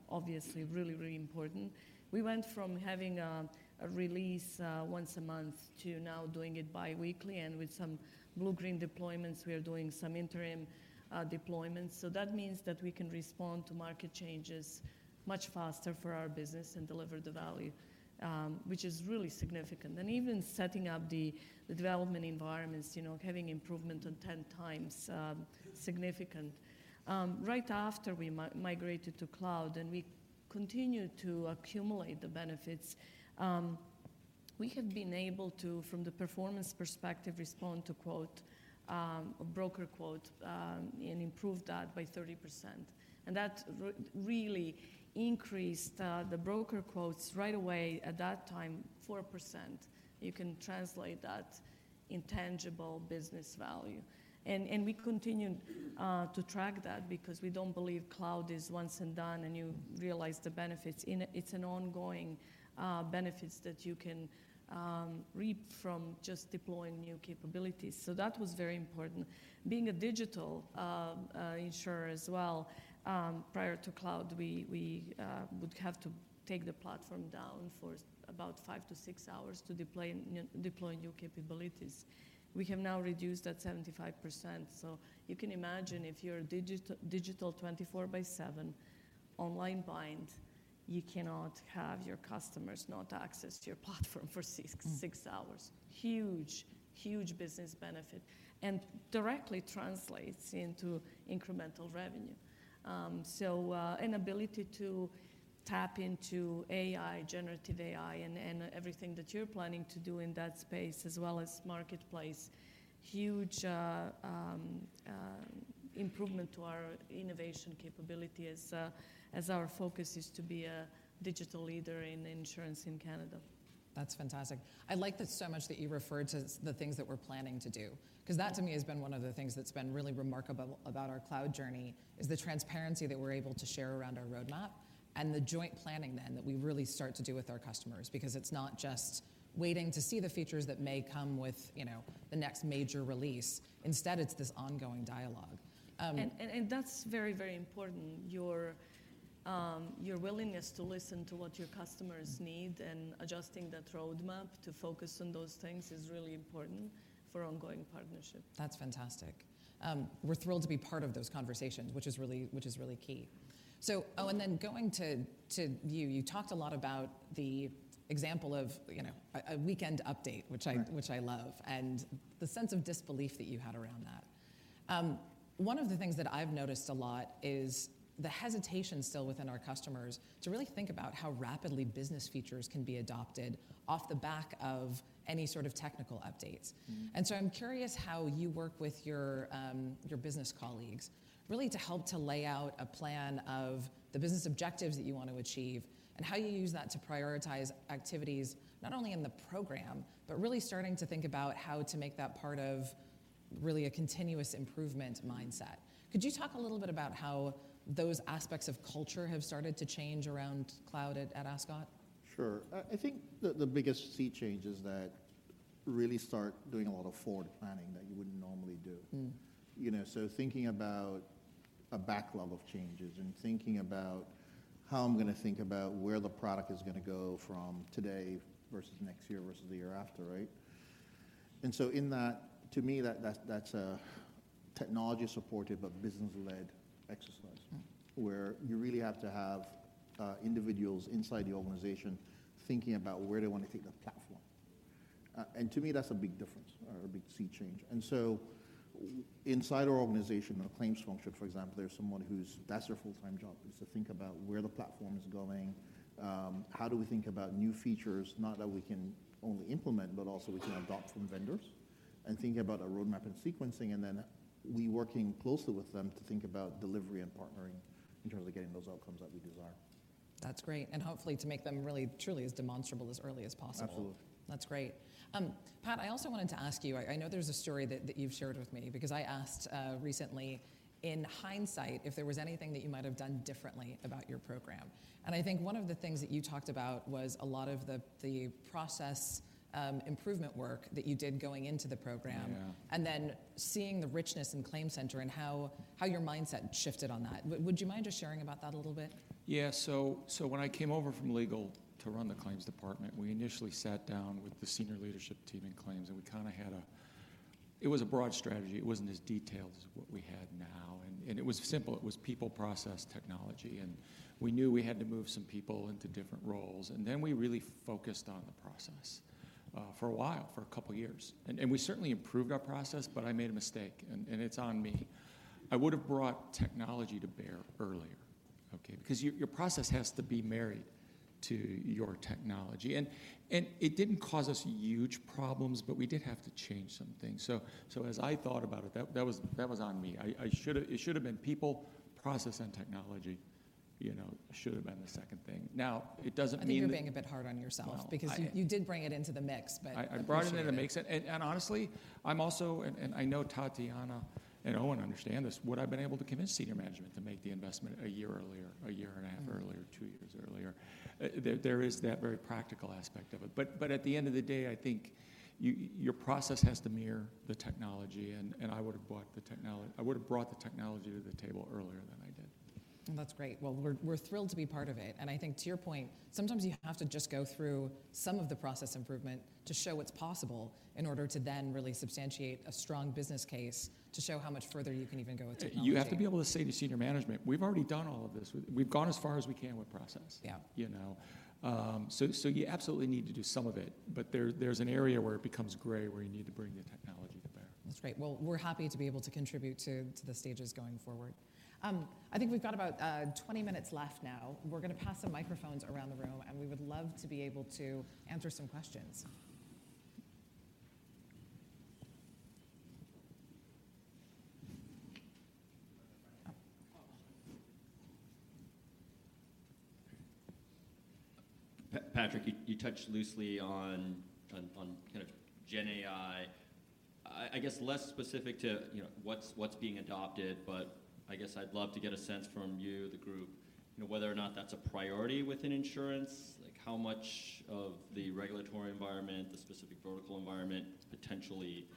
obviously really, really important. We went from having a release once a month to now doing it biweekly, and with some blue-green deployments, we are doing some interim deployments, so that means that we can respond to market changes much faster for our business and deliver the value, which is really significant. And even setting up the development environments, having improvement on 10x significant. Right after we migrated to cloud and we continued to accumulate the benefits, we have been able to, from the performance perspective, respond to quote, a broker quote, and improve that by 30%. And that really increased the broker quotes right away at that time, 4%. You can translate that intangible business value. And we continued to track that because we don't believe cloud is once and done and you realize the benefits. It's an ongoing benefit that you can reap from just deploying new capabilities. So that was very important. Being a digital insurer as well, prior to cloud, we would have to take the platform down for about five to six hours to deploy new capabilities. We have now reduced that 75%. So you can imagine if you're a digital 24/7 online bind, you cannot have your customers not access your platform for six hours. Huge, huge business benefit. And directly translates into incremental revenue. So an ability to tap into AI, generative AI, and everything that you're planning to do in that space as well as marketplace, huge improvement to our innovation capability as our focus is to be a digital leader in insurance in Canada. That's fantastic. I like that so much that you referred to the things that we're planning to do. Because that to me has been one of the things that's been really remarkable about our cloud journey is the transparency that we're able to share around our roadmap and the joint planning then that we really start to do with our customers because it's not just waiting to see the features that may come with the next major release. Instead, it's this ongoing dialogue. That's very, very important. Your willingness to listen to what your customers need and adjusting that roadmap to focus on those things is really important for ongoing partnership. That's fantastic. We're thrilled to be part of those conversations, which is really key. So, Owen, then going to you, you talked a lot about the example of a weekend update, which I love, and the sense of disbelief that you had around that. One of the things that I've noticed a lot is the hesitation still within our customers to really think about how rapidly business features can be adopted off the back of any sort of technical updates. And so I'm curious how you work with your business colleagues really to help to lay out a plan of the business objectives that you want to achieve and how you use that to prioritize activities not only in the program, but really starting to think about how to make that part of really a continuous improvement mindset. Could you talk a little bit about how those aspects of culture have started to change around cloud at Ascot? Sure. I think the biggest sea change is that really start doing a lot of forward planning that you wouldn't normally do. So thinking about a backlog of changes and thinking about how I'm going to think about where the product is going to go from today versus next year versus the year after, right? And so in that, to me, that's a technology-supportive, a business-led exercise where you really have to have individuals inside the organization thinking about where they want to take the platform. And to me, that's a big difference or a big sea change. And so inside our organization, our claims function, for example, there's someone that's their full-time job is to think about where the platform is going, how do we think about new features, not that we can only implement, but also we can adopt from vendors and think about our roadmap and sequencing. And then we're working closely with them to think about delivery and partnering in terms of getting those outcomes that we desire. That's great. And hopefully to make them really truly as demonstrable as early as possible. Absolutely. That's great. Pat, I also wanted to ask you. I know there's a story that you've shared with me because I asked recently in hindsight if there was anything that you might have done differently about your program. I think one of the things that you talked about was a lot of the process improvement work that you did going into the program and then seeing the richness in ClaimCenter and how your mindset shifted on that. Would you mind just sharing about that a little bit? Yeah. So when I came over from legal to run the claims department, we initially sat down with the senior leadership team in claims. And we kind of had. It was a broad strategy. It wasn't as detailed as what we had now. And it was simple. It was people, process, technology. And we knew we had to move some people into different roles. And then we really focused on the process for a while, for a couple of years. And we certainly improved our process, but I made a mistake. And it's on me. I would have brought technology to bear earlier, okay, because your process has to be married to your technology. And it didn't cause us huge problems, but we did have to change some things. So, as I thought about it, that was on me. It should have been people, process, and technology should have been the second thing. Now, it doesn't mean. I think you're being a bit hard on yourself because you did bring it into the mix, but. I brought it into the mix. And honestly, I'm also and I know Tatjana and Owen understand this. Would I have been able to convince senior management to make the investment a year earlier, a year and a half earlier, two years earlier? There is that very practical aspect of it. But at the end of the day, I think your process has to mirror the technology. And I would have brought the technology to the table earlier than I did. That's great. We're thrilled to be part of it. I think to your point, sometimes you have to just go through some of the process improvement to show what's possible in order to then really substantiate a strong business case to show how much further you can even go with technology. You have to be able to say to senior management, we've already done all of this. We've gone as far as we can with process. So you absolutely need to do some of it. But there's an area where it becomes gray where you need to bring the technology to bear. That's great. Well, we're happy to be able to contribute to the stages going forward. I think we've got about 20 minutes left now. We're going to pass some microphones around the room. And we would love to be able to answer some questions. Patrick, you touched loosely on kind of GenAI, I guess, less specific to what's being adopted. But I guess I'd love to get a sense from you, the group, whether or not that's a priority within insurance, like how much of the regulatory environment, the specific vertical environment potentially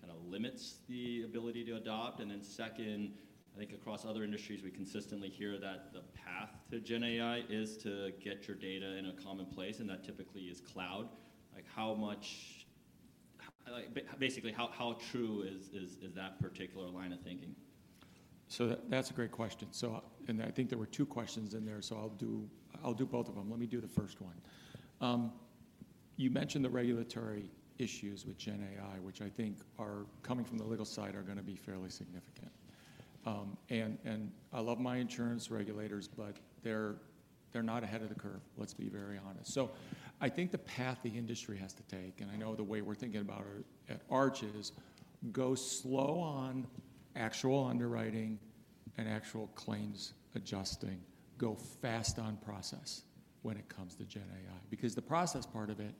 kind of limits the ability to adopt. And then second, I think across other industries, we consistently hear that the path to GenAI is to get your data in a common place. And that typically is cloud. Basically, how true is that particular line of thinking? That's a great question. I think there were two questions in there. I'll do both of them. Let me do the first one. You mentioned the regulatory issues with GenAI, which I think are coming from the legal side are going to be fairly significant. I love my insurance regulators, but they're not ahead of the curve, let's be very honest. I think the path the industry has to take, and I know the way we're thinking about it at Arch is go slow on actual underwriting and actual claims adjusting. Go fast on process when it comes to GenAI because the process part of it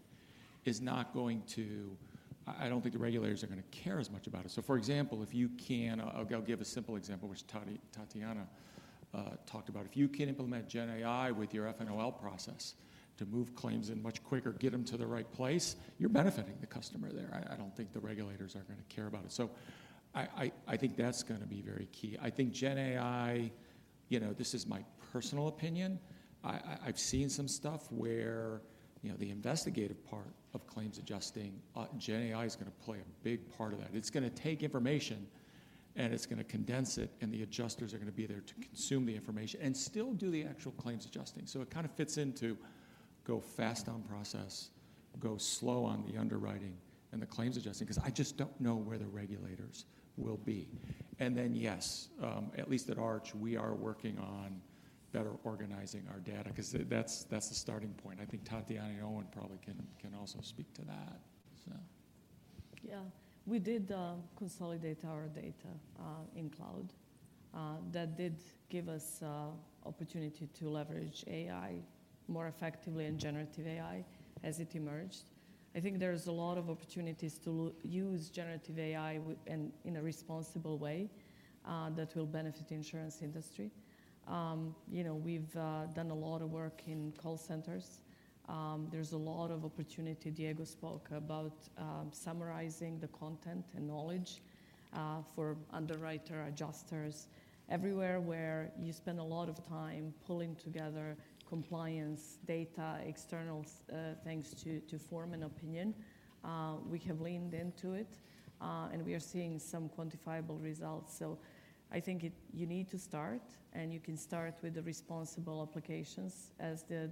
is not going to I don't think the regulators are going to care as much about it. For example, if you can I'll give a simple example, which Tatjana talked about. If you can implement GenAI with your FNOL process to move claims in much quicker, get them to the right place, you're benefiting the customer there. I don't think the regulators are going to care about it, so I think that's going to be very key. I think GenAI. This is my personal opinion. I've seen some stuff where the investigative part of claims adjusting. GenAI is going to play a big part of that. It's going to take information and it's going to condense it, and the adjusters are going to be there to consume the information and still do the actual claims adjusting, so it kind of fits into go fast on process, go slow on the underwriting and the claims adjusting because I just don't know where the regulators will be. And then yes, at least at Arch, we are working on better organizing our data because that's the starting point. I think Tatjana and Owen probably can also speak to that, so. Yeah. We did consolidate our data in the cloud. That did give us the opportunity to leverage AI more effectively and generative AI as it emerged. I think there is a lot of opportunities to use generative AI in a responsible way that will benefit the insurance industry. We've done a lot of work in call centers. There's a lot of opportunity Diego spoke about summarizing the content and knowledge for underwriters, adjusters everywhere where you spend a lot of time pulling together compliance data, external things to form an opinion. We have leaned into it. We are seeing some quantifiable results. So I think you need to start. You can start with the responsible applications as the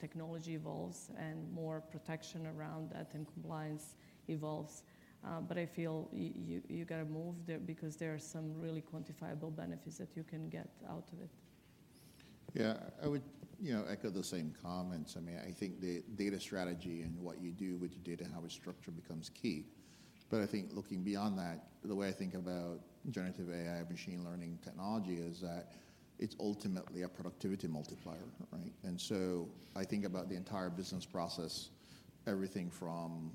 technology evolves and more protection around that and compliance evolves. But I feel you got to move there because there are some really quantifiable benefits that you can get out of it. Yeah. I would echo the same comments. I mean, I think the data strategy and what you do with your data and how it's structured becomes key. But I think looking beyond that, the way I think about generative AI, machine learning technology is that it's ultimately a productivity multiplier, right? And so, I think about the entire business process, everything from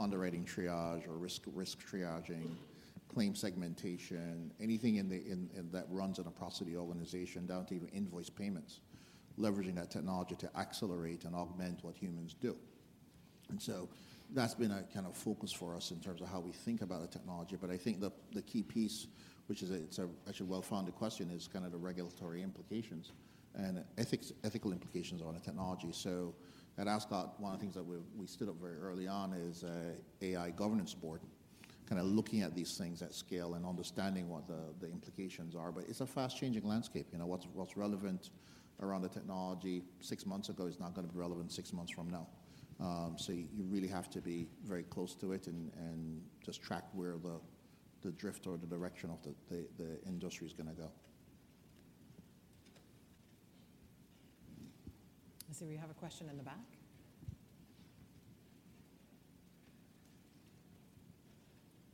underwriting triage or risk triaging, claim segmentation, anything that runs in a P&C organization, down to even invoice payments, leveraging that technology to accelerate and augment what humans do. And so that's been a kind of focus for us in terms of how we think about the technology. But I think the key piece, which is actually a well-founded question, is kind of the regulatory implications and ethical implications on the technology. So at Ascot, one of the things that we stood up very early on is an AI governance board kind of looking at these things at scale and understanding what the implications are. But it's a fast-changing landscape. What's relevant around the technology six months ago is not going to be relevant six months from now. So you really have to be very close to it and just track where the drift or the direction of the industry is going to go. I see we have a question in the back.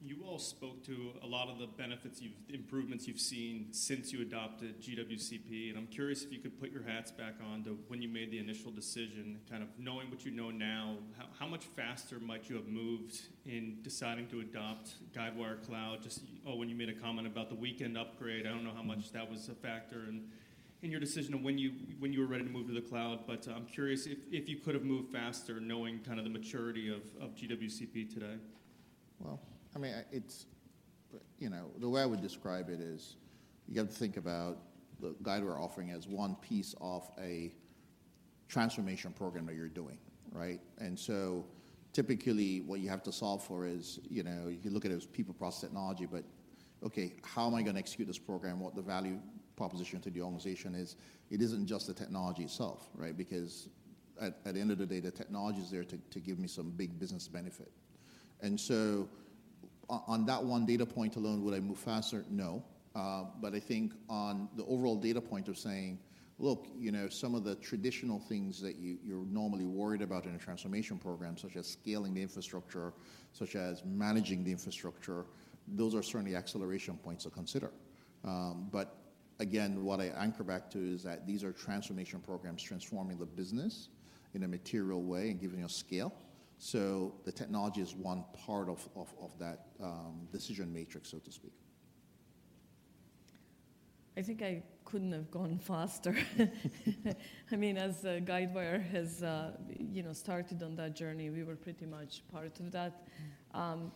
You all spoke to a lot of the benefits and improvements you've seen since you adopted GWCP. And I'm curious if you could put your hats back on to when you made the initial decision, kind of knowing what you know now, how much faster might you have moved in deciding to adopt Guidewire Cloud? Just when you made a comment about the weekend upgrade, I don't know how much that was a factor in your decision of when you were ready to move to the cloud. But I'm curious if you could have moved faster knowing kind of the maturity of GWCP today. Well, I mean, the way I would describe it is you got to think about the Guidewire offering as one piece of a transformation program that you're doing, right? And so typically what you have to solve for is you look at it as people, process, technology. But okay, how am I going to execute this program? What the value proposition to the organization is? It isn't just the technology itself, right? Because at the end of the day, the technology is there to give me some big business benefit. And so on that one data point alone, would I move faster? No. But I think on the overall data point of saying, look, some of the traditional things that you're normally worried about in a transformation program, such as scaling the infrastructure, such as managing the infrastructure, those are certainly acceleration points to consider. But again, what I anchor back to is that these are transformation programs transforming the business in a material way and giving you a scale. So the technology is one part of that decision matrix, so to speak. I think I couldn't have gone faster. I mean, as Guidewire has started on that journey, we were pretty much part of that.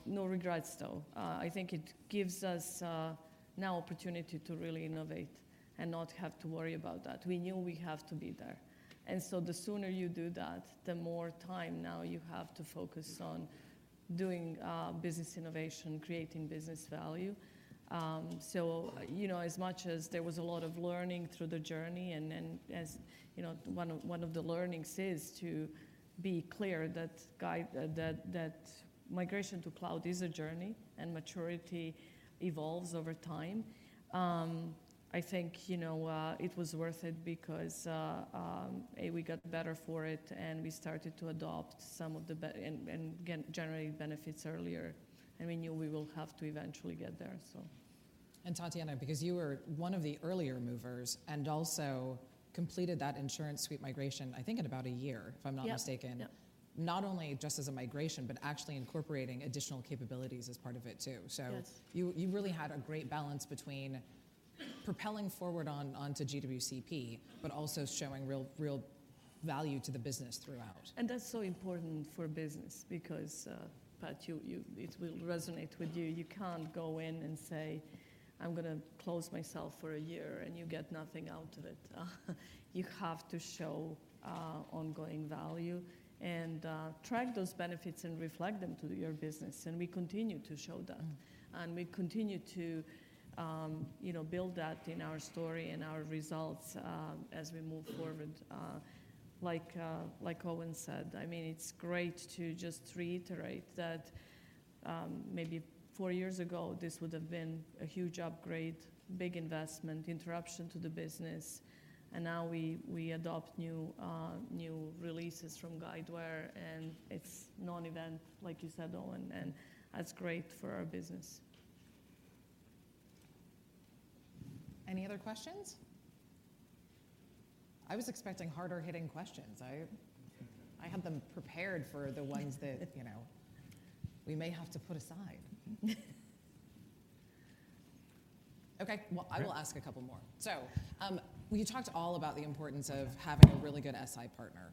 No regrets, though. I think it gives us now opportunity to really innovate and not have to worry about that. We knew we have to be there. And so the sooner you do that, the more time now you have to focus on doing business innovation, creating business value. So as much as there was a lot of learning through the journey, and as one of the learnings is to be clear that migration to cloud is a journey and maturity evolves over time, I think it was worth it because we got better for it. And we started to adopt some of the generated benefits earlier. And we knew we will have to eventually get there, so. And Tatjana, because you were one of the earlier movers and also completed that InsuranceSuite migration, I think in about a year, if I'm not mistaken, not only just as a migration, but actually incorporating additional capabilities as part of it too. So you really had a great balance between propelling forward onto GWCP, but also showing real value to the business throughout. And that's so important for business because, Pat, it will resonate with you. You can't go in and say, I'm going to close myself for a year, and you get nothing out of it. You have to show ongoing value and track those benefits and reflect them to your business. And we continue to show that. And we continue to build that in our story and our results as we move forward. Like Owen said, I mean, it's great to just reiterate that maybe four years ago, this would have been a huge upgrade, big investment, interruption to the business. And now we adopt new releases from Guidewire. And it's non-event, like you said, Owen. And that's great for our business. Any other questions? I was expecting harder-hitting questions. I had them prepared for the ones that we may have to put aside. Okay. Well, I will ask a couple more. So we talked all about the importance of having a really good SI partner.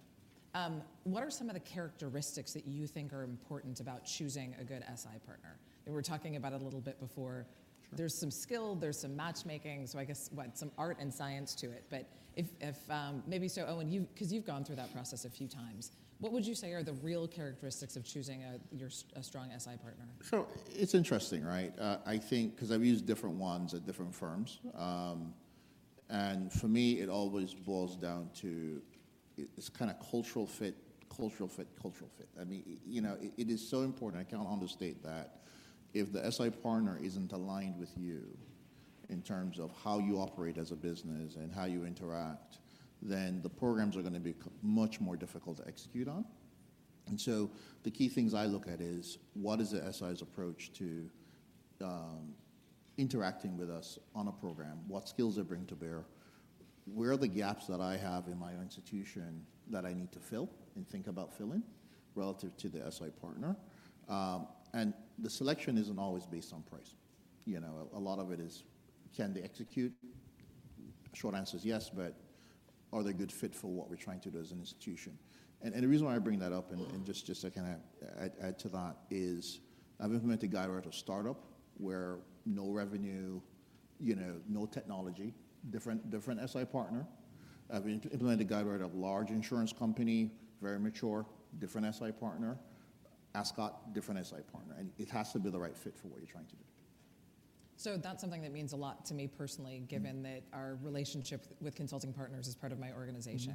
What are some of the characteristics that you think are important about choosing a good SI partner? We were talking about it a little bit before. There's some skill. There's some matchmaking. So I guess some art and science to it. But maybe so, Owen, because you've gone through that process a few times, what would you say are the real characteristics of choosing a strong SI partner? Sure. It's interesting, right? I think because I've used different ones at different firms. And for me, it always boils down to it's kind of cultural fit, cultural fit, cultural fit. I mean, it is so important. I can't understate that if the SI partner isn't aligned with you in terms of how you operate as a business and how you interact, then the programs are going to be much more difficult to execute on. And so the key things I look at is what is the SI's approach to interacting with us on a program? What skills they bring to bear? Where are the gaps that I have in my own institution that I need to fill and think about filling relative to the SI partner? And the selection isn't always based on price. A lot of it is, can they execute? Short answer is yes. But are they a good fit for what we're trying to do as an institution? And the reason why I bring that up and just to kind of add to that is I've implemented Guidewire as a startup where no revenue, no technology, different SI partner. I've implemented Guidewire at a large insurance company, very mature, different SI partner, Ascot, different SI partner. And it has to be the right fit for what you're trying to do. So that's something that means a lot to me personally, given that our relationship with consulting partners is part of my organization.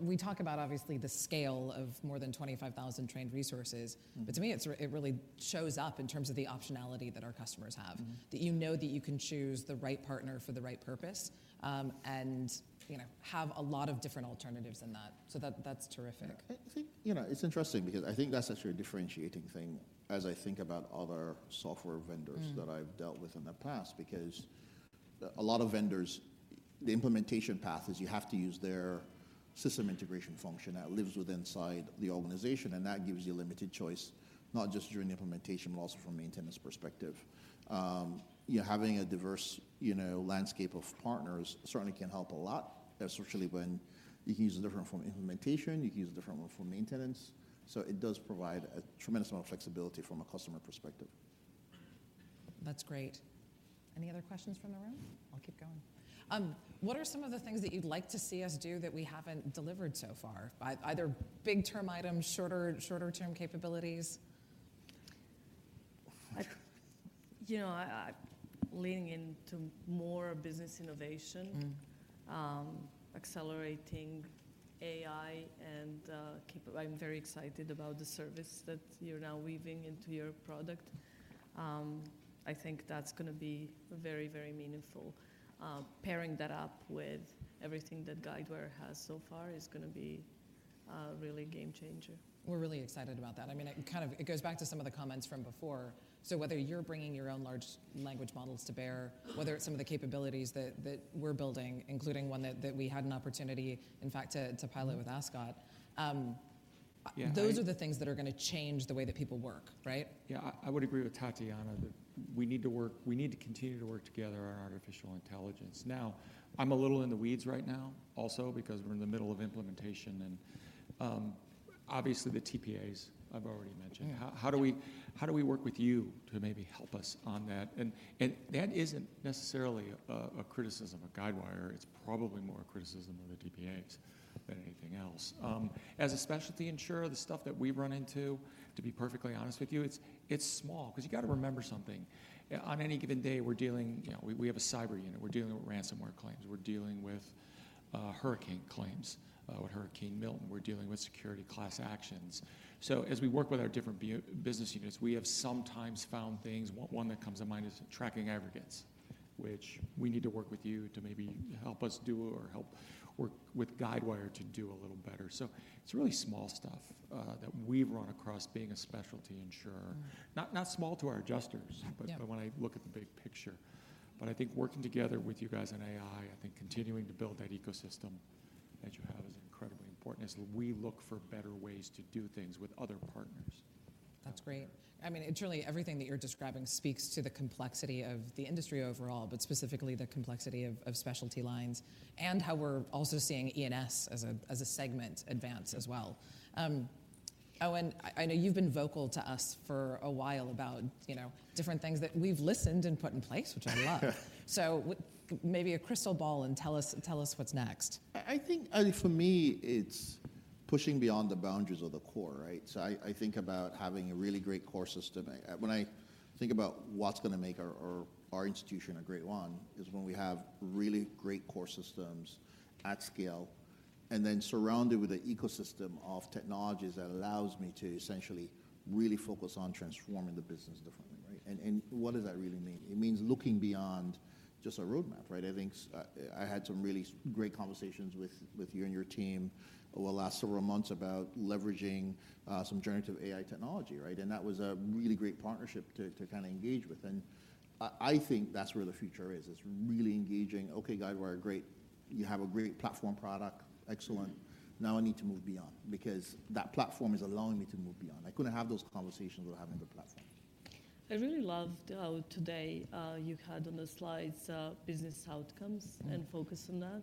We talk about, obviously, the scale of more than 25,000 trained resources. But to me, it really shows up in terms of the optionality that our customers have, that you know that you can choose the right partner for the right purpose and have a lot of different alternatives in that. So that's terrific. I think it's interesting because I think that's actually a differentiating thing as I think about other software vendors that I've dealt with in the past because a lot of vendors, the implementation path is you have to use their system integration function that lives with inside the organization, and that gives you limited choice, not just during implementation, but also from a maintenance perspective. Having a diverse landscape of partners certainly can help a lot, especially when you can use a different one for implementation. You can use a different one for maintenance, so it does provide a tremendous amount of flexibility from a customer perspective. That's great. Any other questions from the room? I'll keep going. What are some of the things that you'd like to see us do that we haven't delivered so far? Either long-term items, shorter-term capabilities? You know, leaning into more business innovation, accelerating AI, and I'm very excited about the service that you're now weaving into your product. I think that's going to be very, very meaningful. Pairing that up with everything that Guidewire has so far is going to be really a game changer. We're really excited about that. I mean, it kind of goes back to some of the comments from before. So whether you're bringing your own large language models to bear, whether it's some of the capabilities that we're building, including one that we had an opportunity, in fact, to pilot with Ascot, those are the things that are going to change the way that people work, right? Yeah. I would agree with Tatjana that we need to continue to work together on artificial intelligence. Now, I'm a little in the weeds right now also because we're in the middle of implementation. And obviously, the TPAs I've already mentioned. How do we work with you to maybe help us on that? And that isn't necessarily a criticism of Guidewire. It's probably more a criticism of the TPAs than anything else. As a specialty insurer, the stuff that we run into, to be perfectly honest with you, it's small because you got to remember something. On any given day, we're dealing with a cyber unit. We're dealing with ransomware claims. We're dealing with hurricane claims, with Hurricane Milton. We're dealing with security class actions. So as we work with our different business units, we have sometimes found things. One that comes to mind is tracking aggregates, which we need to work with you to maybe help us do or help work with Guidewire to do a little better. So it's really small stuff that we've run across being a specialty insurer, not small to our adjusters, but when I look at the big picture. But I think working together with you guys on AI, I think continuing to build that ecosystem that you have is incredibly important as we look for better ways to do things with other partners. That's great. I mean, it's really everything that you're describing speaks to the complexity of the industry overall, but specifically the complexity of specialty lines and how we're also seeing E&S as a segment advance as well. Owen, I know you've been vocal to us for a while about different things that we've listened and put in place, which I love. So maybe a crystal ball and tell us what's next. I think for me, it's pushing beyond the boundaries of the core, right? So I think about having a really great core system. When I think about what's going to make our institution a great one is when we have really great core systems at scale and then surrounded with an ecosystem of technologies that allows me to essentially really focus on transforming the business differently, right? And what does that really mean? It means looking beyond just a roadmap, right? I think I had some really great conversations with you and your team over the last several months about leveraging some generative AI technology, right? And that was a really great partnership to kind of engage with. And I think that's where the future is. It's really engaging. Okay, Guidewire, great. You have a great platform product. Excellent. Now I need to move beyond because that platform is allowing me to move beyond. I couldn't have those conversations without having the platform. I really loved today, you had on the slides business outcomes and focus on that.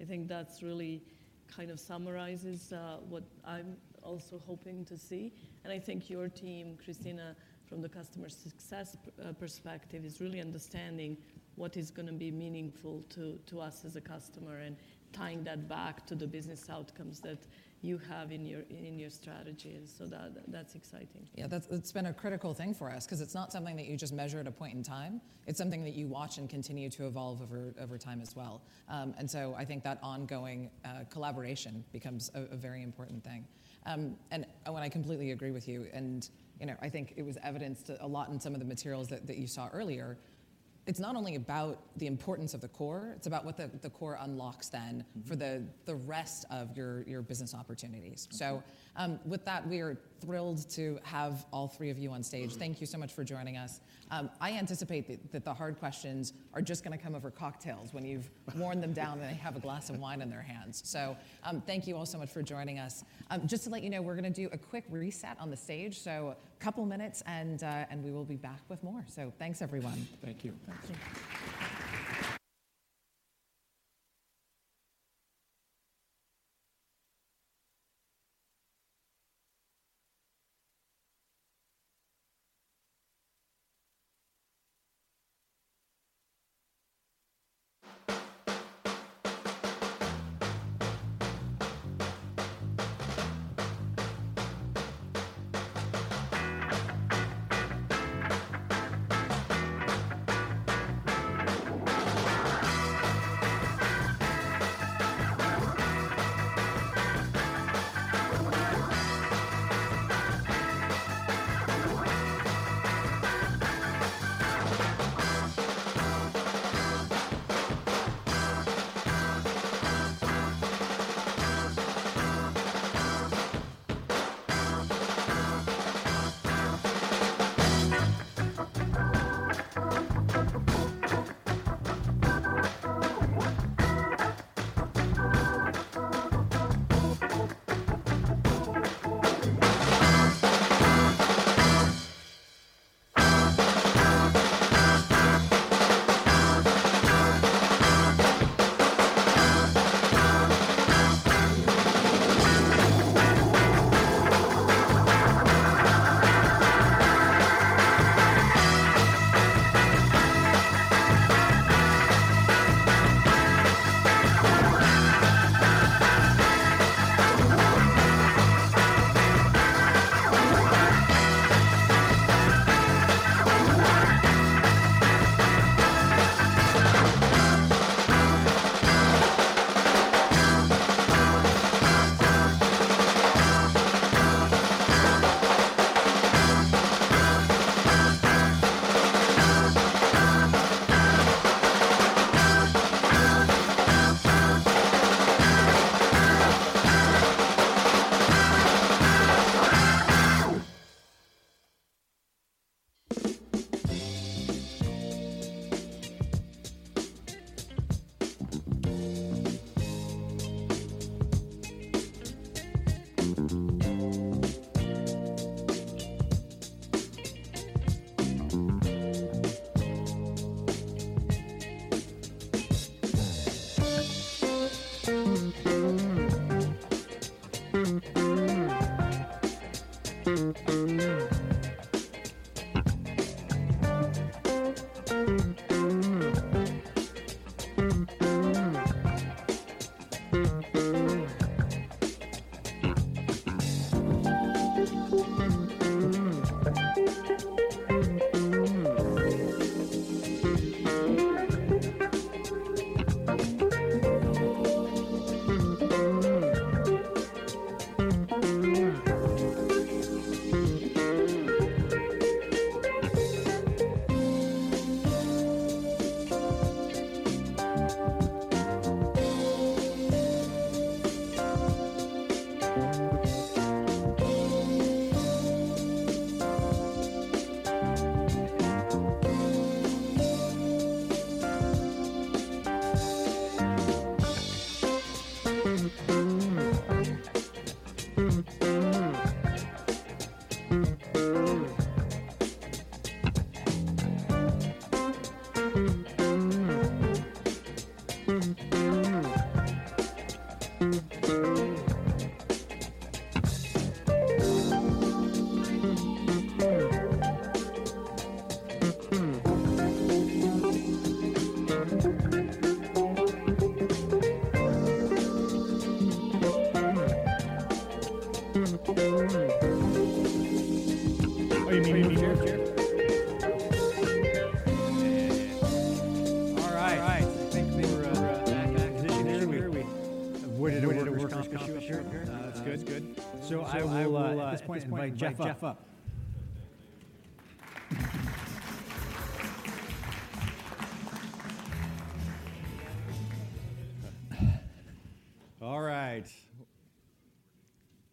I think that really kind of summarizes what I'm also hoping to see. And I think your team, Christina, from the customer success perspective, is really understanding what is going to be meaningful to us as a customer and tying that back to the business outcomes that you have in your strategy. And so that's exciting. Yeah. That's been a critical thing for us because it's not something that you just measure at a point in time. It's something that you watch and continue to evolve over time as well, and so I think that ongoing collaboration becomes a very important thing. I completely agree with you. I think it was evidenced a lot in some of the materials that you saw earlier. It's not only about the importance of the core. It's about what the core unlocks then for the rest of your business opportunities. With that, we are thrilled to have all three of you on stage. Thank you so much for joining us. I anticipate that the hard questions are just going to come over cocktails when you've worn them down and they have a glass of wine in their hands. Thank you all so much for joining us. Just to let you know, we're going to do a quick reset on the stage. So, a couple of minutes, and we will be back with more. So, thanks, everyone. Thank you. Thank you. All right. Thank you. Conference here. Good. So, I will, at this point, invite Jeff up. All right.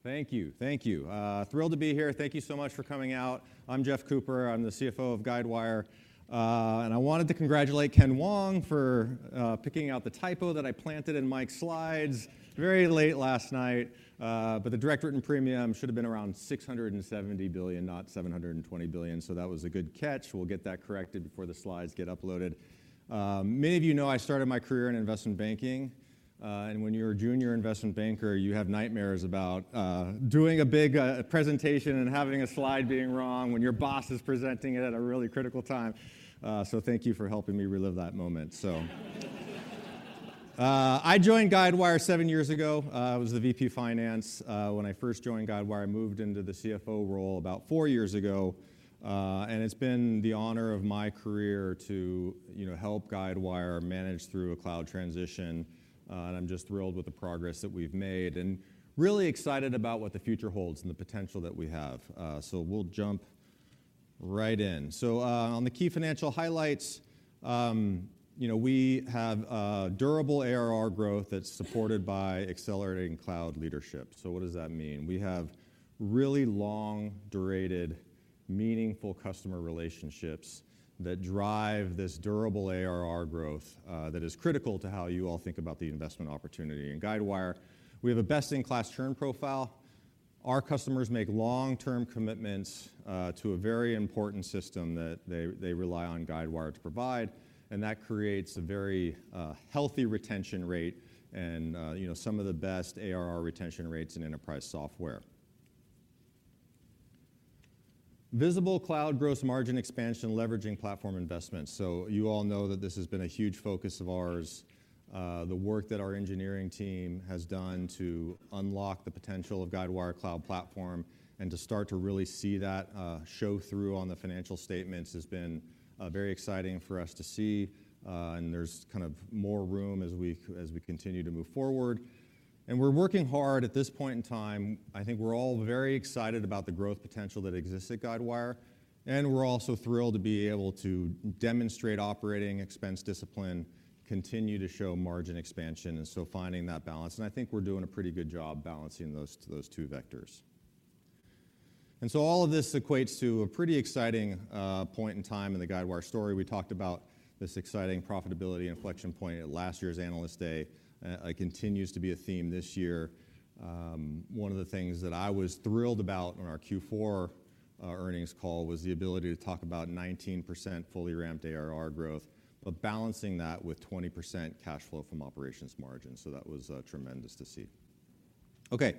Thank you. Thank you. Thrilled to be here. Thank you so much for coming out. I'm Jeff Cooper. I'm the CFO of Guidewire. And I wanted to congratulate Ken Wong for picking out the typo that I planted in Mike's slides very late last night. But the direct written premium should have been around $670 billion, not $720 billion. So that was a good catch. We'll get that corrected before the slides get uploaded. Many of you know I started my career in investment banking. And when you're a junior investment banker, you have nightmares about doing a big presentation and having a slide being wrong when your boss is presenting it at a really critical time. So thank you for helping me relive that moment. So, I joined Guidewire seven years ago. I was the VP Finance. When I first joined Guidewire, I moved into the CFO role about four years ago. And it's been the honor of my career to help Guidewire manage through a cloud transition. And I'm just thrilled with the progress that we've made and really excited about what the future holds and the potential that we have. So we'll jump right in. So on the key financial highlights, we have durable ARR growth that's supported by accelerating cloud leadership. So what does that mean? We have really long-durated, meaningful customer relationships that drive this durable ARR growth that is critical to how you all think about the investment opportunity in Guidewire. We have a best-in-class churn profile. Our customers make long-term commitments to a very important system that they rely on Guidewire to provide. And that creates a very healthy retention rate and some of the best ARR retention rates in enterprise software. Visible cloud gross margin expansion leveraging platform investments. So you all know that this has been a huge focus of ours. The work that our engineering team has done to unlock the potential of Guidewire Cloud Platform and to start to really see that show through on the financial statements has been very exciting for us to see. And there's kind of more room as we continue to move forward. And we're working hard at this point in time. I think we're all very excited about the growth potential that exists at Guidewire. And we're also thrilled to be able to demonstrate operating expense discipline, continue to show margin expansion, and so finding that balance. And I think we're doing a pretty good job balancing those two vectors. And so all of this equates to a pretty exciting point in time in the Guidewire story. We talked about this exciting profitability inflection point at last year's analyst day. It continues to be a theme this year. One of the things that I was thrilled about on our Q4 earnings call was the ability to talk about 19% fully ramped ARR growth, but balancing that with 20% cash flow from operations margin. So that was tremendous to see. Okay.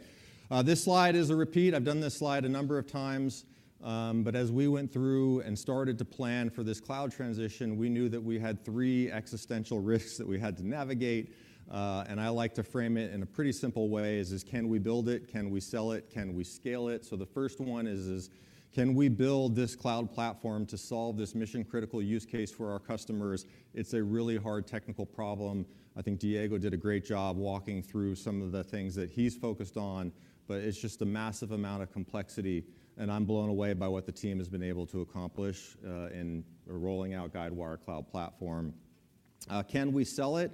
This slide is a repeat. I've done this slide a number of times. But as we went through and started to plan for this cloud transition, we knew that we had three existential risks that we had to navigate. And I like to frame it in a pretty simple way: can we build it? Can we sell it? Can we scale it? The first one is, can we build this cloud platform to solve this mission-critical use case for our customers? It's a really hard technical problem. I think Diego did a great job walking through some of the things that he's focused on, but it's just a massive amount of complexity. I'm blown away by what the team has been able to accomplish in rolling out Guidewire Cloud Platform. Can we sell it?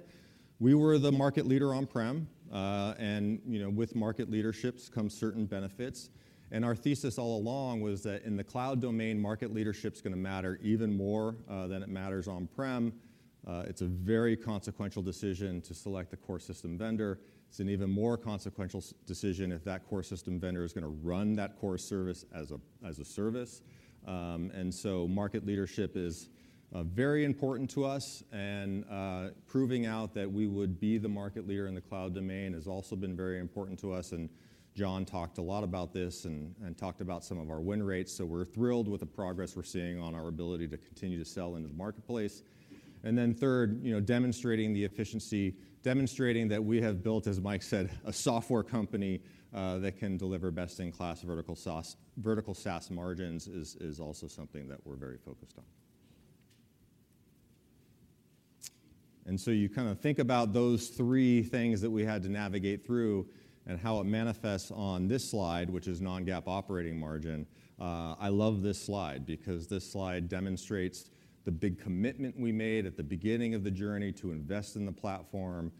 We were the market leader on-prem. With market leadership comes certain benefits. Our thesis all along was that in the cloud domain, market leadership is going to matter even more than it matters on-prem. It's a very consequential decision to select the core system vendor. It's an even more consequential decision if that core system vendor is going to run that core service as a service. And so market leadership is very important to us. And proving out that we would be the market leader in the cloud domain has also been very important to us. And John talked a lot about this and talked about some of our win rates. So we're thrilled with the progress we're seeing on our ability to continue to sell into the marketplace. And then third, demonstrating the efficiency, demonstrating that we have built, as Mike said, a software company that can deliver best-in-class vertical SaaS margins is also something that we're very focused on. And so you kind of think about those three things that we had to navigate through and how it manifests on this slide, which is non-GAAP operating margin. I love this slide because this slide demonstrates the big commitment we made at the beginning of the journey to invest in the platform,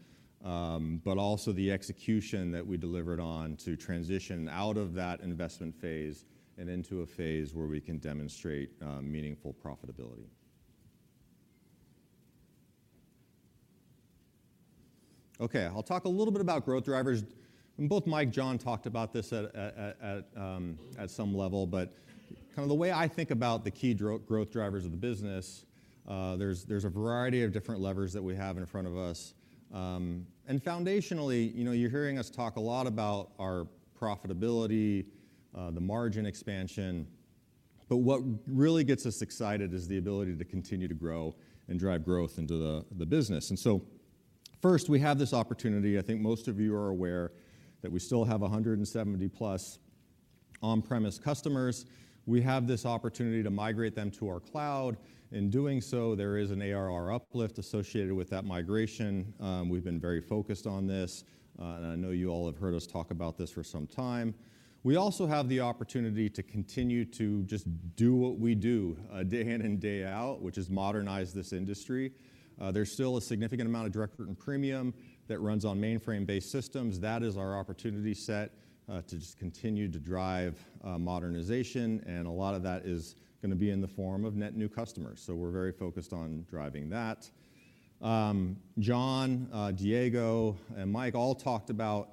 but also the execution that we delivered on to transition out of that investment phase and into a phase where we can demonstrate meaningful profitability. Okay. I'll talk a little bit about growth drivers. Both Mike and John talked about this at some level, but kind of the way I think about the key growth drivers of the business, there's a variety of different levers that we have in front of us. And foundationally, you're hearing us talk a lot about our profitability, the margin expansion, but what really gets us excited is the ability to continue to grow and drive growth into the business. And so first, we have this opportunity. I think most of you are aware that we still have 170-plus on-premise customers. We have this opportunity to migrate them to our cloud. In doing so, there is an ARR uplift associated with that migration. We've been very focused on this. And I know you all have heard us talk about this for some time. We also have the opportunity to continue to just do what we do day in and day out, which is modernize this industry. There's still a significant amount of direct written premium that runs on mainframe-based systems. That is our opportunity set to just continue to drive modernization. And a lot of that is going to be in the form of net new customers. So we're very focused on driving that. John, Diego, and Mike all talked about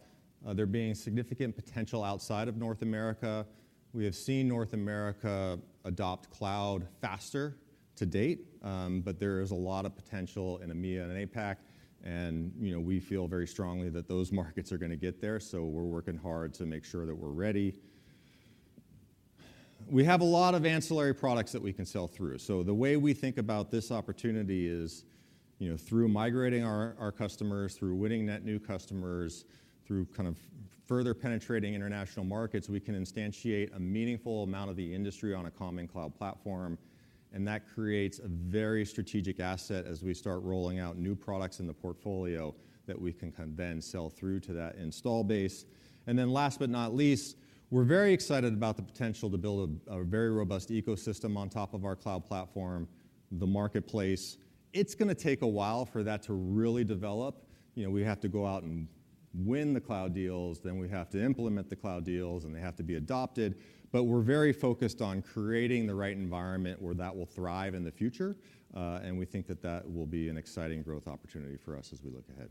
there being significant potential outside of North America. We have seen North America adopt cloud faster to date. But there is a lot of potential in EMEA and APAC. We feel very strongly that those markets are going to get there. We're working hard to make sure that we're ready. We have a lot of ancillary products that we can sell through. The way we think about this opportunity is through migrating our customers, through winning net new customers, through kind of further penetrating international markets, we can instantiate a meaningful amount of the industry on a common cloud platform. That creates a very strategic asset as we start rolling out new products in the portfolio that we can then sell through to that install base. Then last but not least, we're very excited about the potential to build a very robust ecosystem on top of our cloud platform, the marketplace. It's going to take a while for that to really develop. We have to go out and win the cloud deals. Then we have to implement the cloud deals, and they have to be adopted. But we're very focused on creating the right environment where that will thrive in the future. And we think that that will be an exciting growth opportunity for us as we look ahead.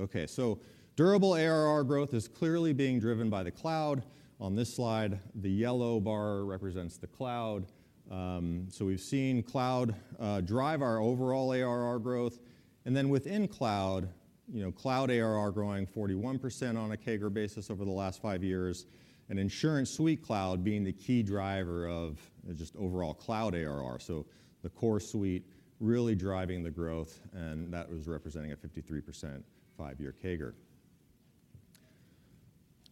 Okay. So durable ARR growth is clearly being driven by the cloud. On this slide, the yellow bar represents the cloud. So we've seen cloud drive our overall ARR growth. And then within cloud, cloud ARR growing 41% on a CAGR basis over the last five years, and InsuranceSuite Cloud being the key driver of just overall cloud ARR. So the core suite really driving the growth. And that was representing a 53% five-year CAGR.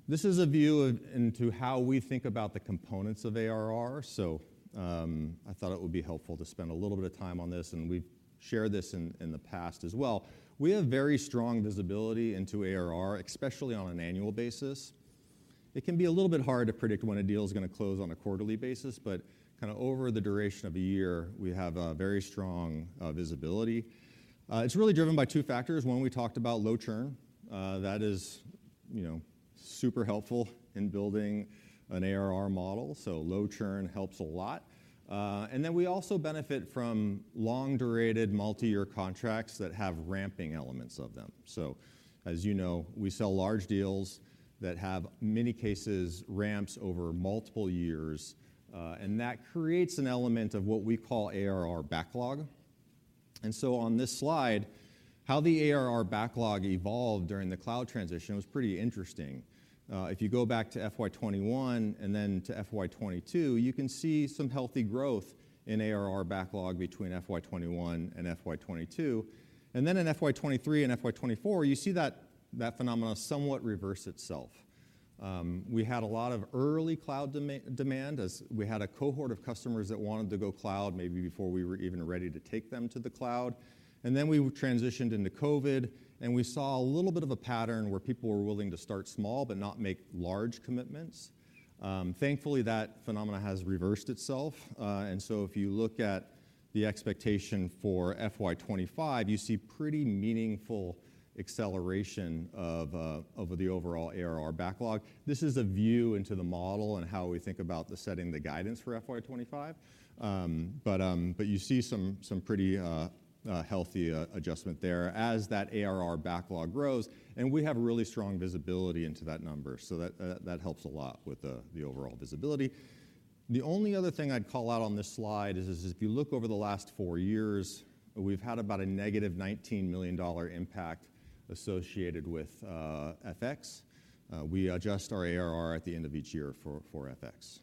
This is a view into how we think about the components of ARR. So I thought it would be helpful to spend a little bit of time on this. And we've shared this in the past as well. We have very strong visibility into ARR, especially on an annual basis. It can be a little bit hard to predict when a deal is going to close on a quarterly basis. But kind of over the duration of a year, we have very strong visibility. It's really driven by two factors. One, we talked about low churn. That is super helpful in building an ARR model. So low churn helps a lot. And then we also benefit from long-duration multi-year contracts that have ramping elements of them. So as you know, we sell large deals that have many-year ramps over multiple years. And that creates an element of what we call ARR backlog. And so on this slide, how the ARR backlog evolved during the cloud transition was pretty interesting. If you go back to FY 2021 and then to FY 2022, you can see some healthy growth in ARR backlog between FY 2021 and FY 2022. And then in FY 2023 and FY 2024, you see that phenomenon somewhat reverse itself. We had a lot of early cloud demand as we had a cohort of customers that wanted to go cloud maybe before we were even ready to take them to the cloud. And then we transitioned into COVID. And we saw a little bit of a pattern where people were willing to start small but not make large commitments. Thankfully, that phenomenon has reversed itself. And so if you look at the expectation for FY 2025, you see pretty meaningful acceleration of the overall ARR backlog. This is a view into the model and how we think about setting the guidance for FY 2025. But you see some pretty healthy adjustment there as that ARR backlog grows. And we have really strong visibility into that number. So that helps a lot with the overall visibility. The only other thing I'd call out on this slide is if you look over the last four years, we've had about a negative $19 million impact associated with FX. We adjust our ARR at the end of each year for FX.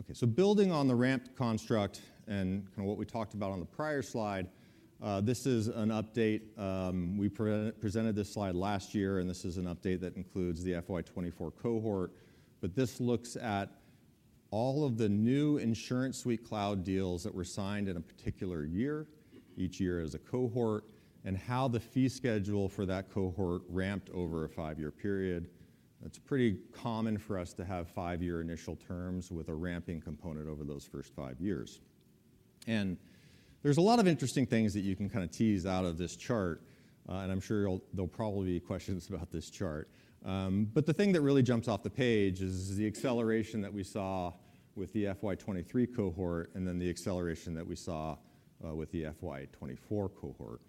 Okay. So building on the ramp construct and kind of what we talked about on the prior slide, this is an update. We presented this slide last year. And this is an update that includes the FY 2024 cohort. But this looks at all of the new InsuranceSuite Cloud deals that were signed in a particular year, each year as a cohort, and how the fee schedule for that cohort ramped over a five-year period. It's pretty common for us to have five-year initial terms with a ramping component over those first five years. And there's a lot of interesting things that you can kind of tease out of this chart. And I'm sure there'll probably be questions about this chart. But the thing that really jumps off the page is the acceleration that we saw with the FY 2023 cohort and then the acceleration that we saw with the FY 2024 cohort.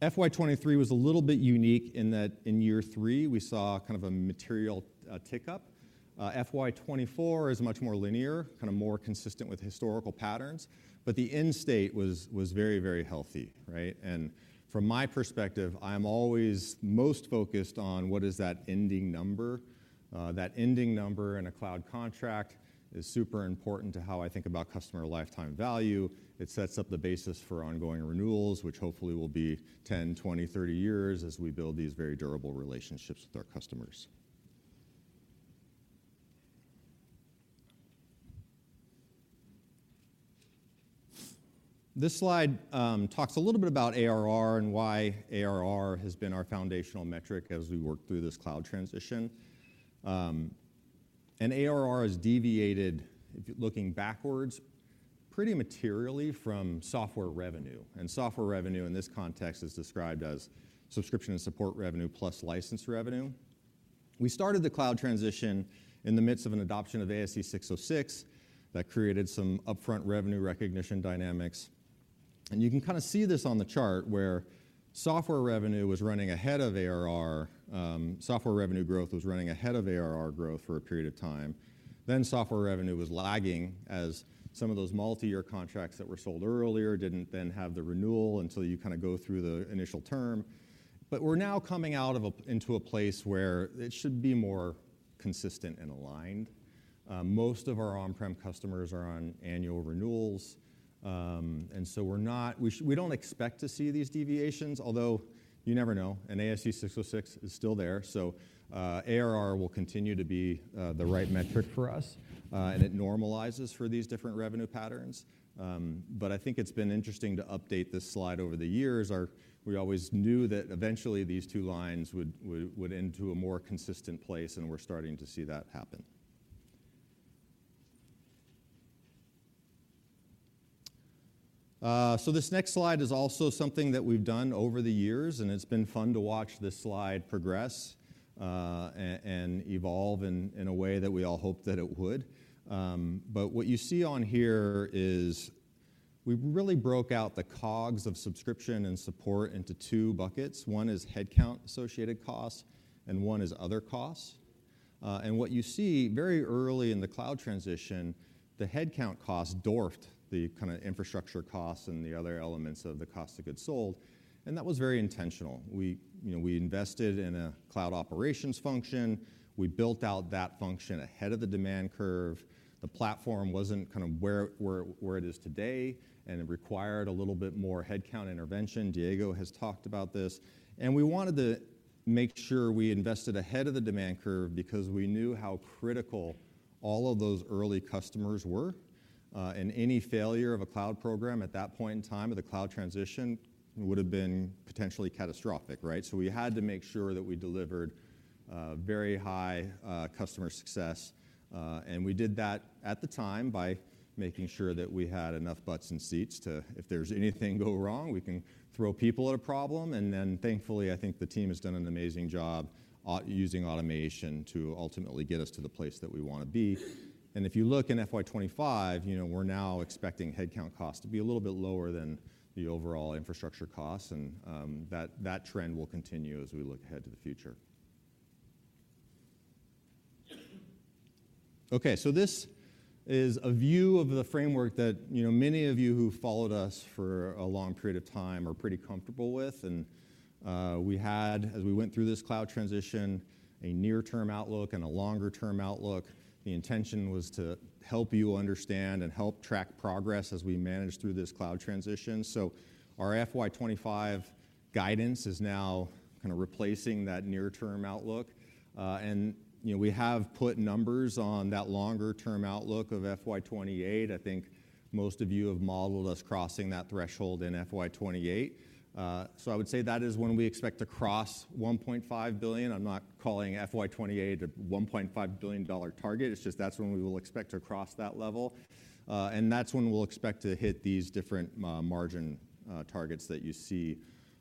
FY 2023 was a little bit unique in that in year three, we saw kind of a material tick up. FY 2024 is much more linear, kind of more consistent with historical patterns. But the end state was very, very healthy, right? And from my perspective, I'm always most focused on what is that ending number. That ending number in a cloud contract is super important to how I think about customer lifetime value. It sets up the basis for ongoing renewals, which hopefully will be 10, 20, 30 years as we build these very durable relationships with our customers. This slide talks a little bit about ARR and why ARR has been our foundational metric as we work through this cloud transition. And ARR has deviated, looking backwards, pretty materially from software revenue. And software revenue in this context is described as subscription and support revenue plus license revenue. We started the cloud transition in the midst of an adoption of ASC 606 that created some upfront revenue recognition dynamics. And you can kind of see this on the chart where software revenue was running ahead of ARR. Software revenue growth was running ahead of ARR growth for a period of time. Then software revenue was lagging as some of those multi-year contracts that were sold earlier didn't then have the renewal until you kind of go through the initial term. But we're now coming out into a place where it should be more consistent and aligned. Most of our on-prem customers are on annual renewals. And so we don't expect to see these deviations, although you never know. And ASC 606 is still there. So ARR will continue to be the right metric for us. And it normalizes for these different revenue patterns. But I think it's been interesting to update this slide over the years. We always knew that eventually these two lines would end to a more consistent place, and we're starting to see that happen, so this next slide is also something that we've done over the years, and it's been fun to watch this slide progress and evolve in a way that we all hope that it would, but what you see on here is we really broke out the COGS of subscription and support into two buckets, one is headcount associated costs, and one is other costs, and what you see very early in the cloud transition, the headcount costs dwarfed the kind of infrastructure costs and the other elements of the cost of goods sold, and that was very intentional. We invested in a cloud operations function. We built out that function ahead of the demand curve. The platform wasn't kind of where it is today. It required a little bit more headcount intervention. Diego has talked about this. We wanted to make sure we invested ahead of the demand curve because we knew how critical all of those early customers were. Any failure of a cloud program at that point in time of the cloud transition would have been potentially catastrophic, right? We had to make sure that we delivered very high customer success. We did that at the time by making sure that we had enough butts and seats to, if there's anything go wrong, we can throw people at a problem. Then thankfully, I think the team has done an amazing job using automation to ultimately get us to the place that we want to be. And if you look in FY 2025, we're now expecting headcount costs to be a little bit lower than the overall infrastructure costs. And that trend will continue as we look ahead to the future. Okay. So this is a view of the framework that many of you who followed us for a long period of time are pretty comfortable with. And we had, as we went through this cloud transition, a near-term outlook and a longer-term outlook. The intention was to help you understand and help track progress as we manage through this cloud transition. So our FY 2025 guidance is now kind of replacing that near-term outlook. And we have put numbers on that longer-term outlook of FY 2028. I think most of you have modeled us crossing that threshold in FY 2028. So I would say that is when we expect to cross $1.5 billion. I'm not calling FY 2028 a $1.5 billion target. It's just that's when we will expect to cross that level. And that's when we'll expect to hit these different margin targets that you see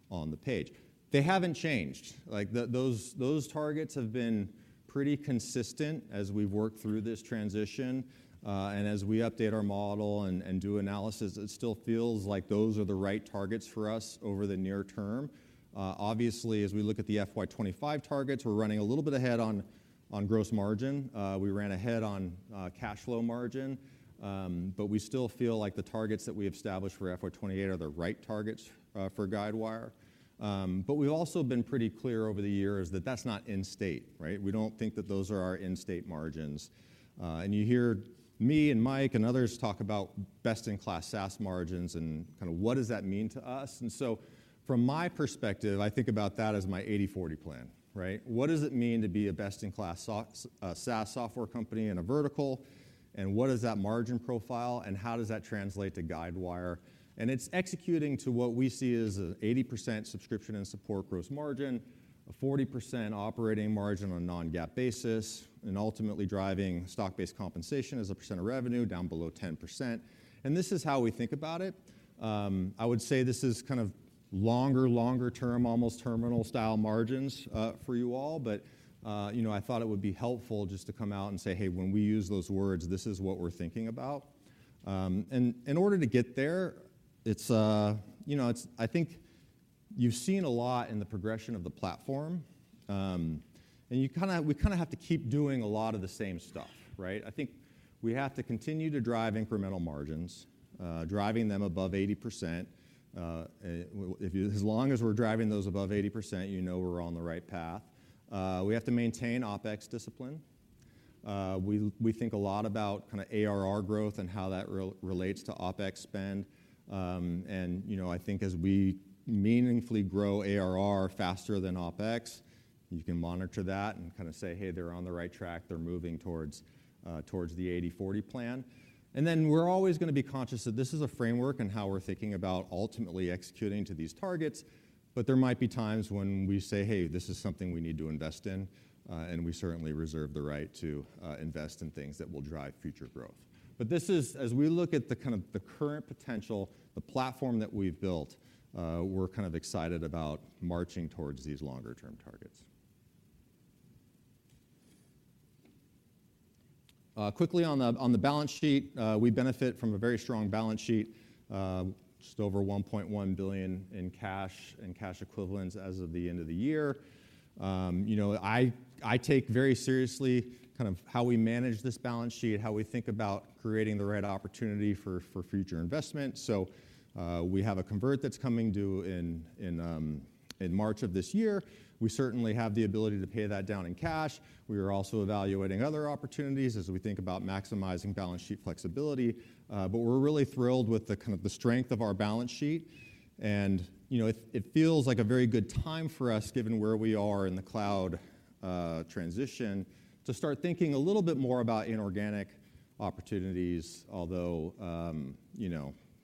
on the page. They haven't changed. Those targets have been pretty consistent as we've worked through this transition. And as we update our model and do analysis, it still feels like those are the right targets for us over the near term. Obviously, as we look at the FY 2025 targets, we're running a little bit ahead on gross margin. We ran ahead on cash flow margin. But we still feel like the targets that we have established for FY 2028 are the right targets for Guidewire. But we've also been pretty clear over the years that that's not end state, right? We don't think that those are our end state margins. You hear me and Mike and others talk about best-in-class SaaS margins and kind of what does that mean to us. So from my perspective, I think about that as my 80/40 plan, right? What does it mean to be a best-in-class SaaS software company in a vertical? And what is that margin profile? And how does that translate to Guidewire? And it's executing to what we see as an 80% subscription and support gross margin, a 40% operating margin on a non-GAAP basis, and ultimately driving stock-based compensation as a percent of revenue down below 10%. And this is how we think about it. I would say this is kind of longer, longer-term, almost terminal-style margins for you all. But I thought it would be helpful just to come out and say, "Hey, when we use those words, this is what we're thinking about." And in order to get there, I think you've seen a lot in the progression of the platform. And we kind of have to keep doing a lot of the same stuff, right? I think we have to continue to drive incremental margins, driving them above 80%. As long as we're driving those above 80%, you know we're on the right path. We have to maintain OPEX discipline. We think a lot about kind of ARR growth and how that relates to OPEX spend. And I think as we meaningfully grow ARR faster than OPEX, you can monitor that and kind of say, "Hey, they're on the right track. They're moving towards the 80/40 plan." And then we're always going to be conscious that this is a framework and how we're thinking about ultimately executing to these targets. But there might be times when we say, "Hey, this is something we need to invest in." And we certainly reserve the right to invest in things that will drive future growth. But as we look at the kind of current potential, the platform that we've built, we're kind of excited about marching towards these longer-term targets. Quickly on the balance sheet, we benefit from a very strong balance sheet, just over $1.1 billion in cash and cash equivalents as of the end of the year. I take very seriously kind of how we manage this balance sheet, how we think about creating the right opportunity for future investment. So we have a convert that's coming due in March of this year. We certainly have the ability to pay that down in cash. We are also evaluating other opportunities as we think about maximizing balance sheet flexibility. But we're really thrilled with the kind of strength of our balance sheet. And it feels like a very good time for us, given where we are in the cloud transition, to start thinking a little bit more about inorganic opportunities, although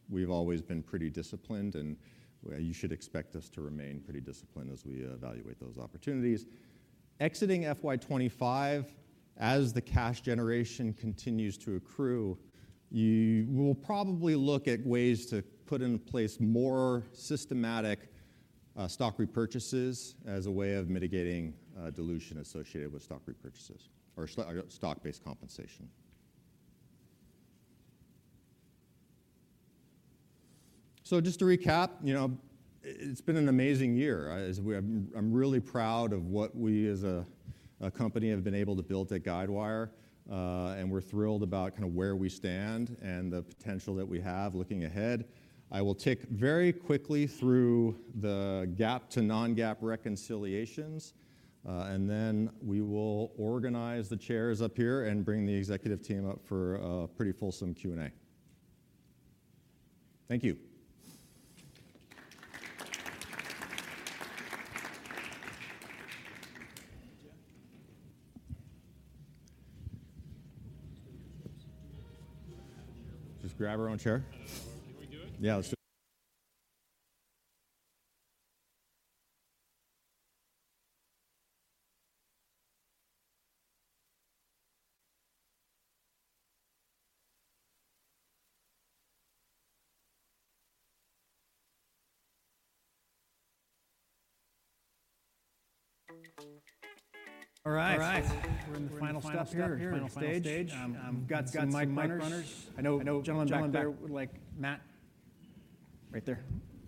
we've always been pretty disciplined. And you should expect us to remain pretty disciplined as we evaluate those opportunities. Exiting FY 2025, as the cash generation continues to accrue, we will probably look at ways to put in place more systematic stock repurchases as a way of mitigating dilution associated with stock repurchases or stock-based compensation. So just to recap, it's been an amazing year. I'm really proud of what we as a company have been able to build at Guidewire. We're thrilled about kind of where we stand and the potential that we have looking ahead. I will tick very quickly through the GAAP to non-GAAP reconciliations. Then we will organize the chairs up here and bring the executive team up for a pretty fulsome Q&A. Thank you. Just grab our own chair. Can we do it? Yeah. All right. We're in the final step here, final stage. We've got some mic runners. I know John, like Matt. Right there.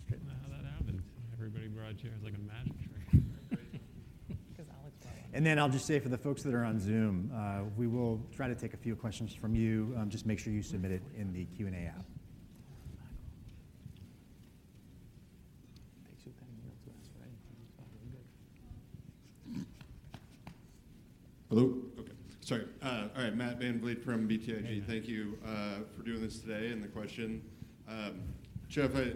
That's great. How that happened. Everybody brought chairs like a magic trick. Because Alex brought one. Then I'll just say for the folks that are on Zoom, we will try to take a few questions from you. Just make sure you submit it in the Q&A app. Pick something real quick. Matt VanVliet from BTIG. Thank you for doing this today and the question. Jeff, I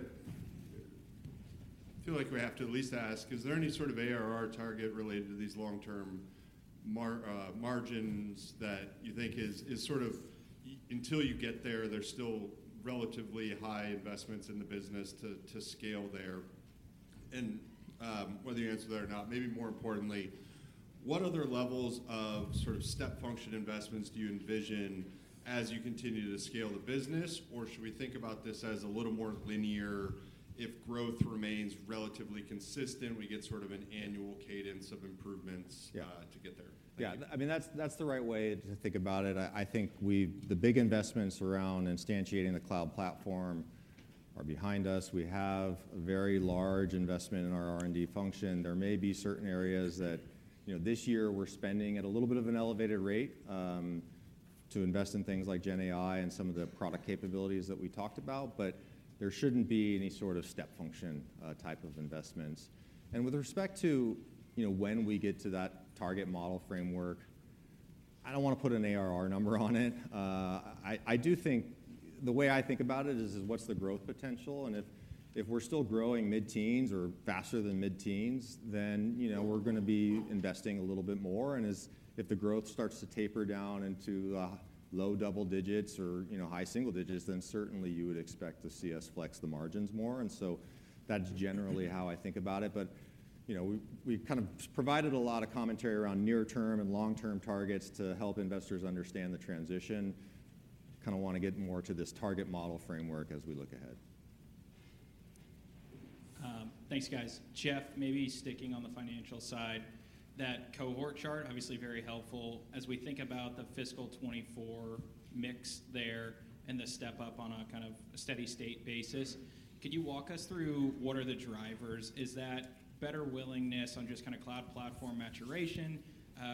feel like we have to at least ask, is there any sort of ARR target related to these long-term margins that you think is sort of until you get there, there's still relatively high investments in the business to scale there? And whether you answer that or not, maybe more importantly, what other levels of sort of step function investments do you envision as you continue to scale the business? Or should we think about this as a little more linear? If growth remains relatively consistent, we get sort of an annual cadence of improvements to get there. Yeah. I mean, that's the right way to think about it. I think the big investments around instantiating the cloud platform are behind us. We have a very large investment in our R&D function. There may be certain areas that this year we're spending at a little bit of an elevated rate to invest in things like GenAI and some of the product capabilities that we talked about. But there shouldn't be any sort of step function type of investments. And with respect to when we get to that target model framework, I don't want to put an ARR number on it. I do think the way I think about it is what's the growth potential? And if we're still growing mid-teens or faster than mid-teens, then we're going to be investing a little bit more. And if the growth starts to taper down into low double digits or high single digits, then certainly you would expect to see us flex the margins more. And so that's generally how I think about it. But we kind of provided a lot of commentary around near-term and long-term targets to help investors understand the transition. Kind of want to get more to this target model framework as we look ahead. Thanks, guys. Jeff, maybe sticking on the financial side, that cohort chart, obviously very helpful as we think about the fiscal 2024 mix there and the step up on a kind of steady-state basis. Could you walk us through what are the drivers? Is that better willingness on just kind of cloud platform maturation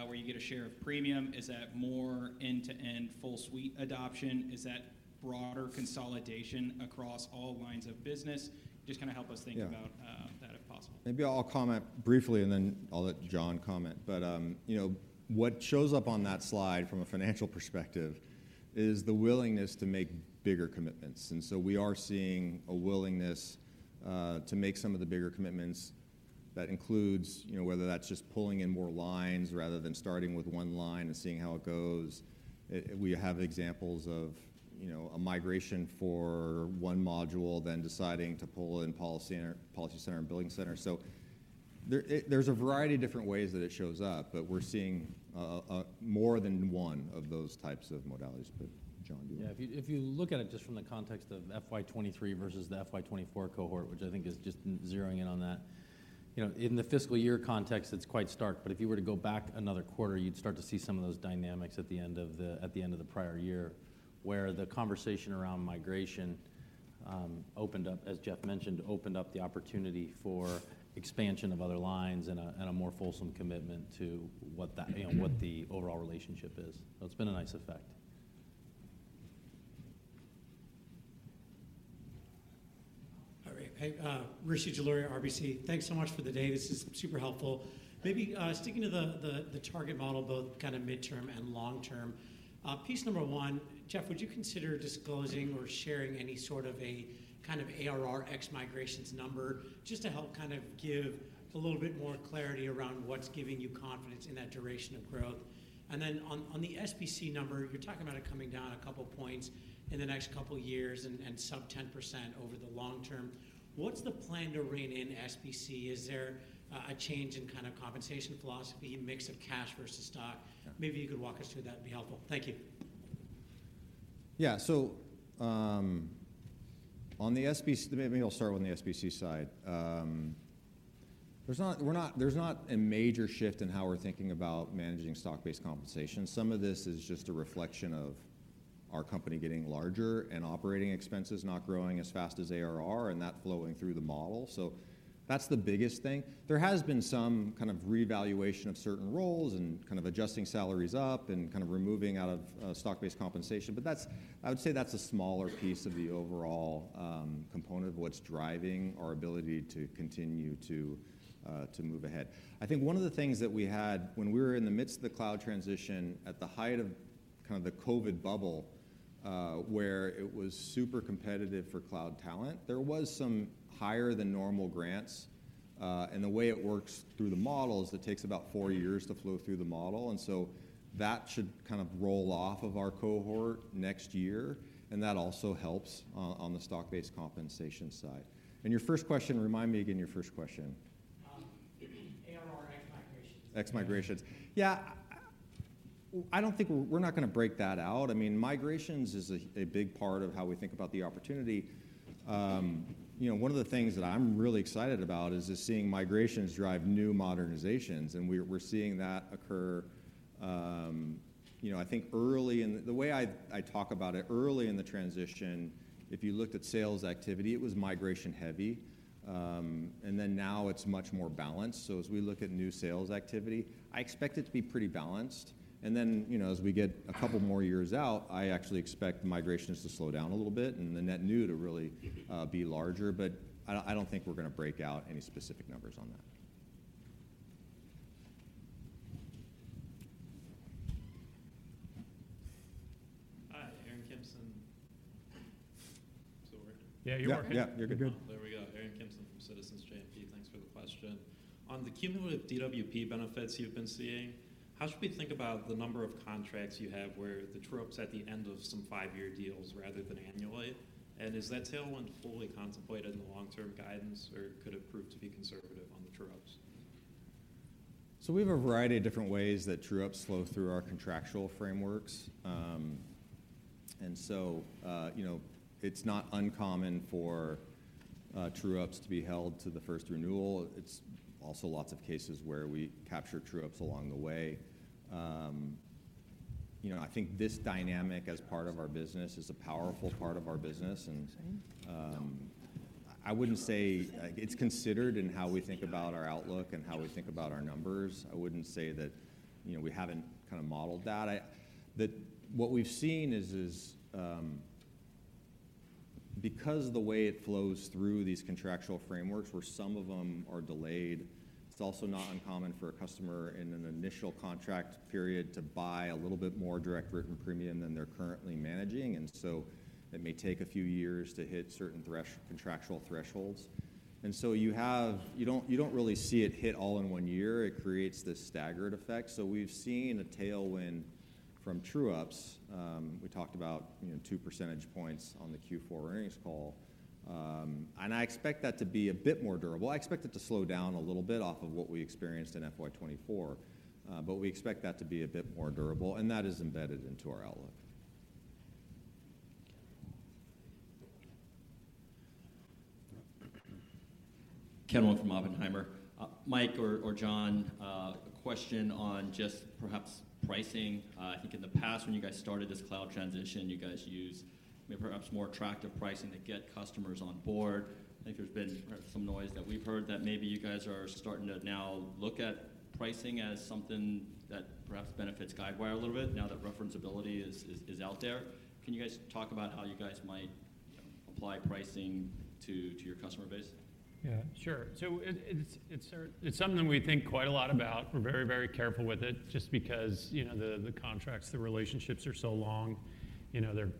where you get a share of premium? Is that more end-to-end full suite adoption? Is that broader consolidation across all lines of business? Just kind of help us think about that if possible. Maybe I'll comment briefly and then I'll let John comment. But what shows up on that slide from a financial perspective is the willingness to make bigger commitments. And so we are seeing a willingness to make some of the bigger commitments that includes whether that's just pulling in more lines rather than starting with one line and seeing how it goes. We have examples of a migration for one module, then deciding to pull in PolicyCenter and BillingCenter. So there's a variety of different ways that it shows up. But we're seeing more than one of those types of modalities. But John, do you want to? Yeah. If you look at it just from the context of FY 2023 versus the FY 2024 cohort, which I think is just zeroing in on that, in the fiscal year context, it's quite stark. But if you were to go back another quarter, you'd start to see some of those dynamics at the end of the prior year where the conversation around migration, as Jeff mentioned, opened up the opportunity for expansion of other lines and a more fulsome commitment to what the overall relationship is. So it's been a nice effect. All right. Hey, Rishi Jaluria, RBC. Thanks so much for the day. This is super helpful. Maybe sticking to the target model, both kind of mid-term and long-term, piece number one, Jeff, would you consider disclosing or sharing any sort of a kind of ARR ex migrations number just to help kind of give a little bit more clarity around what's giving you confidence in that duration of growth? And then on the SBC number, you're talking about it coming down a couple of points in the next couple of years and sub 10% over the long term. What's the plan to rein in SBC? Is there a change in kind of compensation philosophy, mix of cash versus stock? Maybe you could walk us through that. That'd be helpful. Thank you. Yeah. So maybe I'll start with the SBC side. There's not a major shift in how we're thinking about managing stock-based compensation. Some of this is just a reflection of our company getting larger and operating expenses not growing as fast as ARR and that flowing through the model. So that's the biggest thing. There has been some kind of reevaluation of certain roles and kind of adjusting salaries up and kind of removing out of stock-based compensation. But I would say that's a smaller piece of the overall component of what's driving our ability to continue to move ahead. I think one of the things that we had when we were in the midst of the cloud transition at the height of kind of the COVID bubble where it was super competitive for cloud talent, there were some higher-than-normal grants. And the way it works through the model is it takes about four years to flow through the model. And so that should kind of roll off of our cohort next year. And that also helps on the stock-based compensation side. And your first question, remind me again your first question. ARR ex migrations. Ex migrations. Yeah. I don't think we're not going to break that out. I mean, migrations is a big part of how we think about the opportunity. One of the things that I'm really excited about is seeing migrations drive new modernizations, and we're seeing that occur, I think, early in the way I talk about it, early in the transition, if you looked at sales activity, it was migration-heavy, and then now it's much more balanced, so as we look at new sales activity, I expect it to be pretty balanced, and then as we get a couple more years out, I actually expect migrations to slow down a little bit and the net new to really be larger. But I don't think we're going to break out any specific numbers on that. Hi, Aaron Kimson. Yeah, you're good. Yeah, you're good. There we go. Aaron Kimson from Citizens JMP. Thanks for the question. On the cumulative DWP benefits you've been seeing, how should we think about the number of contracts you have where the true up's at the end of some five-year deals rather than annually? And is that tailwind fully contemplated in the long-term guidance or could it prove to be conservative on the true-ups? So we have a variety of different ways that true-ups flow through our contractual frameworks. And so it's not uncommon for true-ups to be held to the first renewal. It's also lots of cases where we capture true-ups along the way. I think this dynamic as part of our business is a powerful part of our business. And I wouldn't say it's considered in how we think about our outlook and how we think about our numbers. I wouldn't say that we haven't kind of modeled that. What we've seen is because of the way it flows through these contractual frameworks, where some of them are delayed, it's also not uncommon for a customer in an initial contract period to buy a little bit more direct written premium than they're currently managing. And so it may take a few years to hit certain contractual thresholds. And so you don't really see it hit all in one year. It creates this staggered effect. So we've seen a tailwind from true-ups. We talked about two percentage points on the Q4 earnings call. And I expect that to be a bit more durable. I expect it to slow down a little bit off of what we experienced in FY 2024. But we expect that to be a bit more durable. And that is embedded into our outlook. Ken Wong from Oppenheimer. Mike or John, a question on just perhaps pricing. I think in the past, when you guys started this cloud transition, you guys used perhaps more attractive pricing to get customers on board. I think there's been some noise that we've heard that maybe you guys are starting to now look at pricing as something that perhaps benefits Guidewire a little bit now that referenceability is out there. Can you guys talk about how you guys might apply pricing to your customer base? Yeah. Sure. So it's something we think quite a lot about. We're very, very careful with it just because the contracts, the relationships are so long. They're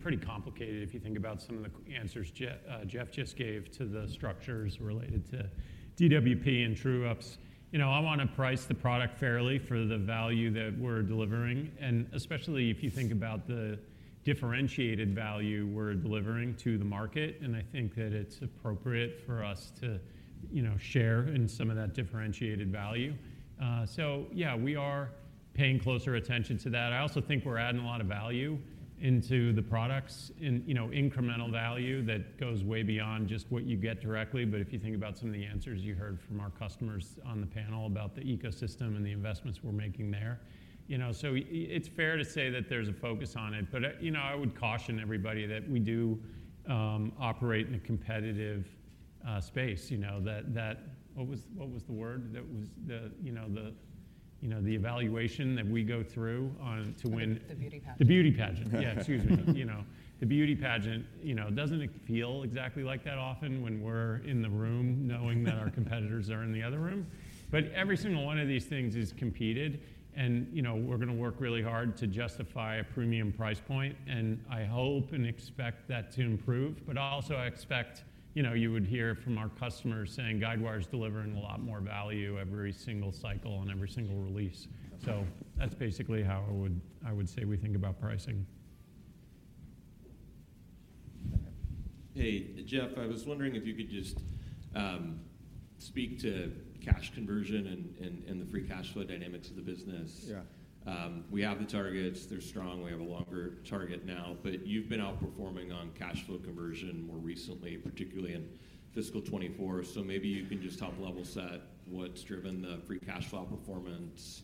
pretty complicated if you think about some of the answers Jeff just gave to the structures related to DWP and true-ups. I want to price the product fairly for the value that we're delivering, and especially if you think about the differentiated value we're delivering to the market. I think that it's appropriate for us to share in some of that differentiated value. So yeah, we are paying closer attention to that. I also think we're adding a lot of value into the products and incremental value that goes way beyond just what you get directly. But if you think about some of the answers you heard from our customers on the panel about the ecosystem and the investments we're making there, so it's fair to say that there's a focus on it. But I would caution everybody that we do operate in a competitive space. What was the word that was the evaluation that we go through to win? The beauty pageant. The beauty pageant. Yeah, excuse me. The beauty pageant. It doesn't feel exactly like that often when we're in the room knowing that our competitors are in the other room. But every single one of these things is competed. And we're going to work really hard to justify a premium price point. And I hope and expect that to improve. But also, I expect you would hear from our customers saying Guidewire is delivering a lot more value every single cycle and every single release. So that's basically how I would say we think about pricing. Hey, Jeff, I was wondering if you could just speak to cash conversion and the free cash flow dynamics of the business. We have the targets. They're strong. We have a longer target now. But you've been outperforming on cash flow conversion more recently, particularly in fiscal 2024. So maybe you can just top-level set what's driven the free cash flow outperformance.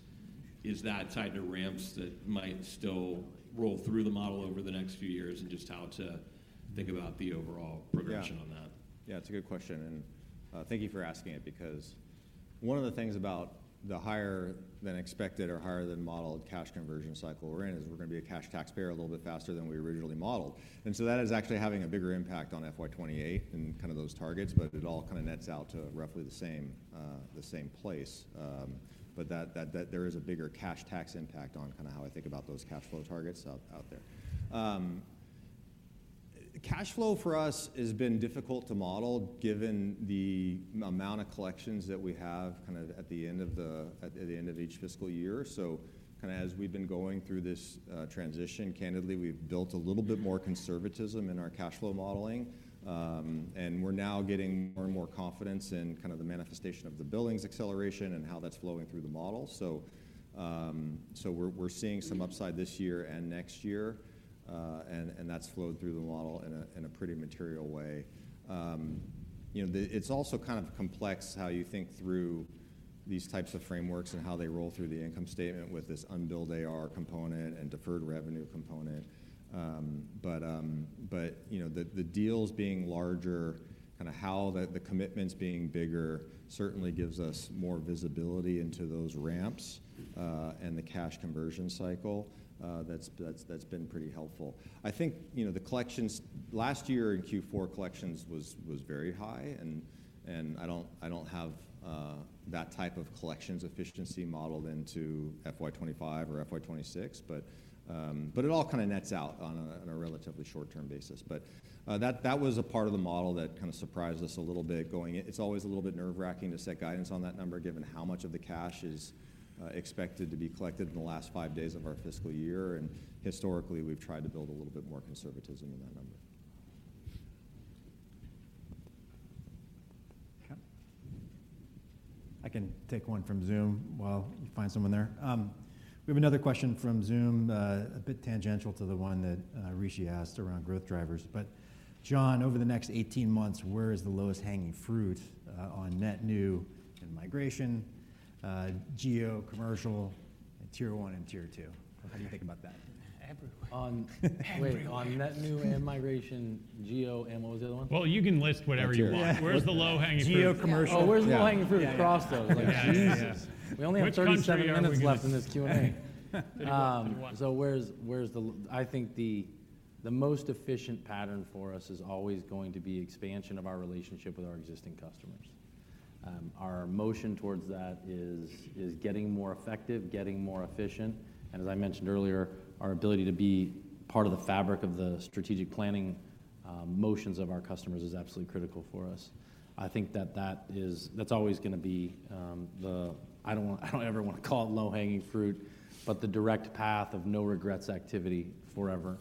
Is that tied to ramps that might still roll through the model over the next few years and just how to think about the overall progression on that? Yeah. It's a good question. And thank you for asking it because one of the things about the higher-than-expected or higher-than-modeled cash conversion cycle we're in is we're going to be a cash taxpayer a little bit faster than we originally modeled. And so that is actually having a bigger impact on FY 2028 and kind of those targets. But it all kind of nets out to roughly the same place. But there is a bigger cash tax impact on kind of how I think about those cash flow targets out there. Cash flow for us has been difficult to model given the amount of collections that we have kind of at the end of each fiscal year. So kind of as we've been going through this transition, candidly, we've built a little bit more conservatism in our cash flow modeling. And we're now getting more and more confidence in kind of the manifestation of the billings acceleration and how that's flowing through the model. So we're seeing some upside this year and next year. And that's flowed through the model in a pretty material way. It's also kind of complex how you think through these types of frameworks and how they roll through the income statement with this unbilled ARR component and deferred revenue component. But the deals being larger, kind of how the commitments being bigger certainly gives us more visibility into those ramps and the cash conversion cycle. That's been pretty helpful. I think the collections last year in Q4 collections was very high. And I don't have that type of collections efficiency modeled into FY 2025 or FY 2026. But it all kind of nets out on a relatively short-term basis. But that was a part of the model that kind of surprised us a little bit going in. It's always a little bit nerve-wracking to set guidance on that number given how much of the cash is expected to be collected in the last five days of our fiscal year. And historically, we've tried to build a little bit more conservatism in that number. I can take one from Zoom while you find someone there. We have another question from Zoom, a bit tangential to the one that Rishi asked around growth drivers. But John, over the next 18 months, where is the lowest hanging fruit on net new and migration, geo, commercial, and Tier 1 and Tier 2? How do you think about that? Wait, on net new and migration, geo, and what was the other one? Well, you can list whatever you want. Where's the low hanging fruit? Geo, commercial. Oh, where's the low hanging fruit across those? Jesus. We only have 37 minutes left in this Q&A. So I think the most efficient pattern for us is always going to be expansion of our relationship with our existing customers. Our motion towards that is getting more effective, getting more efficient, and as I mentioned earlier, our ability to be part of the fabric of the strategic planning motions of our customers is absolutely critical for us. I think that that's always going to be the—I don't ever want to call it low hanging fruit—but the direct path of no regrets activity forever.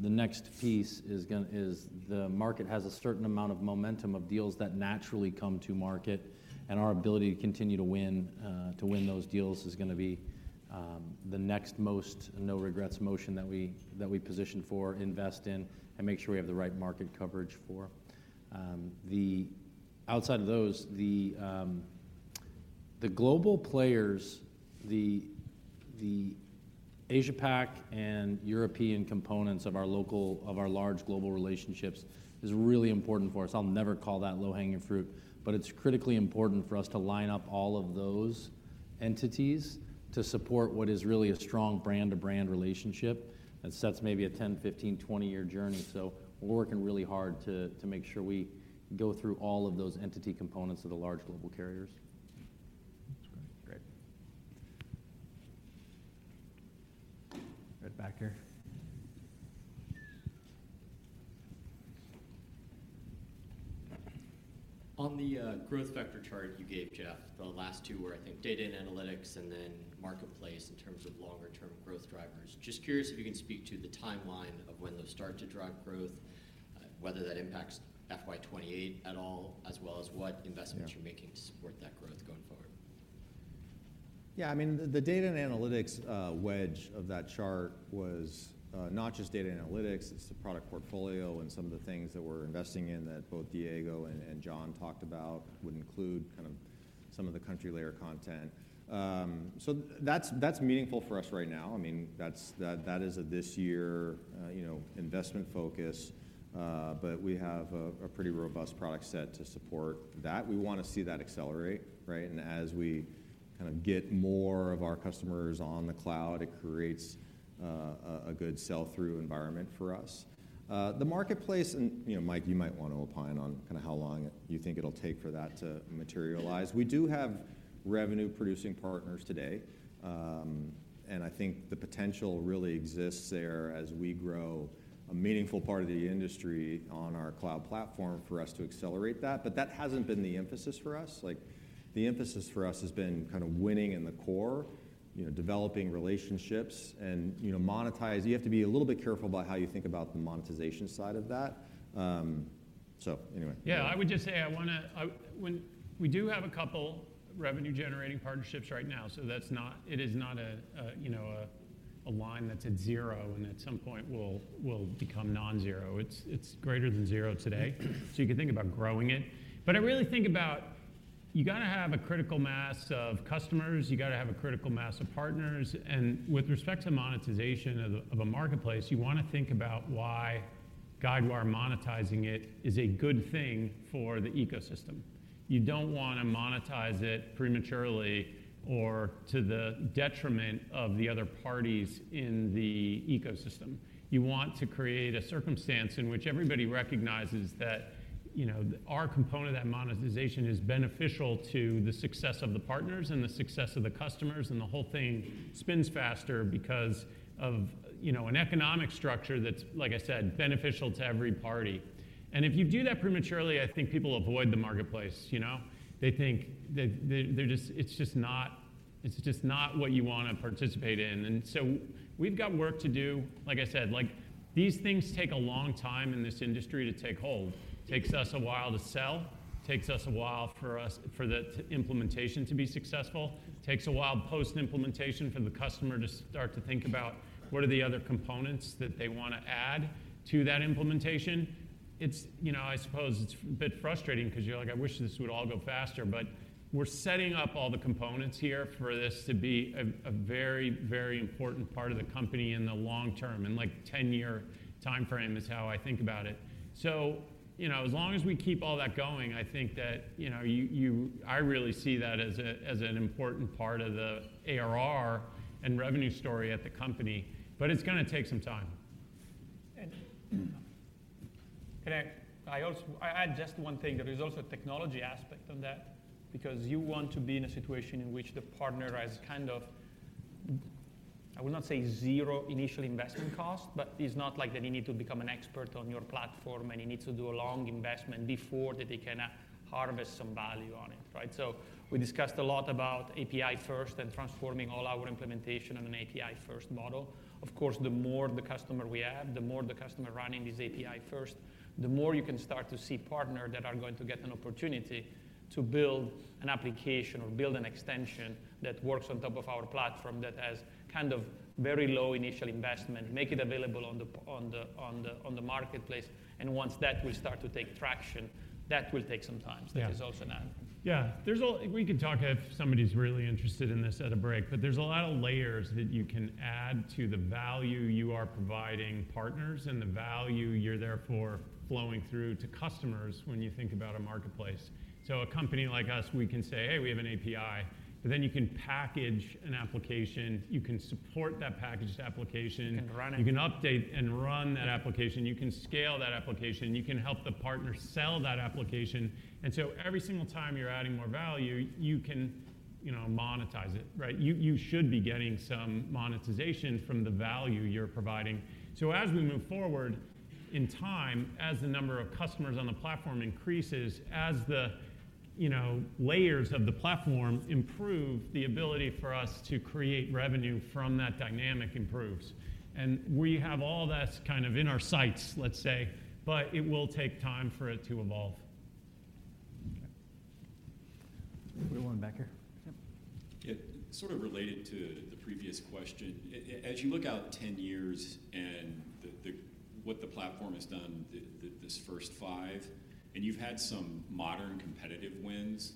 The next piece is the market has a certain amount of momentum of deals that naturally come to market. And our ability to continue to win those deals is going to be the next most no regrets motion that we position for, invest in, and make sure we have the right market coverage for. Outside of those, the global players, the Asia-Pac and European components of our large global relationships is really important for us. I'll never call that low hanging fruit. But it's critically important for us to line up all of those entities to support what is really a strong brand-to-brand relationship that sets maybe a 10, 15, 20-year journey. So we're working really hard to make sure we go through all of those entity components of the large global carriers. Great. Right back here. On the growth factor chart you gave, Jeff, the last two were, I think, data and analytics and then marketplace in terms of longer-term growth drivers. Just curious if you can speak to the timeline of when those start to drive growth, whether that impacts FY 2028 at all, as well as what investments you're making to support that growth going forward. Yeah. I mean, the data and analytics wedge of that chart was not just data and analytics. It's the product portfolio and some of the things that we're investing in that both Diego and John talked about would include kind of some of the country-layer content. So that's meaningful for us right now. I mean, that is a this-year investment focus. But we have a pretty robust product set to support that. We want to see that accelerate, right? And as we kind of get more of our customers on the cloud, it creates a good sell-through environment for us. The marketplace, and Mike, you might want to opine on kind of how long you think it'll take for that to materialize. We do have revenue-producing partners today. And I think the potential really exists there as we grow a meaningful part of the industry on our cloud platform for us to accelerate that. But that hasn't been the emphasis for us. The emphasis for us has been kind of winning in the core, developing relationships and monetize. You have to be a little bit careful about how you think about the monetization side of that. So anyway. We do have a couple revenue-generating partnerships right now. So it is not a line that's at zero and at some point will become non-zero. It's greater than zero today. So you can think about growing it. But I really think about you got to have a critical mass of customers. You got to have a critical mass of partners. And with respect to monetization of a marketplace, you want to think about why Guidewire monetizing it is a good thing for the ecosystem. You don't want to monetize it prematurely or to the detriment of the other parties in the ecosystem. You want to create a circumstance in which everybody recognizes that our component of that monetization is beneficial to the success of the partners and the success of the customers. And the whole thing spins faster because of an economic structure that's, like I said, beneficial to every party. And if you do that prematurely, I think people avoid the marketplace. They think it's just not what you want to participate in. And so we've got work to do. Like I said, these things take a long time in this industry to take hold. It takes us a while to sell. It takes us a while for the implementation to be successful. It takes a while post-implementation for the customer to start to think about what are the other components that they want to add to that implementation. I suppose it's a bit frustrating because you're like, "I wish this would all go faster." But we're setting up all the components here for this to be a very, very important part of the company in the long term. And like 10-year timeframe is how I think about it. So as long as we keep all that going, I think that I really see that as an important part of the ARR and revenue story at the company. But it's going to take some time. Can I add just one thing? There is also a technology aspect on that because you want to be in a situation in which the partner has kind of, I will not say zero initial investment cost, but it's not like that he needs to become an expert on your platform and he needs to do a long investment before that he can harvest some value on it, right? So we discussed a lot about API-first and transforming all our implementation on an API-first model. Of course, the more the customer we have, the more the customer running this API-first, the more you can start to see partners that are going to get an opportunity to build an application or build an extension that works on top of our platform that has kind of very low initial investment, make it available on the marketplace. And once that will start to take traction, that will take some time. So that is also an add. Yeah. We could talk if somebody's really interested in this at a break. But there's a lot of layers that you can add to the value you are providing partners and the value you're therefore flowing through to customers when you think about a marketplace. So a company like us, we can say, "Hey, we have an API." But then you can package an application. You can support that packaged application. You can update and run that application. You can scale that application. You can help the partner sell that application. And so every single time you're adding more value, you can monetize it, right? You should be getting some monetization from the value you're providing. So as we move forward in time, as the number of customers on the platform increases, as the layers of the platform improve, the ability for us to create revenue from that dynamic improves. And we have all this kind of in our sights, let's say. But it will take time for it to evolve. We have one back here. Yep. Sort of related to the previous question. As you look out 10 years and what the platform has done this first five, and you've had some modern competitive wins,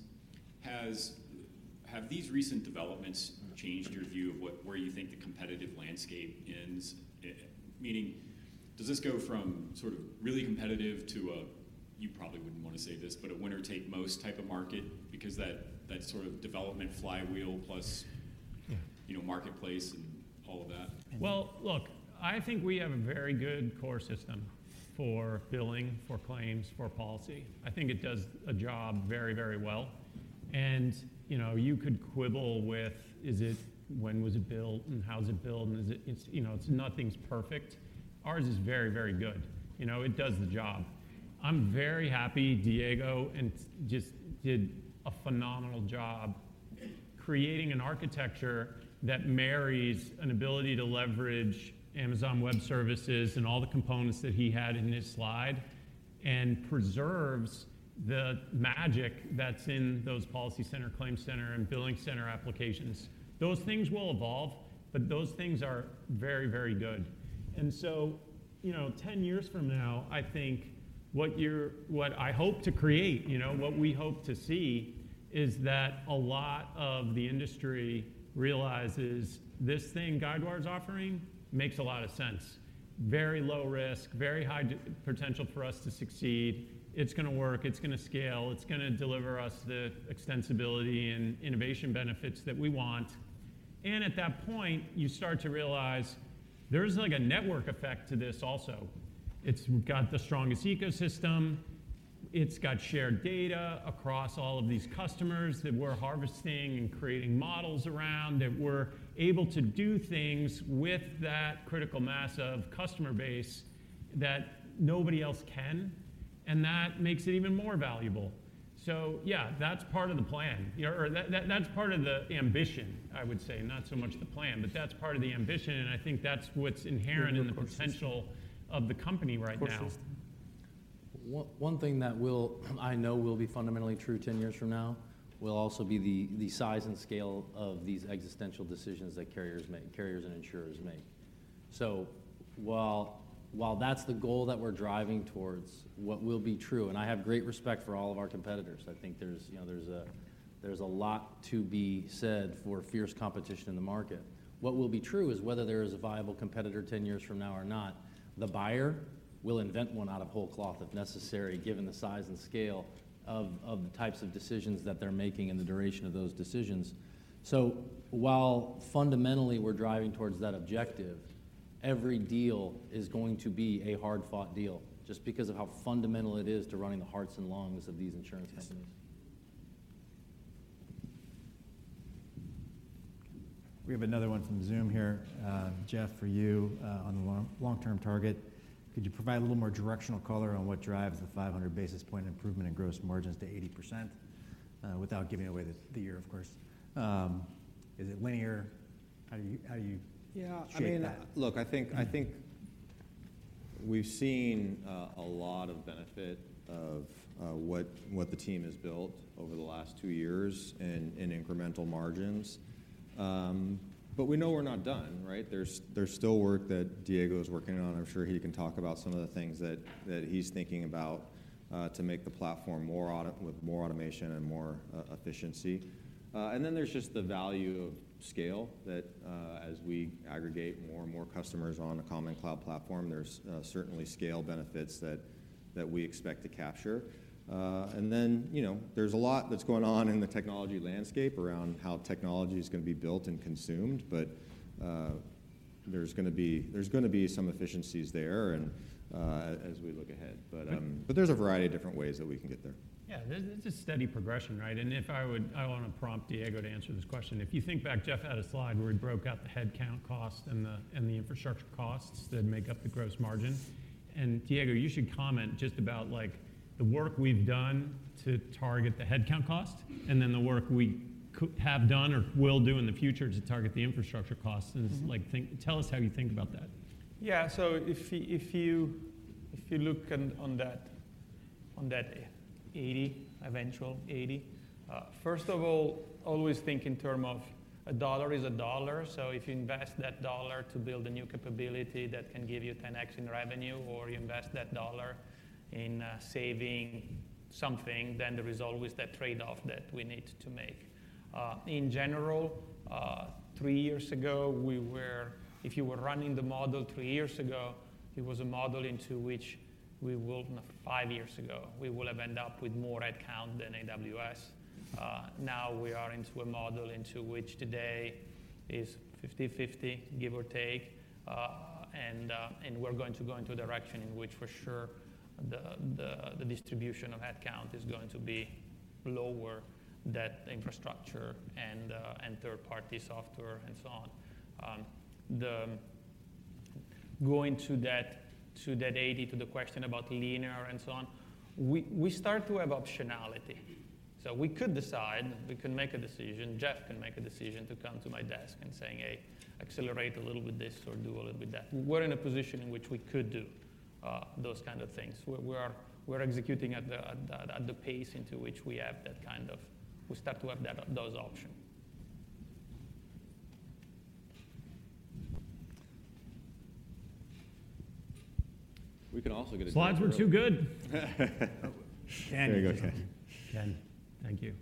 have these recent developments changed your view of where you think the competitive landscape ends? Meaning, does this go from sort of really competitive to a, you probably wouldn't want to say this, but a winner-take-most type of market because that sort of development flywheel plus marketplace and all of that? Well, look, I think we have a very good core system for billing, for claims, for policy. I think it does a job very, very well, and you could quibble with, is it, when was it built, and how's it built, and is it, nothing's perfect. Ours is very, very good. It does the job. I'm very happy Diego just did a phenomenal job creating an architecture that marries an ability to leverage Amazon Web Services and all the components that he had in his slide and preserves the magic that's in those PolicyCenter, ClaimCenter, and BillingCenter applications. Those things will evolve, but those things are very, very good. And so, 10 years from now, I think what I hope to create, what we hope to see, is that a lot of the industry realizes this thing Guidewire's offering makes a lot of sense. Very low risk, very high potential for us to succeed. It's going to work. It's going to scale. It's going to deliver us the extensibility and innovation benefits that we want. And at that point, you start to realize there's like a network effect to this also. It's got the strongest ecosystem. It's got shared data across all of these customers that we're harvesting and creating models around that we're able to do things with that critical mass of customer base that nobody else can. And that makes it even more valuable. So yeah, that's part of the plan. That's part of the ambition, I would say, not so much the plan. But that's part of the ambition. And I think that's what's inherent in the potential of the company right now. One thing that I know will be fundamentally true 10 years from now will also be the size and scale of these existential decisions that carriers and insurers make. So while that's the goal that we're driving towards, what will be true, and I have great respect for all of our competitors. I think there's a lot to be said for fierce competition in the market. What will be true is whether there is a viable competitor 10 years from now or not. The buyer will invent one out of whole cloth if necessary, given the size and scale of the types of decisions that they're making and the duration of those decisions. So while fundamentally we're driving towards that objective, every deal is going to be a hard-fought deal just because of how fundamental it is to running the hearts and lungs of these insurance companies. We have another one from Zoom here. Jeff, for you on the long-term target, could you provide a little more directional color on what drives the 500 basis point improvement in gross margins to 80% without giving away the year, of course? Is it linear? How do you? Yeah. I mean, look, I think we've seen a lot of benefit of what the team has built over the last two years in incremental margins. But we know we're not done, right? There's still work that Diego is working on. I'm sure he can talk about some of the things that he's thinking about to make the platform with more automation and more efficiency. And then there's just the value of scale that as we aggregate more and more customers on a common cloud platform, there's certainly scale benefits that we expect to capture. And then there's a lot that's going on in the technology landscape around how technology is going to be built and consumed. But there's going to be some efficiencies there as we look ahead. But there's a variety of different ways that we can get there. Yeah. It's a steady progression, right? And if I want to prompt Diego to answer this question, if you think back, Jeff had a slide where he broke out the headcount cost and the infrastructure costs that make up the gross margin. And, Diego, you should comment just about the work we've done to target the headcount cost and then the work we have done or will do in the future to target the infrastructure costs. Tell us how you think about that. Yeah. So if you look on that 80, eventual 80, first of all, always think in terms of a dollar is a dollar. So if you invest that dollar to build a new capability that can give you 10X in revenue or you invest that dollar in saving something, then there is always that trade-off that we need to make. In general, three years ago, if you were running the model three years ago, it was a model into which we will, five years ago, we will have ended up with more headcount than AWS. Now we are into a model into which today is 50/50, give or take. We're going to go into a direction in which for sure the distribution of headcount is going to be lower, that infrastructure and third-party software and so on. Going to that 80, to the question about linear and so on, we start to have optionality. So we could decide, we can make a decision. Jeff can make a decision to come to my desk and say, "Hey, accelerate a little with this or do a little bit of that." We're in a position in which we could do those kinds of things. We're executing at the pace into which we have that kind of, we start to have those options. We can also get a slide. Slides were too good, Ken. There you go, Ken. Thank you.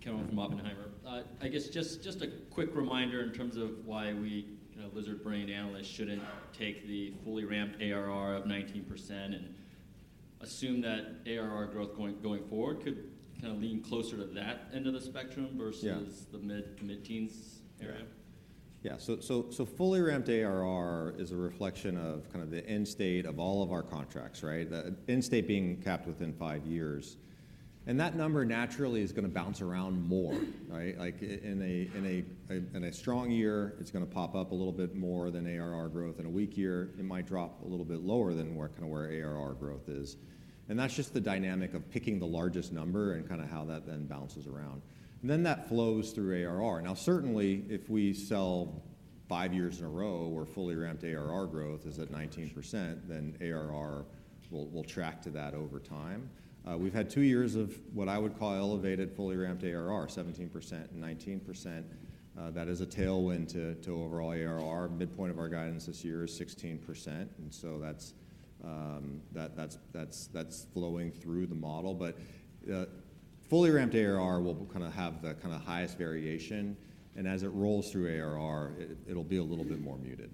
Ken Wong from Oppenheimer. I guess just a quick reminder in terms of why we lizard-brained analysts shouldn't take the fully ramped ARR of 19% and assume that ARR growth going forward could kind of lean closer to that end of the spectrum versus the mid-teens area. Yeah. So fully ramped ARR is a reflection of kind of the end state of all of our contracts, right? End state being capped within five years. And that number naturally is going to bounce around more, right? In a strong year, it's going to pop up a little bit more than ARR growth. In a weak year, it might drop a little bit lower than kind of where ARR growth is. And that's just the dynamic of picking the largest number and kind of how that then bounces around. And then that flows through ARR. Now, certainly, if we sell five years in a row where fully ramped ARR growth is at 19%, then ARR will track to that over time. We've had two years of what I would call elevated fully ramped ARR, 17% and 19%. That is a tailwind to overall ARR. Midpoint of our guidance this year is 16%. And so that's flowing through the model. But fully ramped ARR will kind of have the kind of highest variation. And as it rolls through ARR, it'll be a little bit more muted.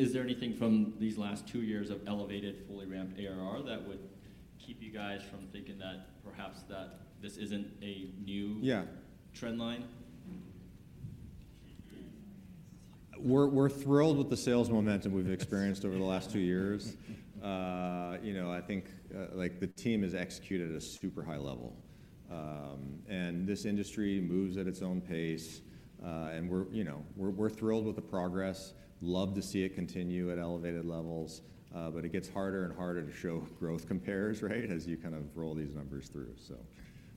I guess just a quick follow-up on that. Is there anything from these last two years that would suggest? Is there anything from these last two years of elevated fully ramped ARR that would keep you guys from thinking that perhaps this isn't a new trend line? We're thrilled with the sales momentum we've experienced over the last two years. I think the team has executed at a super high level, and this industry moves at its own pace, and we're thrilled with the progress. Love to see it continue at elevated levels, but it gets harder and harder to show growth compares, right, as you kind of roll these numbers through, so.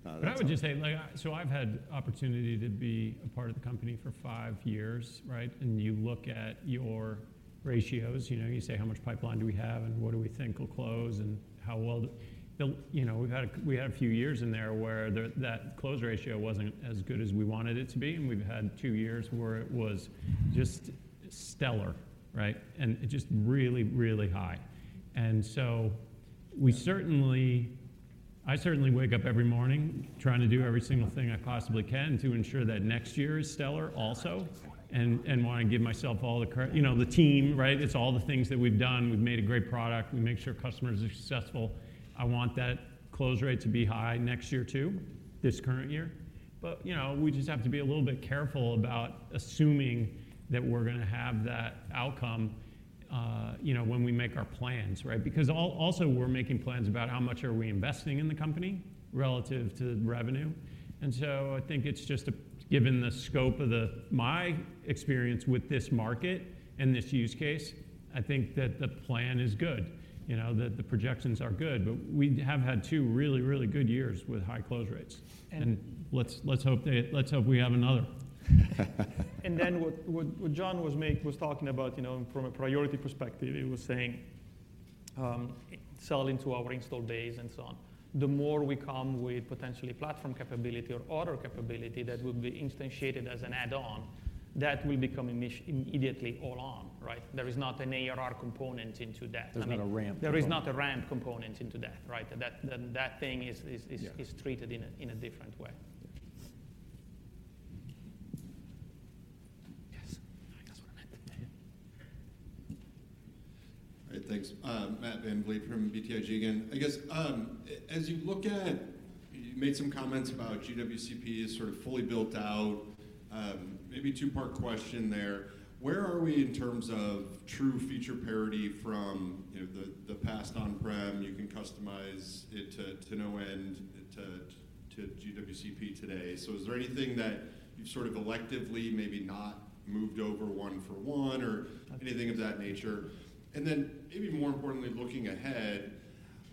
And I would just say, so I've had the opportunity to be a part of the company for five years, right? And you look at your ratios. You say, "How much pipeline do we have? And what do we think will close? And how well?" We had a few years in there where that close ratio wasn't as good as we wanted it to be, and we've had two years where it was just stellar, right, and just really, really high. I certainly wake up every morning trying to do every single thing I possibly can to ensure that next year is stellar also. I want to give myself all the team, right? It's all the things that we've done. We've made a great product. We make sure customers are successful. I want that close rate to be high next year too, this current year. But we just have to be a little bit careful about assuming that we're going to have that outcome when we make our plans, right? Because also we're making plans about how much are we investing in the company relative to revenue. I think it's just, given the scope of my experience with this market and this use case, I think that the plan is good. The projections are good. But we have had two really, really good years with high close rates. And let's hope we have another. And then what John was talking about from a priority perspective, he was saying, sell into our installed base and so on. The more we come with potentially platform capability or other capability that will be instantiated as an add-on, that will become immediately all-on, right? There is not an ARR component into that. There's not a ramp component. There is not a ramp component into that, right? That thing is treated in a different way. Yes. I got what I meant. All right. Thanks. Matt VanVliet from BTIG again. I guess as you look at, you made some comments about GWCP is sort of fully built out. Maybe two-part question there. Where are we in terms of true feature parity from the past on-prem? You can customize it to no end to GWCP today. So is there anything that you've sort of electively maybe not moved over one for one or anything of that nature? And then maybe more importantly, looking ahead,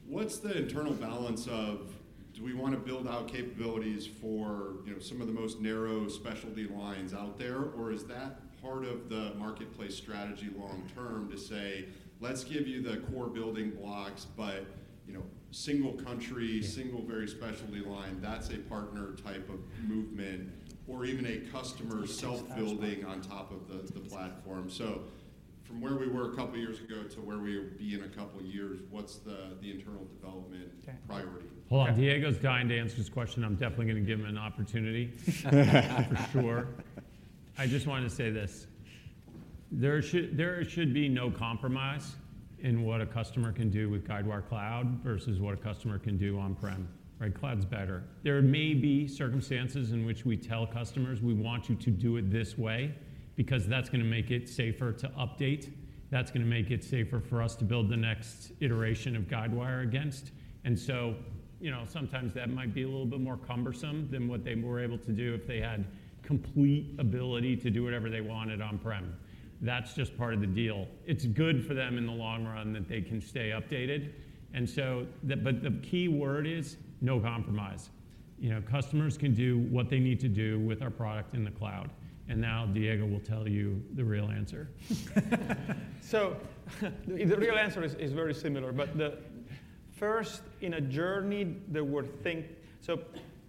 what's the internal balance of do we want to build out capabilities for some of the most narrow specialty lines out there? Or is that part of the marketplace strategy long-term to say, "Let's give you the core building blocks, but single country, single very specialty line, that's a partner type of movement," or even a customer self-building on top of the platform? So from where we were a couple of years ago to where we will be in a couple of years, what's the internal development priority? Hold on. Diego's dying to answer this question. I'm definitely going to give him an opportunity, for sure. I just wanted to say this. There should be no compromise in what a customer can do with Guidewire Cloud versus what a customer can do on-prem, right? Cloud's better. There may be circumstances in which we tell customers, "We want you to do it this way because that's going to make it safer to update. That's going to make it safer for us to build the next iteration of Guidewire against." And so sometimes that might be a little bit more cumbersome than what they were able to do if they had complete ability to do whatever they wanted on-prem. That's just part of the deal. It's good for them in the long run that they can stay updated. But the key word is no compromise. Customers can do what they need to do with our product in the cloud. And now Diego will tell you the real answer. So the real answer is very similar. But first, in a journey, there were things so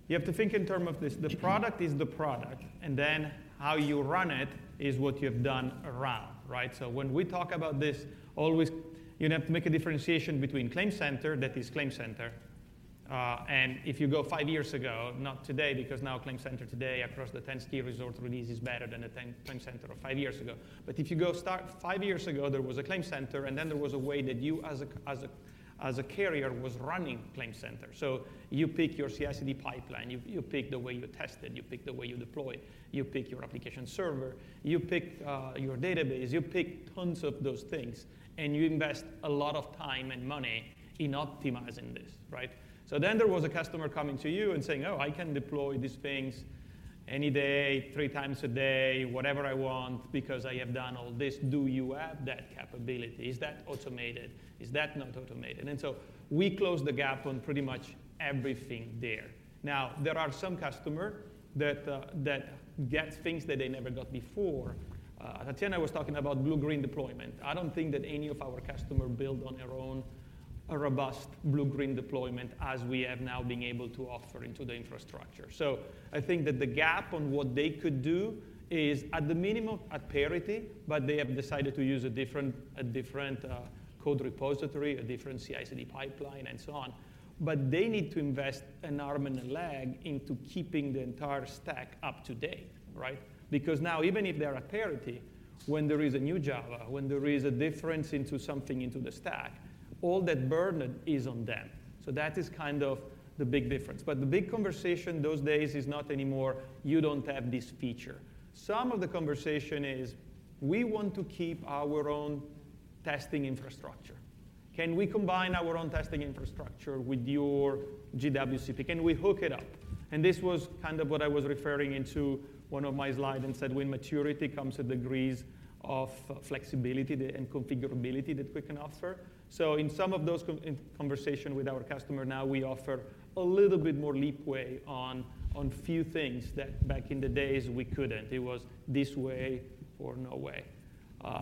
you have to think in terms of this. The product is the product. And then how you run it is what you have done around, right? So when we talk about this, always you have to make a differentiation between ClaimCenter, that is, ClaimCenter. And if you go five years ago, not today because now ClaimCenter today across the turnkey resources really is better than the ClaimCenter of five years ago. But if you go five years ago, there was a ClaimCenter. And then there was a way that you as a carrier was running ClaimCenter. So you pick your CI/CD pipeline. You pick the way you test it. You pick the way you deploy. You pick your application server. You pick your database. You pick tons of those things. And you invest a lot of time and money in optimizing this, right? So then there was a customer coming to you and saying, "Oh, I can deploy these things any day, 3x a day, whatever I want because I have done all this. Do you have that capability? Is that automated? Is that not automated?" And so we closed the gap on pretty much everything there. Now, there are some customers that get things that they never got before. Tatjana was talking about blue-green deployment. I don't think that any of our customers build on their own a robust blue-green deployment as we have now been able to offer into the infrastructure. I think that the gap on what they could do is at the minimum at parity, but they have decided to use a different code repository, a different CI/CD pipeline, and so on. But they need to invest an arm and a leg into keeping the entire stack up to date, right? Because now even if they're at parity, when there is a new Java, when there is a difference into something into the stack, all that burden is on them. So that is kind of the big difference. But the big conversation those days is not anymore, "You don't have this feature." Some of the conversation is, "We want to keep our own testing infrastructure. Can we combine our own testing infrastructure with your GWCP? Can we hook it up?" And this was kind of what I was referring to in one of my slides and said, "When maturity comes to degrees of flexibility and configurability that we can offer." So in some of those conversations with our customers now, we offer a little bit more leeway on a few things that back in the days we couldn't. It was this way or no way.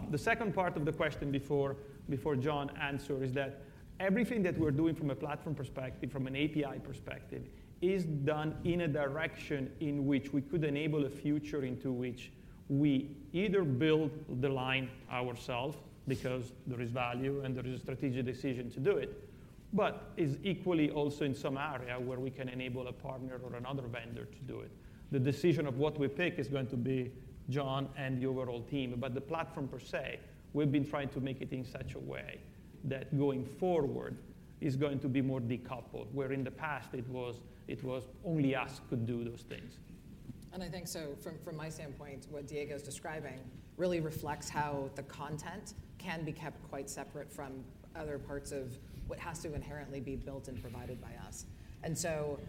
The second part of the question before John answered is that everything that we're doing from a platform perspective, from an API perspective, is done in a direction in which we could enable a future into which we either build the line ourselves because there is value and there is a strategic decision to do it, but is equally also in some area where we can enable a partner or another vendor to do it. The decision of what we pick is going to be John and the overall team. But the platform per se, we've been trying to make it in such a way that going forward is going to be more decoupled, where in the past it was only us who could do those things. And I think so from my standpoint, what Diego's describing really reflects how the content can be kept quite separate from other parts of what has to inherently be built and provided by us. And so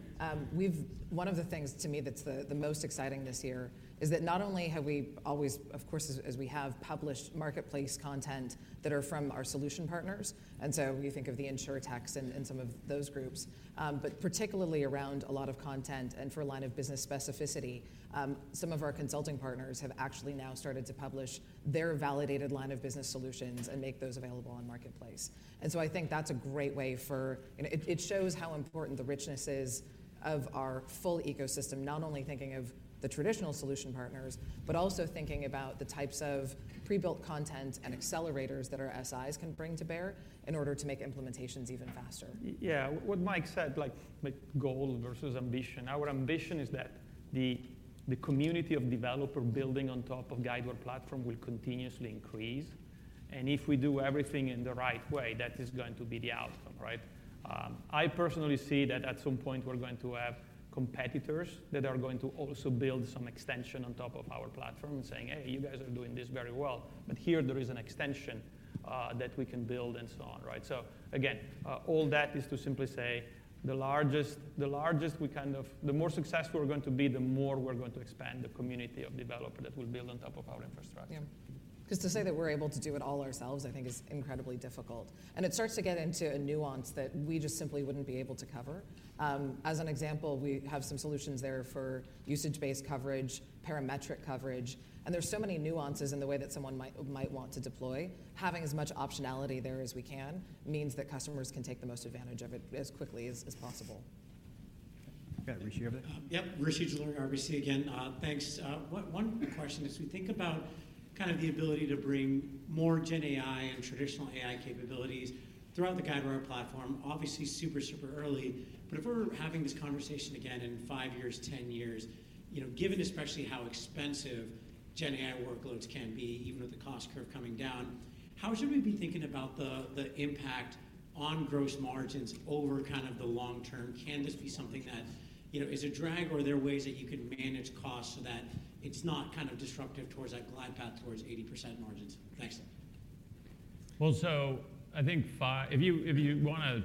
one of the things to me that's the most exciting this year is that not only have we always, of course, as we have published marketplace content that are from our solution partners. And so you think of the InsurTechs and some of those groups. But particularly around a lot of content and for a line of business specificity, some of our consulting partners have actually now started to publish their validated line of business solutions and make those available on marketplace. And so I think that's a great way for it shows how important the richness is of our full ecosystem, not only thinking of the traditional solution partners, but also thinking about the types of pre-built content and accelerators that our SIs can bring to bear in order to make implementations even faster. Yeah. What Mike said, like goal versus ambition. Our ambition is that the community of developers building on top of Guidewire platform will continuously increase. And if we do everything in the right way, that is going to be the outcome, right? I personally see that at some point we're going to have competitors that are going to also build some extension on top of our platform and saying, "Hey, you guys are doing this very well. But here there is an extension that we can build," and so on, right? So again, all that is to simply say the largest we kind of the more successful we're going to be, the more we're going to expand the community of developers that we'll build on top of our infrastructure. Just to say that we're able to do it all ourselves, I think, is incredibly difficult. And it starts to get into a nuance that we just simply wouldn't be able to cover. As an example, we have some solutions there for usage-based coverage, parametric coverage. And there's so many nuances in the way that someone might want to deploy. Having as much optionality there as we can means that customers can take the most advantage of it as quickly as possible. Yeah. Rishi over there. Yep. Rishi Jaluria, RBC again. Thanks. One quick question. As we think about kind of the ability to bring more GenAI and traditional AI capabilities throughout the Guidewire platform, obviously super, super early. But if we're having this conversation again in five years, ten years, given especially how expensive GenAI workloads can be, even with the cost curve coming down, how should we be thinking about the impact on gross margins over kind of the long term? Can this be something that is a drag, or are there ways that you can manage costs so that it's not kind of disruptive towards that glide path towards 80% margins? Thanks. Well, so I think if you want to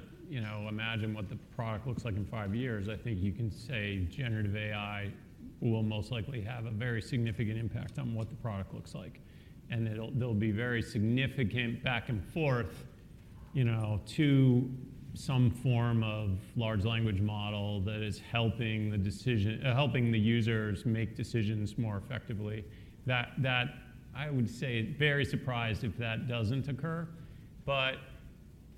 imagine what the product looks like in five years, I think you can say Generative AI will most likely have a very significant impact on what the product looks like. And there'll be very significant back and forth to some form of large language model that is helping the users make decisions more effectively. I would say very surprised if that doesn't occur.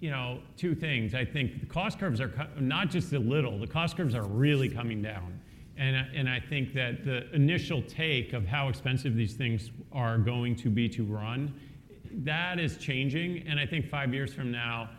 But two things. I think the cost curves are not just a little. The cost curves are really coming down. And I think that the initial take of how expensive these things are going to be to run, that is changing. And I think five years from now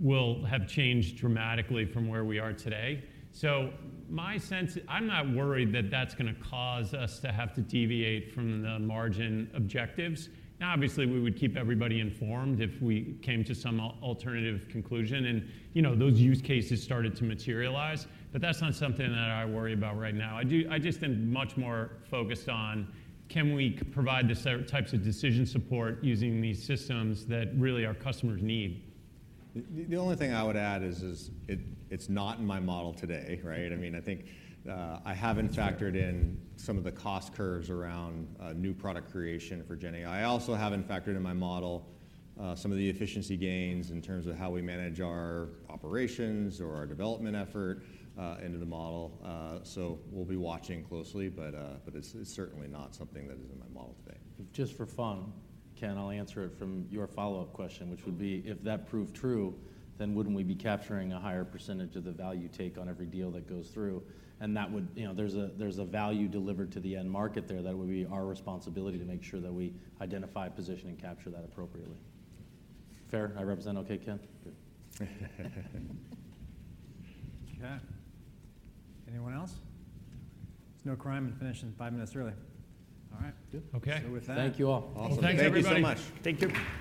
will have changed dramatically from where we are today. So I'm not worried that that's going to cause us to have to deviate from the margin objectives. Now, obviously, we would keep everybody informed if we came to some alternative conclusion. And those use cases started to materialize. But that's not something that I worry about right now. I just am much more focused on, can we provide the types of decision support using these systems that really our customers need? The only thing I would add is it's not in my model today, right? I mean, I think I haven't factored in some of the cost curves around new product creation for GenAI. I also haven't factored in my model some of the efficiency gains in terms of how we manage our operations or our development effort into the model. So we'll be watching closely. But it's certainly not something that is in my model today. Just for fun, Ken, I'll answer it from your follow-up question, which would be, if that proved true, then wouldn't we be capturing a higher percentage of the value take on every deal that goes through? And there's a value delivered to the end market there. That would be our responsibility to make sure that we identify, position, and capture that appropriately. Fair? I rest my case. OK, Ken? Good. OK. Anyone else? It's no crime to finish in five minutes early. All right. Good. OK. Thank you all. Thanks, everybody. Thank you so much. Thank you.